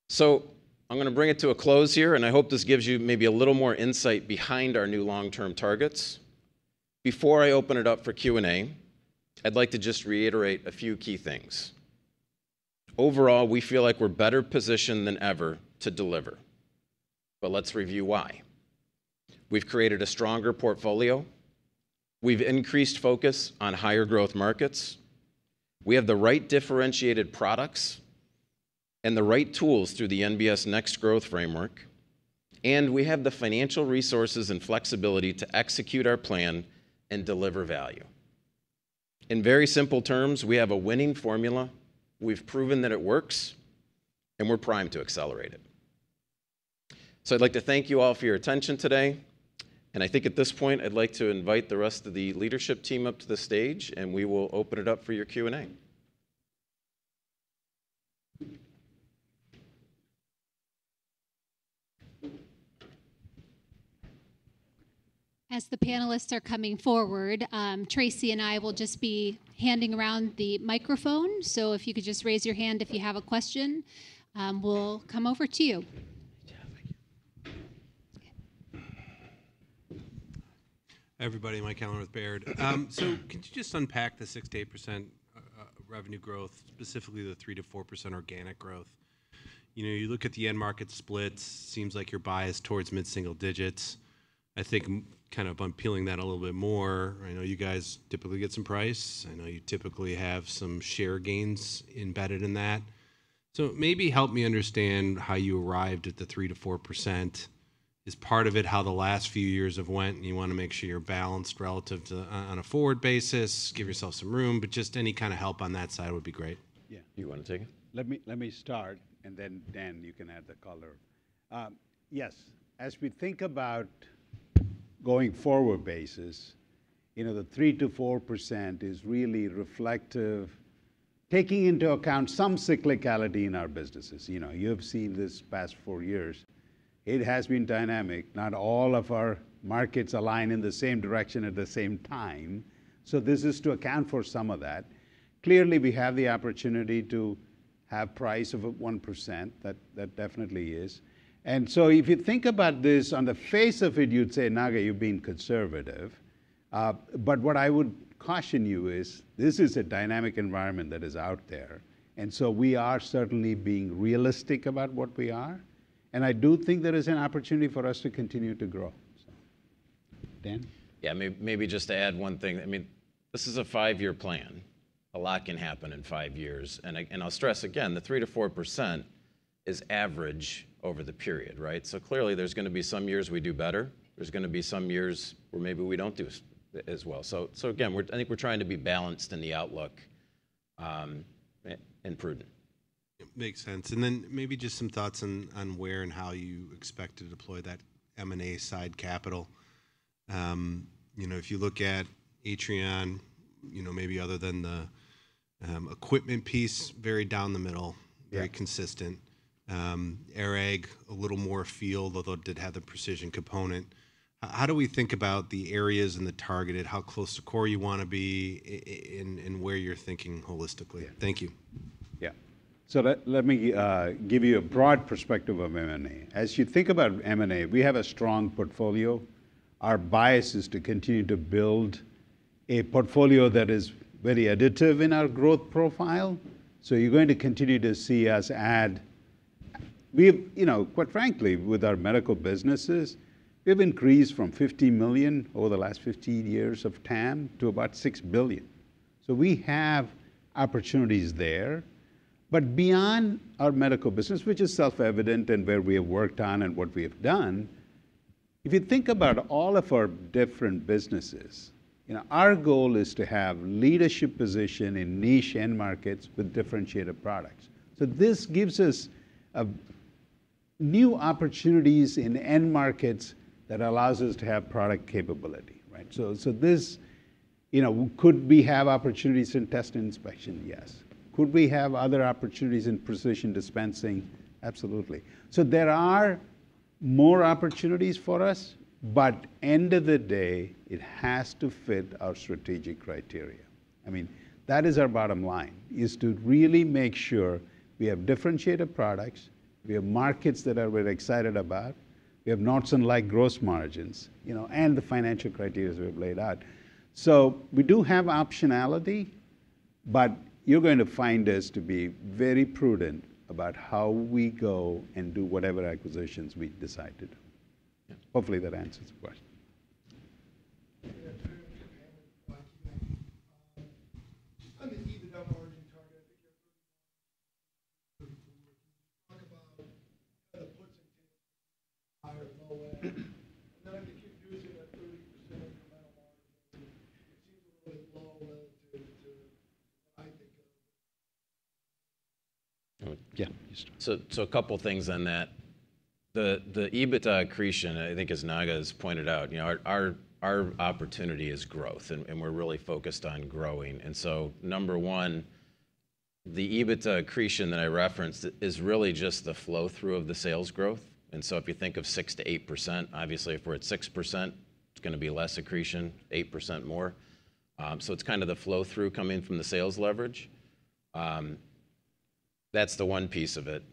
So I'm gonna bring it to a close here, and I hope this gives you maybe a little more insight behind our new long-term targets. Before I open it up for Q&A, I'd like to just reiterate a few key things. Overall, we feel like we're better positioned than ever to deliver, but let's review why. We've created a stronger portfolio, we've increased focus on higher growth markets, we have the right differentiated products and the right tools through the NBS Next growth framework, and we have the financial resources and flexibility to execute our plan and deliver value. In very simple terms, we have a winning formula, we've proven that it works, and we're primed to accelerate it. So I'd like to thank you all for your attention today, and I think at this point I'd like to invite the rest of the leadership team up to the stage, and we will open it up for your Q&A. As the panelists are coming forward, Tracy and I will just be handing around the microphone. So if you could just raise your hand if you have a question, we'll come over to you. Yeah, thank you. Yeah. Hi, everybody. Michael Halloran with Baird. So could you just unpack the 6%-8% revenue growth, specifically the 3%-4% organic growth? You know, you look at the end market splits, seems like you're biased towards mid-single digits. I think kind of unpeeling that a little bit more, I know you guys typically get some price, I know you typically have some share gains embedded in that. So maybe help me understand how you arrived at the 3%-4%. Is part of it how the last few years have went, and you wanna make sure you're balanced relative to a forward basis, give yourself some room? But just any kind of help on that side would be great. Yeah, you wanna take it? Let me start, and then, Dan, you can add the color. Yes, as we think about going forward basis, you know, the 3%-4% is really reflective, taking into account some cyclicality in our businesses. You know, you have seen this past four years, it has been dynamic. Not all of our markets align in the same direction at the same time, so this is to account for some of that. Clearly, we have the opportunity to have price of at 1%, that definitely is. And so if you think about this, on the face of it, you'd say, "Naga, you're being conservative." But what I would caution you is, this is a dynamic environment that is out there, and so we are certainly being realistic about what we are, and I do think there is an opportunity for us to continue to grow. So, Dan? Yeah, maybe just to add one thing. I mean, this is a five-year plan. A lot can happen in five years, and I'll stress again, the 3%-4% is average over the period, right? So clearly, there's gonna be some years we do better, there's gonna be some years where maybe we don't do as well. So again, we're. I think we're trying to be balanced in the outlook, and prudent. Makes sense. And then maybe just some thoughts on where and how you expect to deploy that M&A side capital. You know, if you look at Atrion, you know, maybe other than the equipment piece, very down the middle- Yeah very consistent. ARAG, a little more field, although it did have the precision component. How do we think about the areas and the targeted, how close to core you wanna be, in where you're thinking holistically? Yeah. Thank you. Yeah. So let me give you a broad perspective of M&A. As you think about M&A, we have a strong portfolio. Our bias is to continue to build a portfolio that is very additive in our growth profile, so you're going to continue to see us add. We've, you know, quite frankly, with our medical businesses, we've increased from $50 million over the last 15 years of TAM to about $6 billion. So we have opportunities there. But beyond our medical business, which is self-evident and where we have worked on and what we have done, if you think about all of our different businesses, you know, our goal is to have leadership position in niche end markets with differentiated products. So this gives us new opportunities in end markets that allows us to have product capability, right? So this, you know, could we have opportunities in test inspection? Yes. Could we have other opportunities in Precision Dispensing? Absolutely. So there are more opportunities for us, but end of the day, it has to fit our strategic criteria. I mean, that is our bottom line, is to really make sure we have differentiated products, we have markets that we're excited about, we have Nordson-like gross margins, you know, and the financial criteria we have laid out. So we do have optionality, but you're going to find us to be very prudent about how we go and do whatever acquisitions we decide to do. Hopefully, that answers the question. Yeah, very good. On the EBITDA margin target, I think you're. Talk about the puts and takes higher, lower. And then I think you're using a 30% incremental margin, which seems really low relative to, to what I think of. Oh, yeah, you start. A couple things on that. The EBITDA accretion, I think as Naga has pointed out, you know, our opportunity is growth, and we're really focused on growing, and so number one, the EBITDA accretion that I referenced is really just the flow-through of the sales growth. And so if you think of 6%-8%, obviously, if we're at 6%, it's gonna be less accretion, 8% more, so it's kind of the flow-through coming from the sales leverage. That's the one piece of it.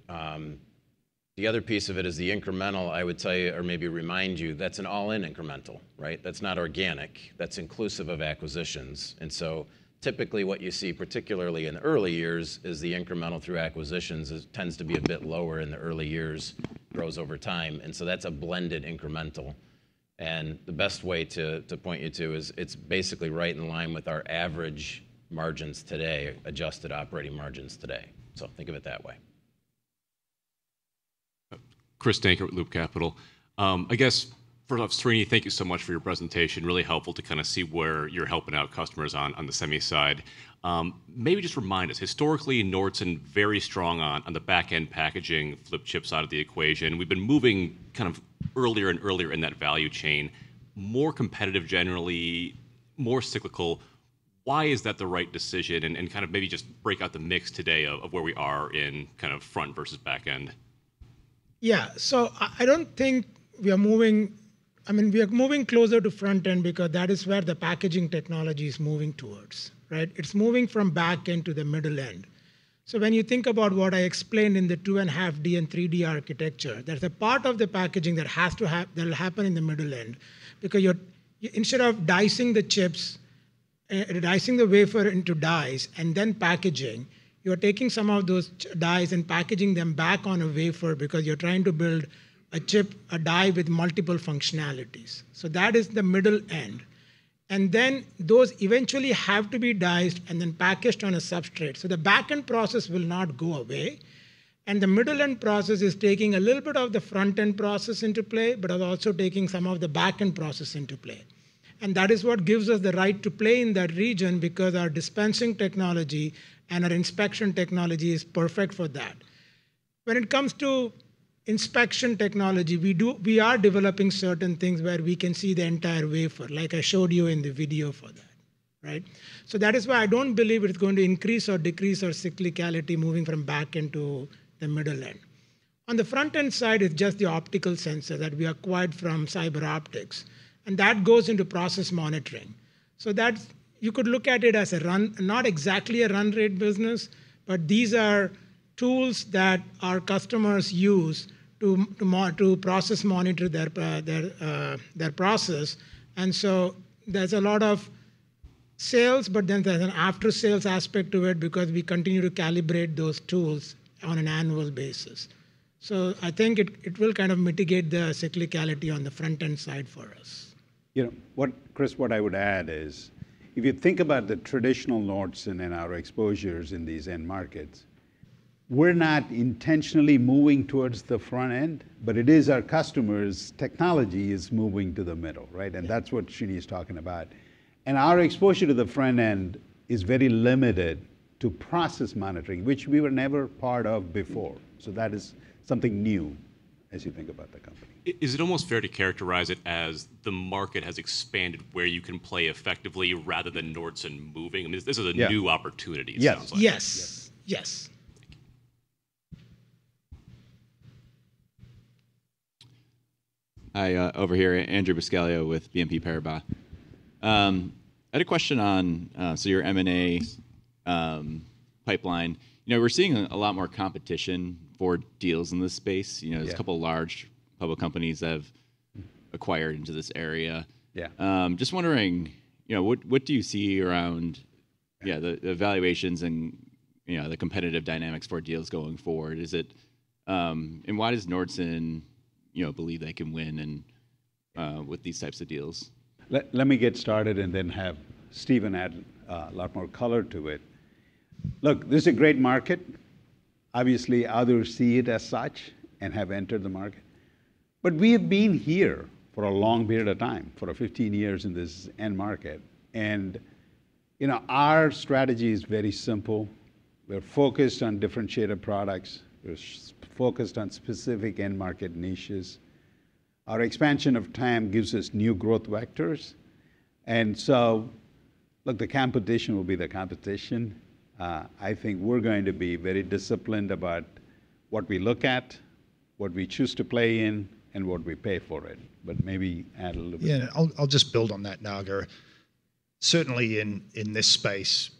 The other piece of it is the incremental, I would tell you, or maybe remind you, that's an all-in incremental, right? That's not organic. That's inclusive of acquisitions, and so typically, what you see, particularly in the early years, is the incremental through acquisitions. It tends to be a bit lower in the early years, grows over time, and so that's a blended incremental, and the best way to point you to is it's basically right in line with our average margins today, adjusted operating margins today, so think of it that way. Chris Dankert with Loop Capital. I guess, first off, Srini, thank you so much for your presentation. Really helpful to kinda see where you're helping out customers on the semi side. Maybe just remind us, historically, Nordson, very strong on the back-end packaging, flip chips out of the equation. We've been moving kind of earlier and earlier in that value chain, more competitive, generally, more cyclical. Why is that the right decision? And kind of maybe just break out the mix today of where we are in kind of front versus back end. Yeah. So I don't think we are moving. I mean, we are moving closer to front end because that is where the packaging technology is moving towards, right? It's moving from back end to the middle end. So when you think about what I explained in the 2.5D and 3D architecture, there's a part of the packaging that'll happen in the middle end because you're instead of dicing the chips, dicing the wafer into dies and then packaging, you're taking some of those dies and packaging them back on a wafer because you're trying to build a chip, a die with multiple functionalities. So that is the middle end. And then, those eventually have to be diced and then packaged on a substrate. So the back-end process will not go away, and the middle-end process is taking a little bit of the front-end process into play, but are also taking some of the back-end process into play. And that is what gives us the right to play in that region because our dispensing technology and our inspection technology is perfect for that. When it comes to inspection technology, we are developing certain things where we can see the entire wafer, like I showed you in the video for that, right? So that is why I don't believe it is going to increase or decrease our cyclicality moving from back end to the middle end. On the front-end side, it's just the optical sensor that we acquired from CyberOptics, and that goes into process monitoring. So that's you could look at it as a run not exactly a run rate business, but these are tools that our customers use to monitor their process. And so there's a lot of sales, but then there's an after-sales aspect to it because we continue to calibrate those tools on an annual basis. So I think it will kind of mitigate the cyclicality on the front-end side for us. You know, what, Chris, what I would add is, if you think about the traditional Nordson and our exposures in these end markets, we're not intentionally moving towards the front end, but it is our customers' technology is moving to the middle, right? Yeah. And that's what Srini is talking about. And our exposure to the front end is very limited to process monitoring, which we were never part of before. So that is something new as you think about the company. Is it almost fair to characterize it as the market has expanded where you can play effectively, rather than Nordson moving? I mean, this is a- Yeah new opportunity, it sounds like. Yes. Yes. Yes. Thank you. Hi, over here. Andrew Buscaglia with BNP Paribas. I had a question on, so your M&A pipeline. You know, we're seeing a lot more competition for deals in this space. You know- Yeah there's a couple large public companies that have acquired into this area. Yeah. Just wondering, you know, what do you see around the valuations and, you know, the competitive dynamics for deals going forward? And why does Nordson, you know, believe they can win with these types of deals? Let me get started and then have Stephen add a lot more color to it. Look, this is a great market. Obviously, others see it as such and have entered the market. But we've been here for a long period of time, for 15 years in this end market, and, you know, our strategy is very simple. We're focused on differentiated products. We're focused on specific end market niches. Our expansion over time gives us new growth vectors, and so, look, the competition will be the competition. I think we're going to be very disciplined about what we look at, what we choose to play in, and what we pay for it, but maybe add a little bit. Yeah, I'll just build on that, Naga. Certainly, in this space,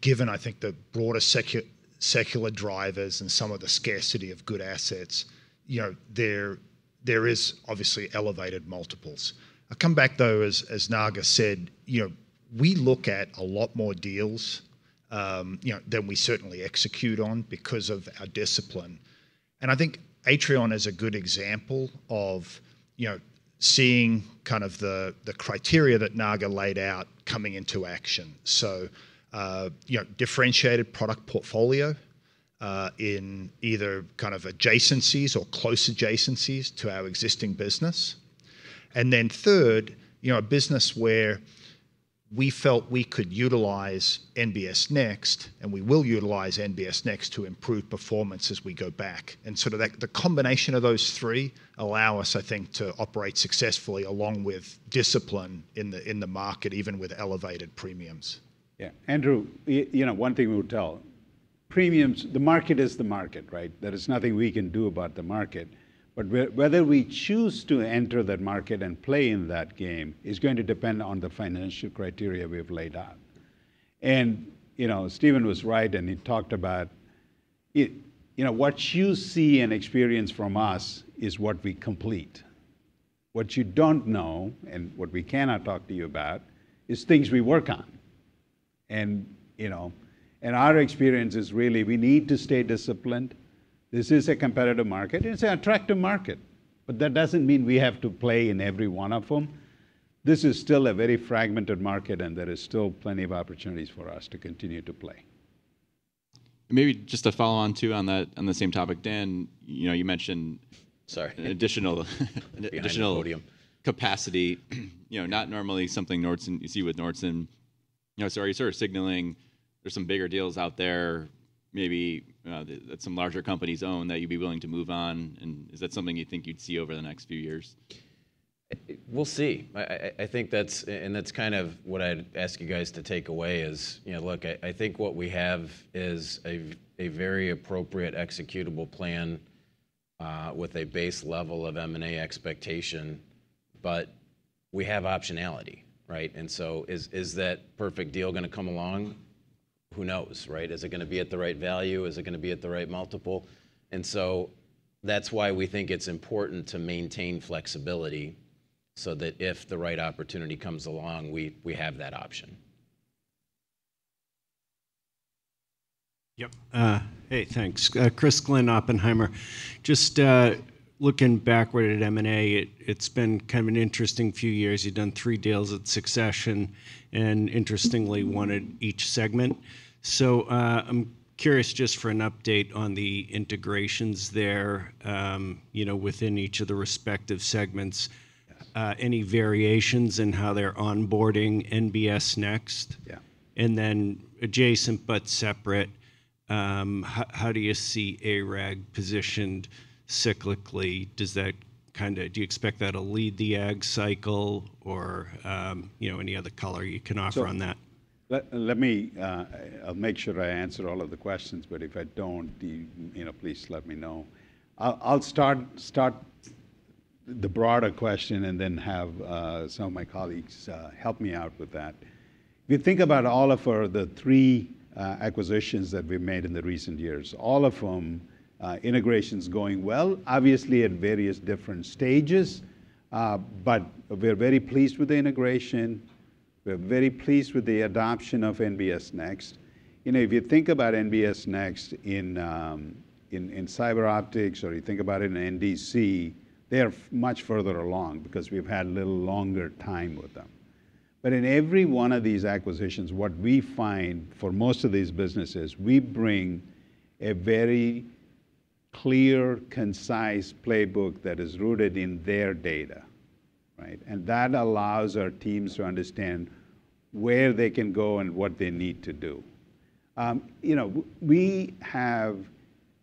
given, I think, the broader secular drivers and some of the scarcity of good assets, you know, there is obviously elevated multiples. I come back, though, as Naga said, you know, we look at a lot more deals, you know, than we certainly execute on because of our discipline. I think Atrion is a good example of, you know, seeing kind of the criteria that Naga laid out coming into action. So, you know, differentiated product portfolio, in either kind of adjacencies or close adjacencies to our existing business. And then third, you know, a business where we felt we could utilize NBS Next, and we will utilize NBS Next to improve performance as we go back. Sort of like the combination of those three allow us, I think, to operate successfully, along with discipline in the market, even with elevated premiums. Yeah. Andrew, you know, one thing we would tell premiums, the market is the market, right? There is nothing we can do about the market, but whether we choose to enter that market and play in that game is going to depend on the financial criteria we have laid out. You know, Stephen was right, and he talked about it. You know, what you see and experience from us is what we complete. What you don't know, and what we cannot talk to you about, is things we work on. You know, our experience is really we need to stay disciplined. This is a competitive market, and it's an attractive market, but that doesn't mean we have to play in every one of them. This is still a very fragmented market, and there is still plenty of opportunities for us to continue to play. Maybe just to follow on, too, on that, on the same topic. Dan, you know, you mentioned- Sorry additional- Behind the podium capacity. You know, not normally something Nordson, you see with Nordson. You know, so are you sort of signaling there's some bigger deals out there, maybe, that some larger companies own, that you'd be willing to move on? And is that something you think you'd see over the next few years? We'll see. I think that's, and that's kind of what I'd ask you guys to take away is, you know, look, I think what we have is a very appropriate executable plan, with a base level of M&A expectation. But we have optionality, right? And so is that perfect deal gonna come along? Who knows, right? Is it gonna be at the right value? Is it gonna be at the right multiple? And so that's why we think it's important to maintain flexibility so that if the right opportunity comes along, we have that option. Yep, hey, thanks. Chris Glynn, Oppenheimer. Just looking backward at M&A, it's been kind of an interesting few years. You've done three deals in succession and interestingly, one at each segment. So, I'm curious just for an update on the integrations there, you know, within each of the respective segments. Yeah. Any variations in how they're onboarding NBS Next? Yeah. And then adjacent but separate, how do you see ARAG positioned cyclically? Does that kinda, Do you expect that to lead the ag cycle or, you know, any other color you can offer on that? So let me, I'll make sure I answer all of the questions, but if I don't, you know, please let me know. I'll start the broader question and then have some of my colleagues help me out with that. If you think about all of our the three acquisitions that we've made in the recent years, all of them, integration's going well, obviously at various different stages, but we're very pleased with the integration. We're very pleased with the adoption of NBS Next. You know, if you think about NBS Next in CyberOptics, or you think about it in NDC, they are much further along because we've had a little longer time with them. But in every one of these acquisitions, what we find for most of these businesses, we bring a very clear, concise playbook that is rooted in their data, right? And that allows our teams to understand where they can go and what they need to do. You know, we have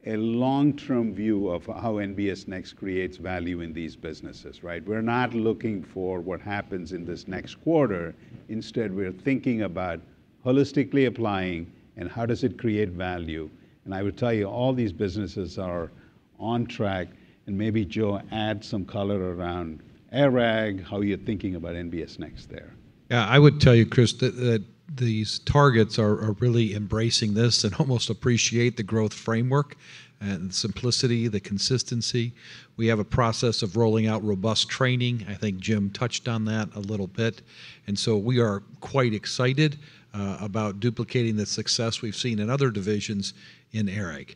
a long-term view of how NBS Next creates value in these businesses, right? We're not looking for what happens in this next quarter. Instead, we're thinking about holistically applying, and how does it create value? And I would tell you, all these businesses are on track, and maybe, Joe, add some color around ARAG, how you're thinking about NBS Next there. Yeah, I would tell you, Chris, that these targets are really embracing this and almost appreciate the growth framework and the simplicity, the consistency. We have a process of rolling out robust training. I think Jim touched on that a little bit, and so we are quite excited about duplicating the success we've seen in other divisions in ARAG.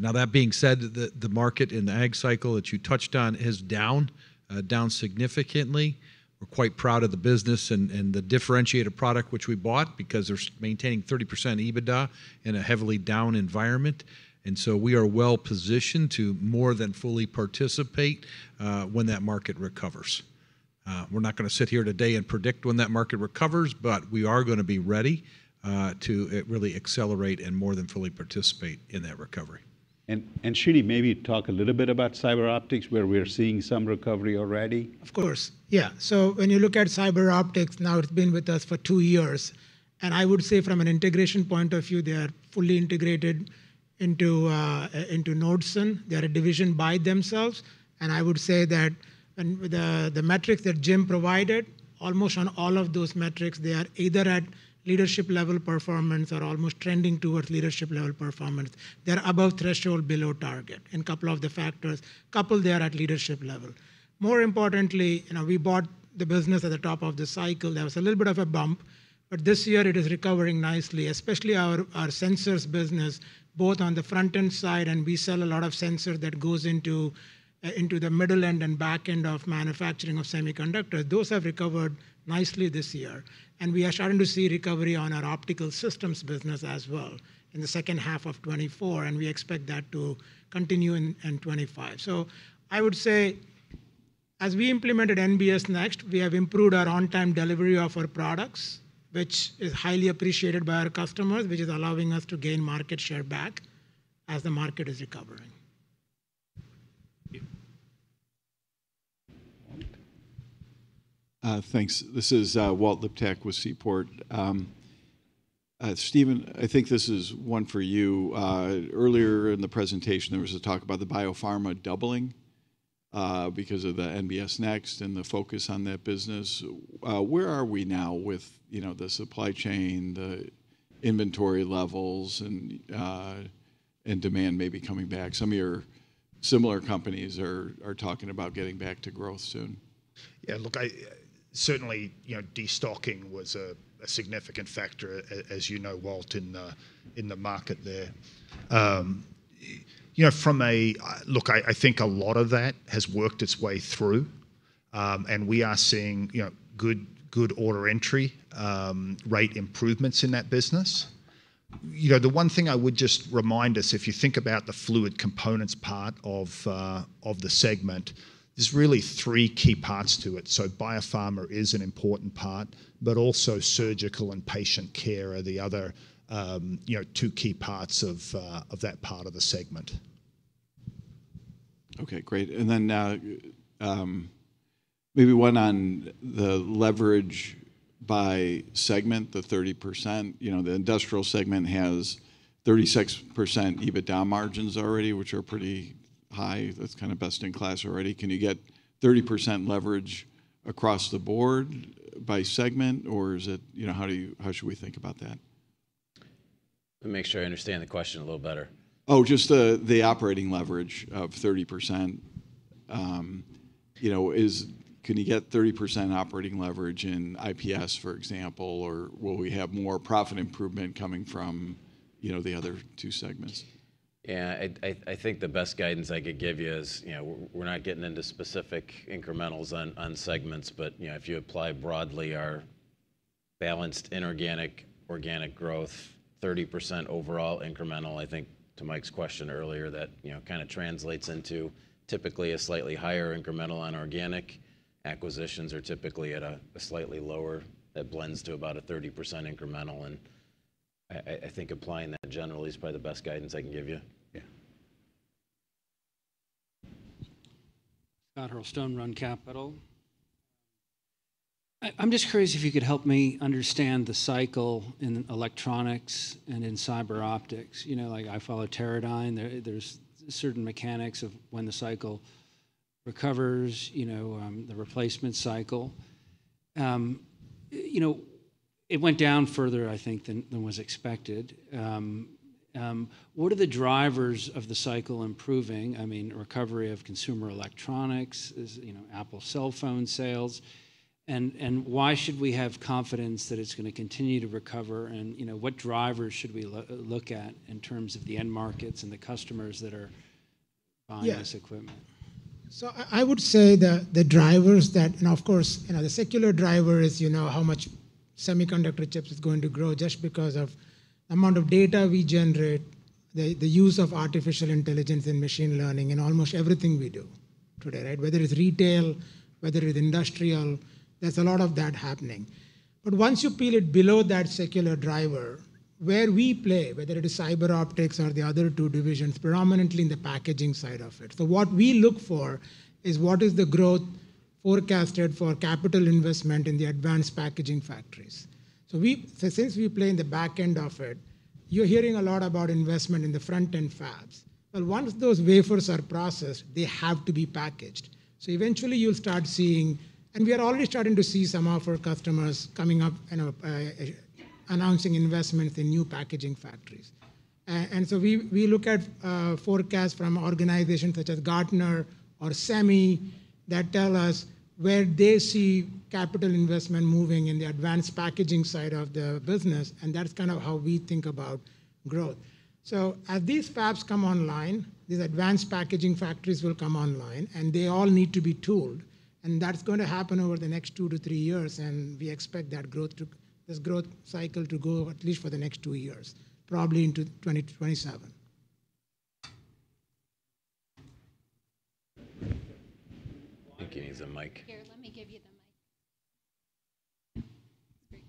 Now, that being said, the market in the ag cycle that you touched on is down significantly. We're quite proud of the business and the differentiated product which we bought because they're maintaining 30% EBITDA in a heavily down environment, and so we are well-positioned to more than fully participate when that market recovers. We're not gonna sit here today and predict when that market recovers, but we are gonna be ready to really accelerate and more than fully participate in that recovery. Srini, maybe talk a little bit about CyberOptics, where we are seeing some recovery already. Of course, yeah. So when you look at CyberOptics, now, it's been with us for two years, and I would say from an integration point of view, they are fully integrated into Nordson. They are a division by themselves, and I would say that when the metrics that Jim provided, almost on all of those metrics, they are either at leadership level performance or almost trending towards leadership level performance. They're above threshold, below target, in couple of the factors. Couple, they are at leadership level. More importantly, you know, we bought the business at the top of the cycle. There was a little bit of a bump, but this year it is recovering nicely, especially our sensors business, both on the front-end side, and we sell a lot of sensor that goes into the middle end and back end of manufacturing of semiconductors. Those have recovered nicely this year, and we are starting to see recovery on our optical systems business as well in the second half of 2024, and we expect that to continue in 2025. So I would say, as we implemented NBS Next, we have improved our on-time delivery of our products, which is highly appreciated by our customers, which is allowing us to gain market share back as the market is recovering. Thank you. Thanks. This is Walter Liptak with Seaport. Stephen, I think this is one for you. Earlier in the presentation, there was a talk about the biopharma doubling because of the NBS Next and the focus on that business. Where are we now with, you know, the supply chain, the inventory levels, and demand maybe coming back? Some of your similar companies are talking about getting back to growth soon. Yeah, look, I certainly, you know, de-stocking was a significant factor, as you know, Walter, in the market there. You know, from a... Look, I think a lot of that has worked its way through, and we are seeing, you know, good order entry rate improvements in that business. You know, the one thing I would just remind us, if you think about the fluid components part of the segment, there's really three key parts to it. So biopharma is an important part, but also surgical and patient care are the other, you know, two key parts of that part of the segment. Okay, great. And then, maybe one on the leverage by segment, the 30%. You know, the industrial segment has 36% EBITDA margins already, which are pretty high. That's kind of best in class already. Can you get 30% leverage across the board by segment, or is it, you know, how do you- how should we think about that? Let me make sure I understand the question a little better. Oh, just the operating leverage of 30%. You know, can you get 30% operating leverage in IPS, for example, or will we have more profit improvement coming from, you know, the other two segments? Yeah, I think the best guidance I could give you is, you know, we're not getting into specific incrementals on segments, but, you know, if you apply broadly our balanced inorganic, organic growth, 30% overall incremental, I think to Mike's question earlier, that, you know, kind of translates into typically a slightly higher incremental on organic. Acquisitions are typically at a slightly lower, that blends to about a 30% incremental, and I think applying that generally is probably the best guidance I can give you. Yeah. Scott Hurlstone, Run Capital. I'm just curious if you could help me understand the cycle in electronics and in CyberOptics. You know, like, I follow Teradyne. There's certain mechanics of when the cycle recovers, you know, the replacement cycle. You know, it went down further, I think, than was expected. What are the drivers of the cycle improving? I mean, recovery of consumer electronics is, you know, Apple cell phone sales, and why should we have confidence that it's gonna continue to recover? And, you know, what drivers should we look at in terms of the end markets and the customers that are- Yeah buying this equipment? So I would say that the drivers. And of course, you know, the secular driver is, you know, how much semiconductor chips is going to grow just because of amount of data we generate, the use of artificial intelligence and machine learning in almost everything we do today, right? Whether it's retail, whether it's industrial, there's a lot of that happening. But once you peel it below that secular driver, where we play, whether it is CyberOptics or the other two divisions, predominantly in the packaging side of it. So what we look for is what is the growth forecasted for capital investment in the advanced packaging factories? So since we play in the back end of it, you're hearing a lot about investment in the front-end fabs. But once those wafers are processed, they have to be packaged. So eventually, you'll start seeing, and we are already starting to see some of our customers coming up and announcing investments in new packaging factories. And so we look at forecasts from organizations such as Gartner or SEMI that tell us where they see capital investment moving in the advanced packaging side of the business, and that's kind of how we think about growth. So as these fabs come online, these advanced packaging factories will come online, and they all need to be tooled, and that's gonna happen over the next two to three years, and we expect that growth to this growth cycle to go at least for the next two years, probably into 2027. I think he needs a mic. Here, let me give you the mic.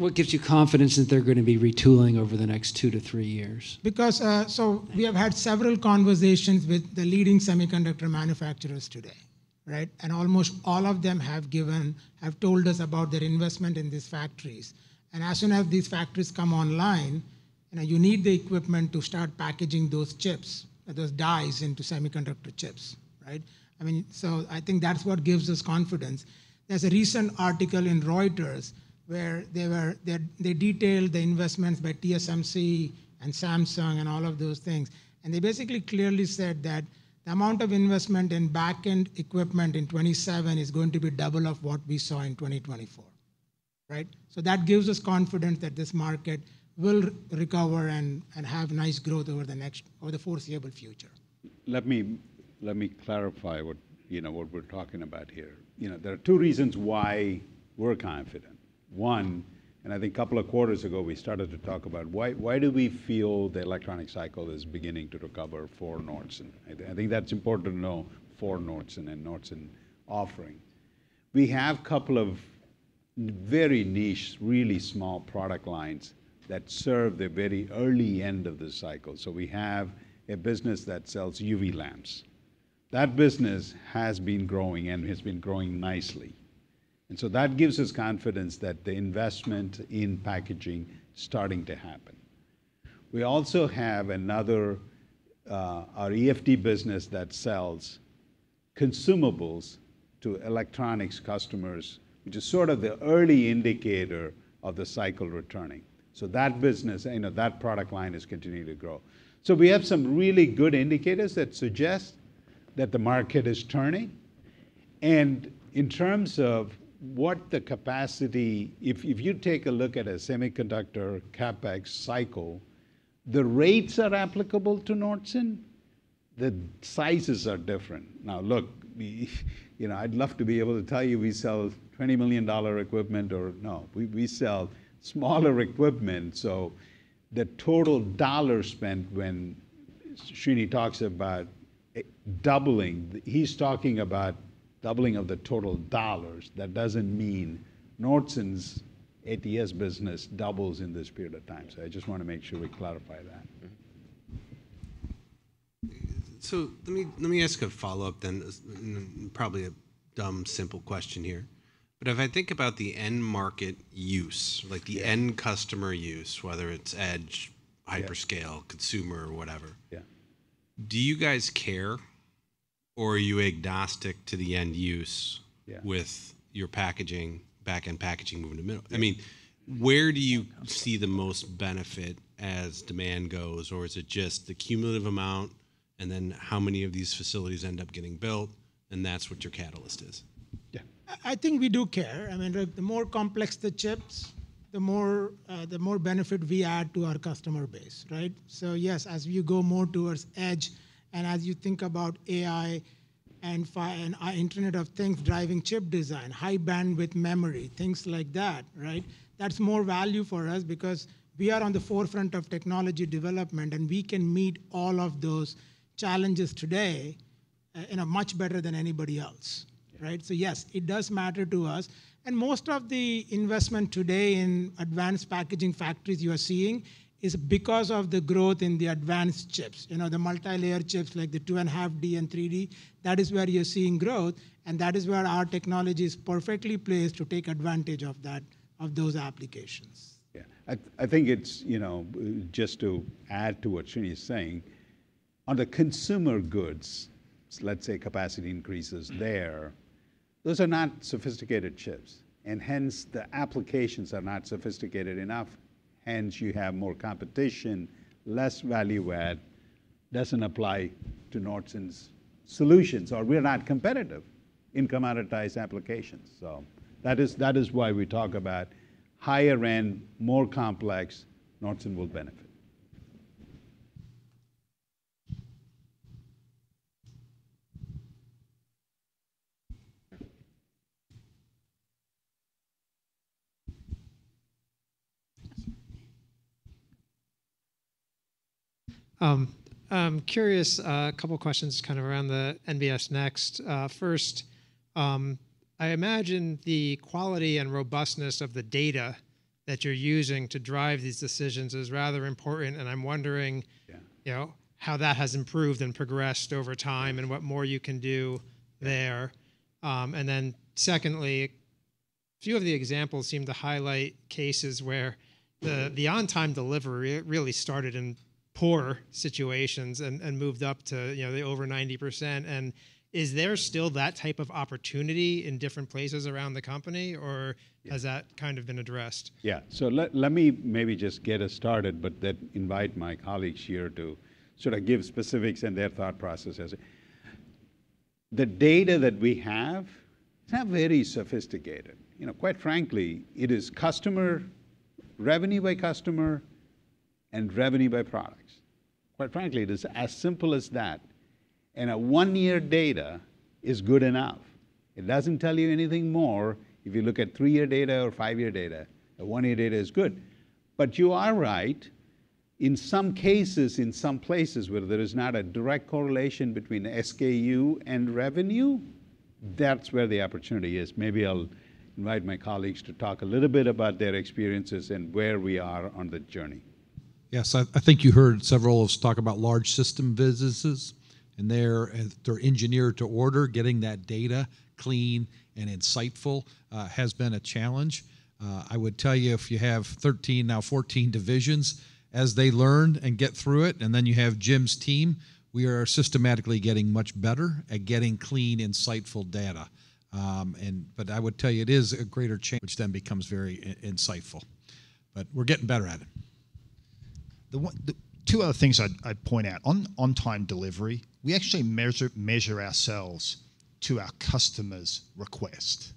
What gives you confidence that they're gonna be retooling over the next two to three years? Because, so we have had several conversations with the leading semiconductor manufacturers today, right? And almost all of them have given, have told us about their investment in these factories. And as soon as these factories come online, you know, you need the equipment to start packaging those chips, those dies into semiconductor chips, right? I mean, so I think that's what gives us confidence. There's a recent article in Reuters where they detailed the investments by TSMC and Samsung and all of those things, and they basically clearly said that the amount of investment in back-end equipment in 2027 is going to be double of what we saw in 2024, right? So that gives us confidence that this market will recover and have nice growth over the foreseeable future. Let me clarify what, you know, what we're talking about here. You know, there are two reasons why we're confident. One, and I think a couple of quarters ago, we started to talk about why do we feel the electronic cycle is beginning to recover for Nordson? I think that's important to know for Nordson and Nordson offering. We have couple of very niche, really small product lines that serve the very early end of the cycle. So we have a business that sells UV lamps. That business has been growing, and has been growing nicely, and so that gives us confidence that the investment in packaging is starting to happen. We also have another, our EFD business that sells consumables to electronics customers, which is sort of the early indicator of the cycle returning. That business and that product line is continuing to grow. So we have some really good indicators that suggest that the market is turning. And in terms of what the capacity... If you take a look at a semiconductor CapEx cycle, the rates are applicable to Nordson, the sizes are different. Now, look, we, you know, I'd love to be able to tell you, we sell $20 million equipment or No, we sell smaller equipment, so the total dollar spent when Srini talks about doubling, he's talking about doubling of the total dollars. That doesn't mean Nordson's ATS business doubles in this period of time. So I just want to make sure we clarify that. Mm-hmm. So let me ask a follow-up then. Probably a dumb, simple question here, but if I think about the end market use, like the- Yeah end customer use, whether it's edge- Yeah hyperscale, consumer or whatever- Yeah. Do you guys care, or are you agnostic to the end use? Yeah with your packaging, back-end packaging moving to middle? Yeah. I mean, where do you see the most benefit as demand goes, or is it just the cumulative amount, and then how many of these facilities end up getting built, and that's what your catalyst is? Yeah. I think we do care. I mean, the more complex the chips, the more benefit we add to our customer base, right? So yes, as you go more towards edge and as you think about AI and Internet of Things driving chip design, High Bandwidth Memory, things like that, right? That's more value for us because we are on the forefront of technology development, and we can meet all of those challenges today, in a much better than anybody else, right? So yes, it does matter to us. And most of the investment today in advanced packaging factories you are seeing is because of the growth in the advanced chips. You know, the multilayer chips, like the 2.5D and 3D, that is where you're seeing growth, and that is where our technology is perfectly placed to take advantage of that, of those applications. Yeah. I think it's, you know, just to add to what Srini is saying, on the consumer goods, let's say capacity increases there, those are not sophisticated chips, and hence, the applications are not sophisticated enough. Hence, you have more competition, less value add. Doesn't apply to Nordson's solutions, or we're not competitive in commoditized applications. So that is why we talk about higher end, more complex, Nordson will benefit. Yes, sir. I'm curious, a couple questions kind of around the NBS Next. First, I imagine the quality and robustness of the data that you're using to drive these decisions is rather important, and I'm wondering- Yeah you know, how that has improved and progressed over time- Yeah and what more you can do there. Yeah. And then secondly, a few of the examples seem to highlight cases where the on-time delivery really started in poorer situations and moved up to, you know, over 90%. And is there still that type of opportunity in different places around the company, or- Yeah has that kind of been addressed? Yeah. So let me maybe just get us started, but then invite my colleagues here to sort of give specifics and their thought processes. The data that we have, it's not very sophisticated. You know, quite frankly, it is customer, revenue by customer and revenue by products. Quite frankly, it is as simple as that And one-year data is good enough. It doesn't tell you anything more if you look at three-year data or five-year data. The one-year data is good. But you are right, in some cases, in some places where there is not a direct correlation between SKU and revenue, that's where the opportunity is. Maybe I'll invite my colleagues to talk a little bit about their experiences and where we are on the journey. Yes, I think you heard several of us talk about large system businesses, and they're engineered to order. Getting that data clean and insightful has been a challenge. I would tell you, if you have 13, now 14 divisions, as they learn and get through it, and then you have Jim's team, we are systematically getting much better at getting clean, insightful data. But I would tell you, it is a greater change which then becomes very insightful, but we're getting better at it. The two other things I'd point out. On-time delivery, we actually measure ourselves to our customer's request.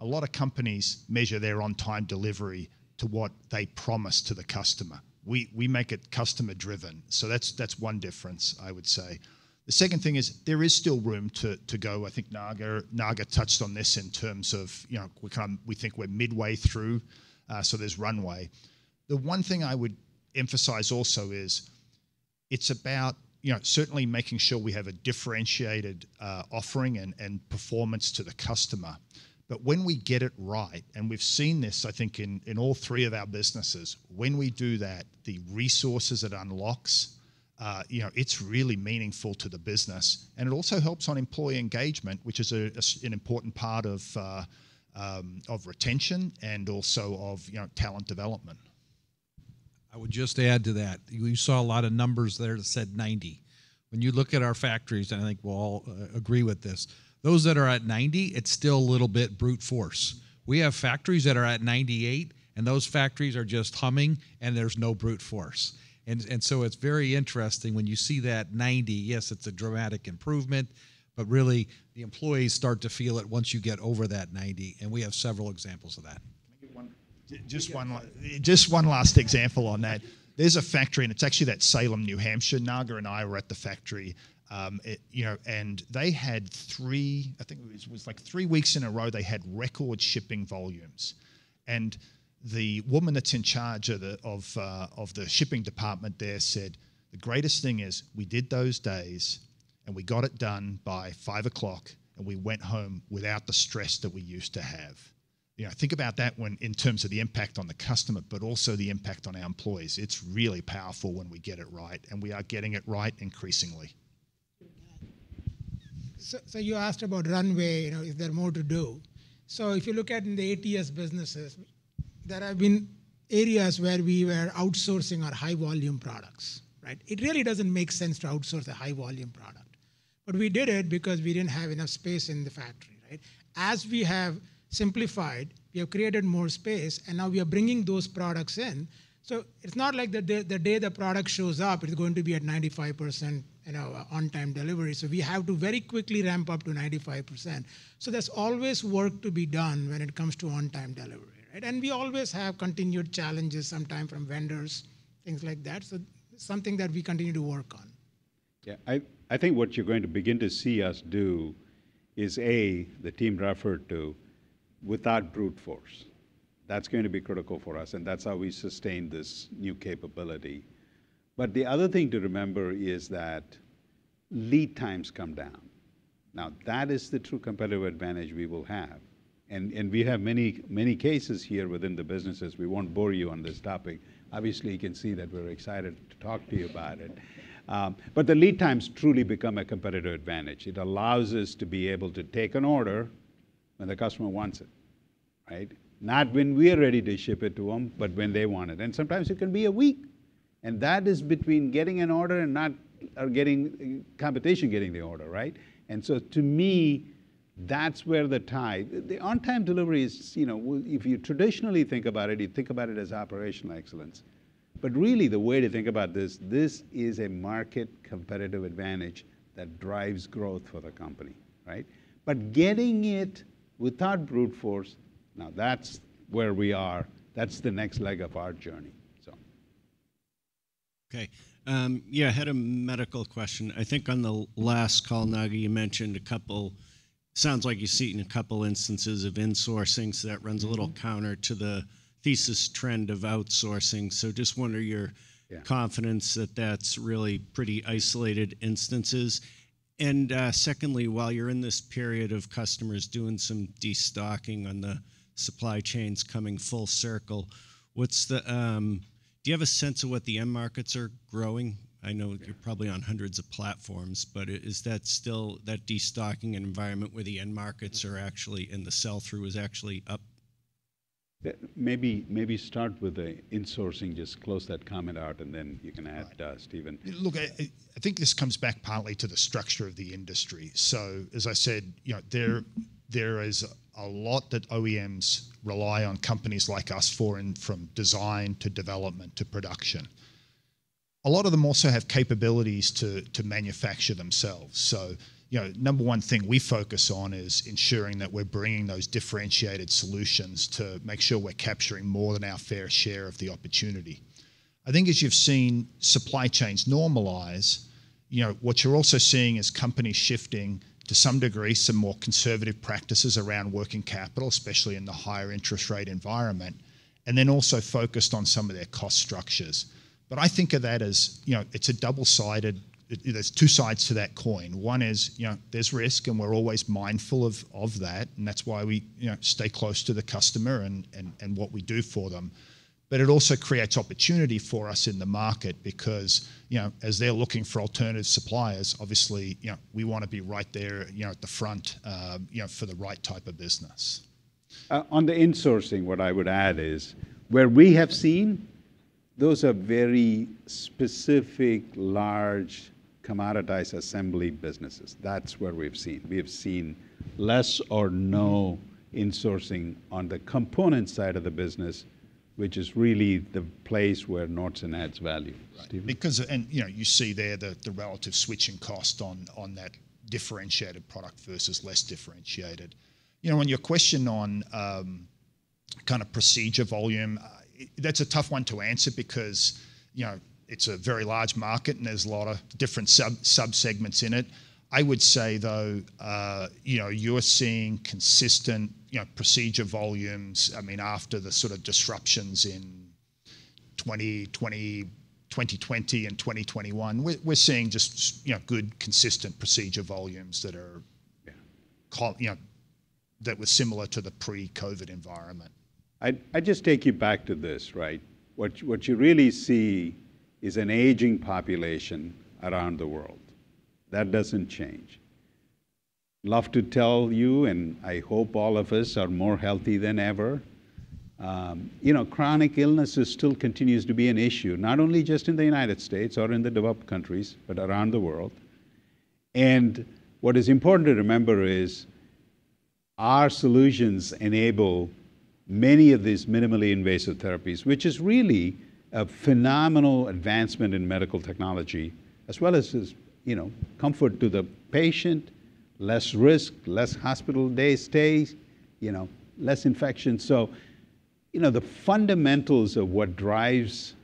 A lot of companies measure their on-time delivery to what they promise to the customer. We make it customer-driven, so that's one difference I would say. The second thing is, there is still room to go. I think Naga touched on this in terms of, you know, we think we're midway through, so there's runway. The one thing I would emphasize also is it's about, you know, certainly making sure we have a differentiated offering and performance to the customer. But when we get it right, and we've seen this, I think in all three of our businesses, when we do that, the resources it unlocks, you know, it's really meaningful to the business. It also helps on employee engagement, which is an important part of retention and also of, you know, talent development. I would just add to that. You saw a lot of numbers there that said 90%. When you look at our factories, and I think we'll all agree with this, those that are at 90%, it's still a little bit brute force. We have factories that are at 98%, and those factories are just humming, and there's no brute force. And, and so it's very interesting when you see that 90%, yes, it's a dramatic improvement, but really, the employees start to feel it once you get over that 90%, and we have several examples of that. Can I give just one last example on that. There's a factory, and it's actually at Salem, New Hampshire. Naga and I were at the factory, you know, and they had three. I think it was three weeks in a row, they had record shipping volumes. And the woman that's in charge of the shipping department there said, "The greatest thing is, we did those days, and we got it done by 5:00 P.M., and we went home without the stress that we used to have." You know, think about that in terms of the impact on the customer, but also the impact on our employees. It's really powerful when we get it right, and we are getting it right increasingly. So you asked about runway, you know, is there more to do? So if you look at in the ATS businesses, there have been areas where we were outsourcing our high-volume products, right? It really doesn't make sense to outsource a high-volume product, but we did it because we didn't have enough space in the factory, right? As we have simplified, we have created more space, and now we are bringing those products in. So it's not like the day the product shows up, it's going to be at 95%, you know, on-time delivery. So we have to very quickly ramp up to 95%. So there's always work to be done when it comes to on-time delivery, right? And we always have continued challenges, sometimes from vendors, things like that. So something that we continue to work on. Yeah, I think what you're going to begin to see us do is, A, the team referred to, without brute force. That's going to be critical for us, and that's how we sustain this new capability. But the other thing to remember is that lead times come down. Now, that is the true competitive advantage we will have, and we have many, many cases here within the businesses. We won't bore you on this topic. Obviously, you can see that we're excited to talk to you about it. But the lead times truly become a competitive advantage. It allows us to be able to take an order when the customer wants it, right? Not when we're ready to ship it to them, but when they want it. And sometimes it can be a week, and that is between getting an order and not, or competition getting the order, right? And so to me, that's where the on-time delivery is, you know, if you traditionally think about it, you think about it as operational excellence. But really, the way to think about this, this is a market competitive advantage that drives growth for the company, right? But getting it without brute force, now that's where we are. That's the next leg of our journey, so. Okay, yeah, I had a medical question. I think on the last call, Naga, you mentioned a couple, sounds like you've seen a couple instances of insourcing, so that runs- Mm-hmm a little counter to the thesis trend of outsourcing. So just wonder your- Yeah confidence that that's really pretty isolated instances. And, secondly, while you're in this period of customers doing some destocking and the supply chains coming full circle, what's the... Do you have a sense of what the end markets are growing? I know- Yeah you're probably on hundreds of platforms, but is that still that destocking environment where the end markets are actually- Mm and the sell-through is actually up? Yeah, maybe start with the insourcing. Just close that comment out, and then you can add. Right Stephen. Look, I think this comes back partly to the structure of the industry. So, as I said, you know, there is a lot that OEMs rely on companies like us for, and from design to development to production. A lot of them also have capabilities to manufacture themselves. So, you know, number one thing we focus on is ensuring that we're bringing those differentiated solutions to make sure we're capturing more than our fair share of the opportunity. I think as you've seen supply chains normalize, you know, what you're also seeing is companies shifting, to some degree, some more conservative practices around working capital, especially in the higher interest rate environment, and then also focused on some of their cost structures. But I think of that as, you know, it's a double-sided. Yeah, there's two sides to that coin. One is, you know, there's risk, and we're always mindful of that, and that's why we, you know, stay close to the customer and what we do for them. But it also creates opportunity for us in the market because, you know, as they're looking for alternative suppliers, obviously, you know, we wanna be right there, you know, at the front, you know, for the right type of business. On the insourcing, what I would add is where we have seen those are very specific, large, commoditized assembly businesses. That's where we've seen. We have seen less or no insourcing on the component side of the business, which is really the place where Nordson adds value. Right. Stephen? Because, and, you know, you see there the, the relative switching cost on, on that differentiated product versus less differentiated. You know, on your question on, kind of procedure volume, that's a tough one to answer because, you know, it's a very large market, and there's a lot of different sub-segments in it. I would say, though, you know, you're seeing consistent, you know, procedure volumes, I mean, after the sort of disruptions in 2020 and 2021. We're seeing just, you know, good, consistent procedure volumes that are- Yeah you know, that were similar to the pre-COVID environment. I'd just take you back to this, right? What you really see is an aging population around the world. That doesn't change. Love to tell you, and I hope all of us are more healthy than ever, you know, chronic illnesses still continues to be an issue, not only just in the United States or in the developed countries, but around the world. And what is important to remember is our solutions enable many of these minimally invasive therapies, which is really a phenomenal advancement in medical technology, as well as, you know, comfort to the patient, less risk, less hospital day stays, you know, less infection. So, you know, the fundamentals of what drives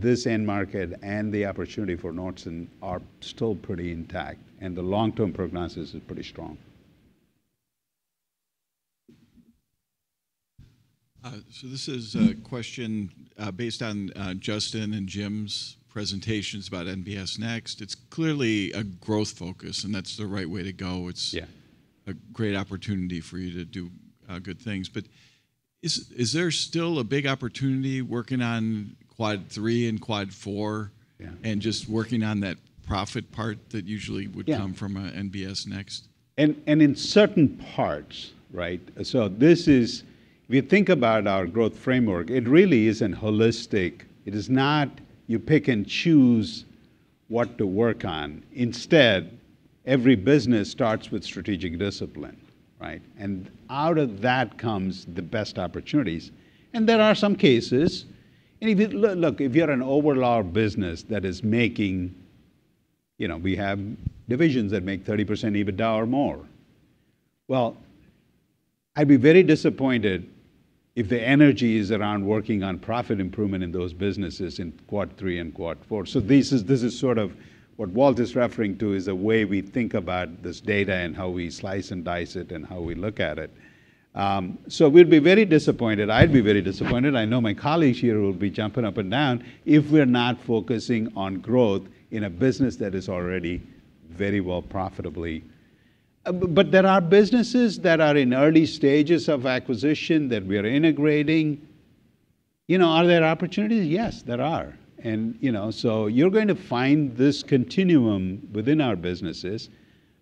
this end market and the opportunity for Nordson are still pretty intact, and the long-term prognosis is pretty strong. So, this is a question based on Justin and Jim's presentations about NBS Next. It's clearly a growth focus, and that's the right way to go. Yeah. It's a great opportunity for you to do good things. But is there still a big opportunity working on Quad 3 and Quad 4? Yeah and just working on that profit part that usually would- Yeah come from a NBS Next? In certain parts, right? So this is, if you think about our growth framework, it really isn't holistic. It is not you pick and choose what to work on. Instead, every business starts with strategic discipline, right? And out of that comes the best opportunities, and there are some cases. And if you look, if you're an overall business that is making, you know, we have divisions that make 30% EBITDA or more. Well, I'd be very disappointed if the energy is around working on profit improvement in those businesses in Quad 3 and Quad 4. This is sort of what Walter is referring to is the way we think about this data and how we slice and dice it, and how we look at it. We'd be very disappointed. I'd be very disappointed. I know my colleagues here would be jumping up and down if we're not focusing on growth in a business that is already very well profitably. But there are businesses that are in early stages of acquisition that we are integrating. You know, are there opportunities? Yes, there are, and, you know, so you're going to find this continuum within our businesses,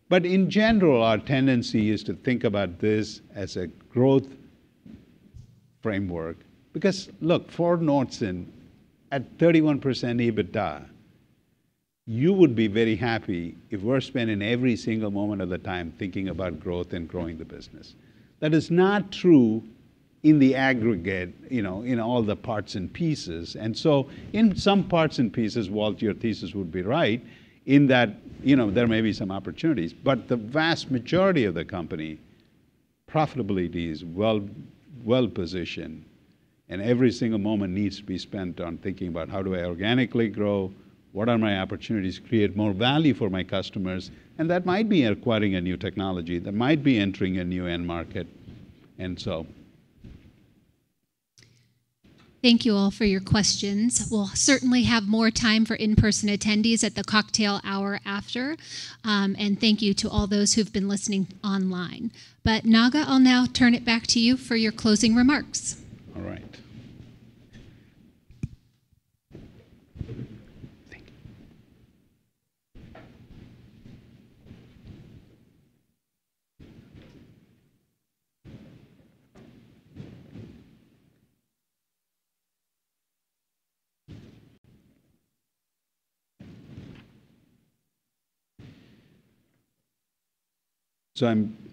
but in general, our tendency is to think about this as a growth framework. Because, look, for Nordson, at 31% EBITDA, you would be very happy if we're spending every single moment of the time thinking about growth and growing the business. That is not true in the aggregate, you know, in all the parts and pieces, and so in some parts and pieces, Walter, your thesis would be right, in that, you know, there may be some opportunities. But the vast majority of the company profitability is well, well-positioned, and every single moment needs to be spent on thinking about: How do I organically grow? What are my opportunities to create more value for my customers? And that might be acquiring a new technology, that might be entering a new end market, and so... Thank you all for your questions. We'll certainly have more time for in-person attendees at the cocktail hour after, and thank you to all those who've been listening online. But Naga, I'll now turn it back to you for your closing remarks. All right. Thank you. So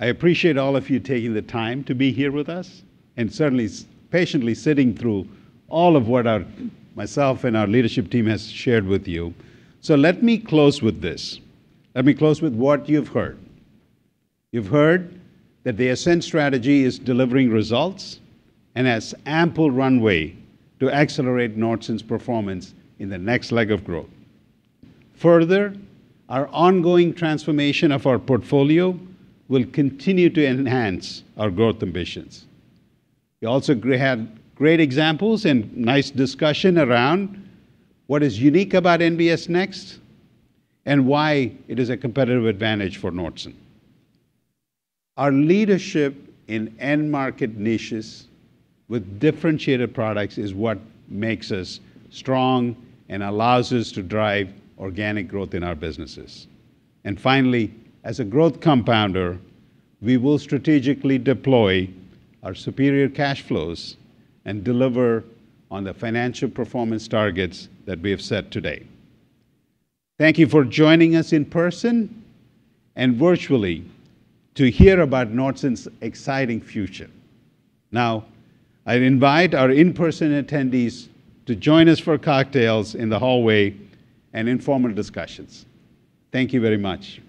I appreciate all of you taking the time to be here with us, and certainly patiently sitting through all of what our, myself and our leadership team has shared with you. Let me close with this. Let me close with what you've heard. You've heard that the Ascend Strategy is delivering results and has ample runway to accelerate Nordson's performance in the next leg of growth. Further, our ongoing transformation of our portfolio will continue to enhance our growth ambitions. We also had great examples and nice discussion around what is unique about NBS Next and why it is a competitive advantage for Nordson. Our leadership in end-market niches with differentiated products is what makes us strong and allows us to drive organic growth in our businesses. Finally, as a growth compounder, we will strategically deploy our superior cash flows and deliver on the financial performance targets that we have set today. Thank you for joining us in person and virtually to hear about Nordson's exciting future. Now, I invite our in-person attendees to join us for cocktails in the hallway and informal discussions. Thank you very much.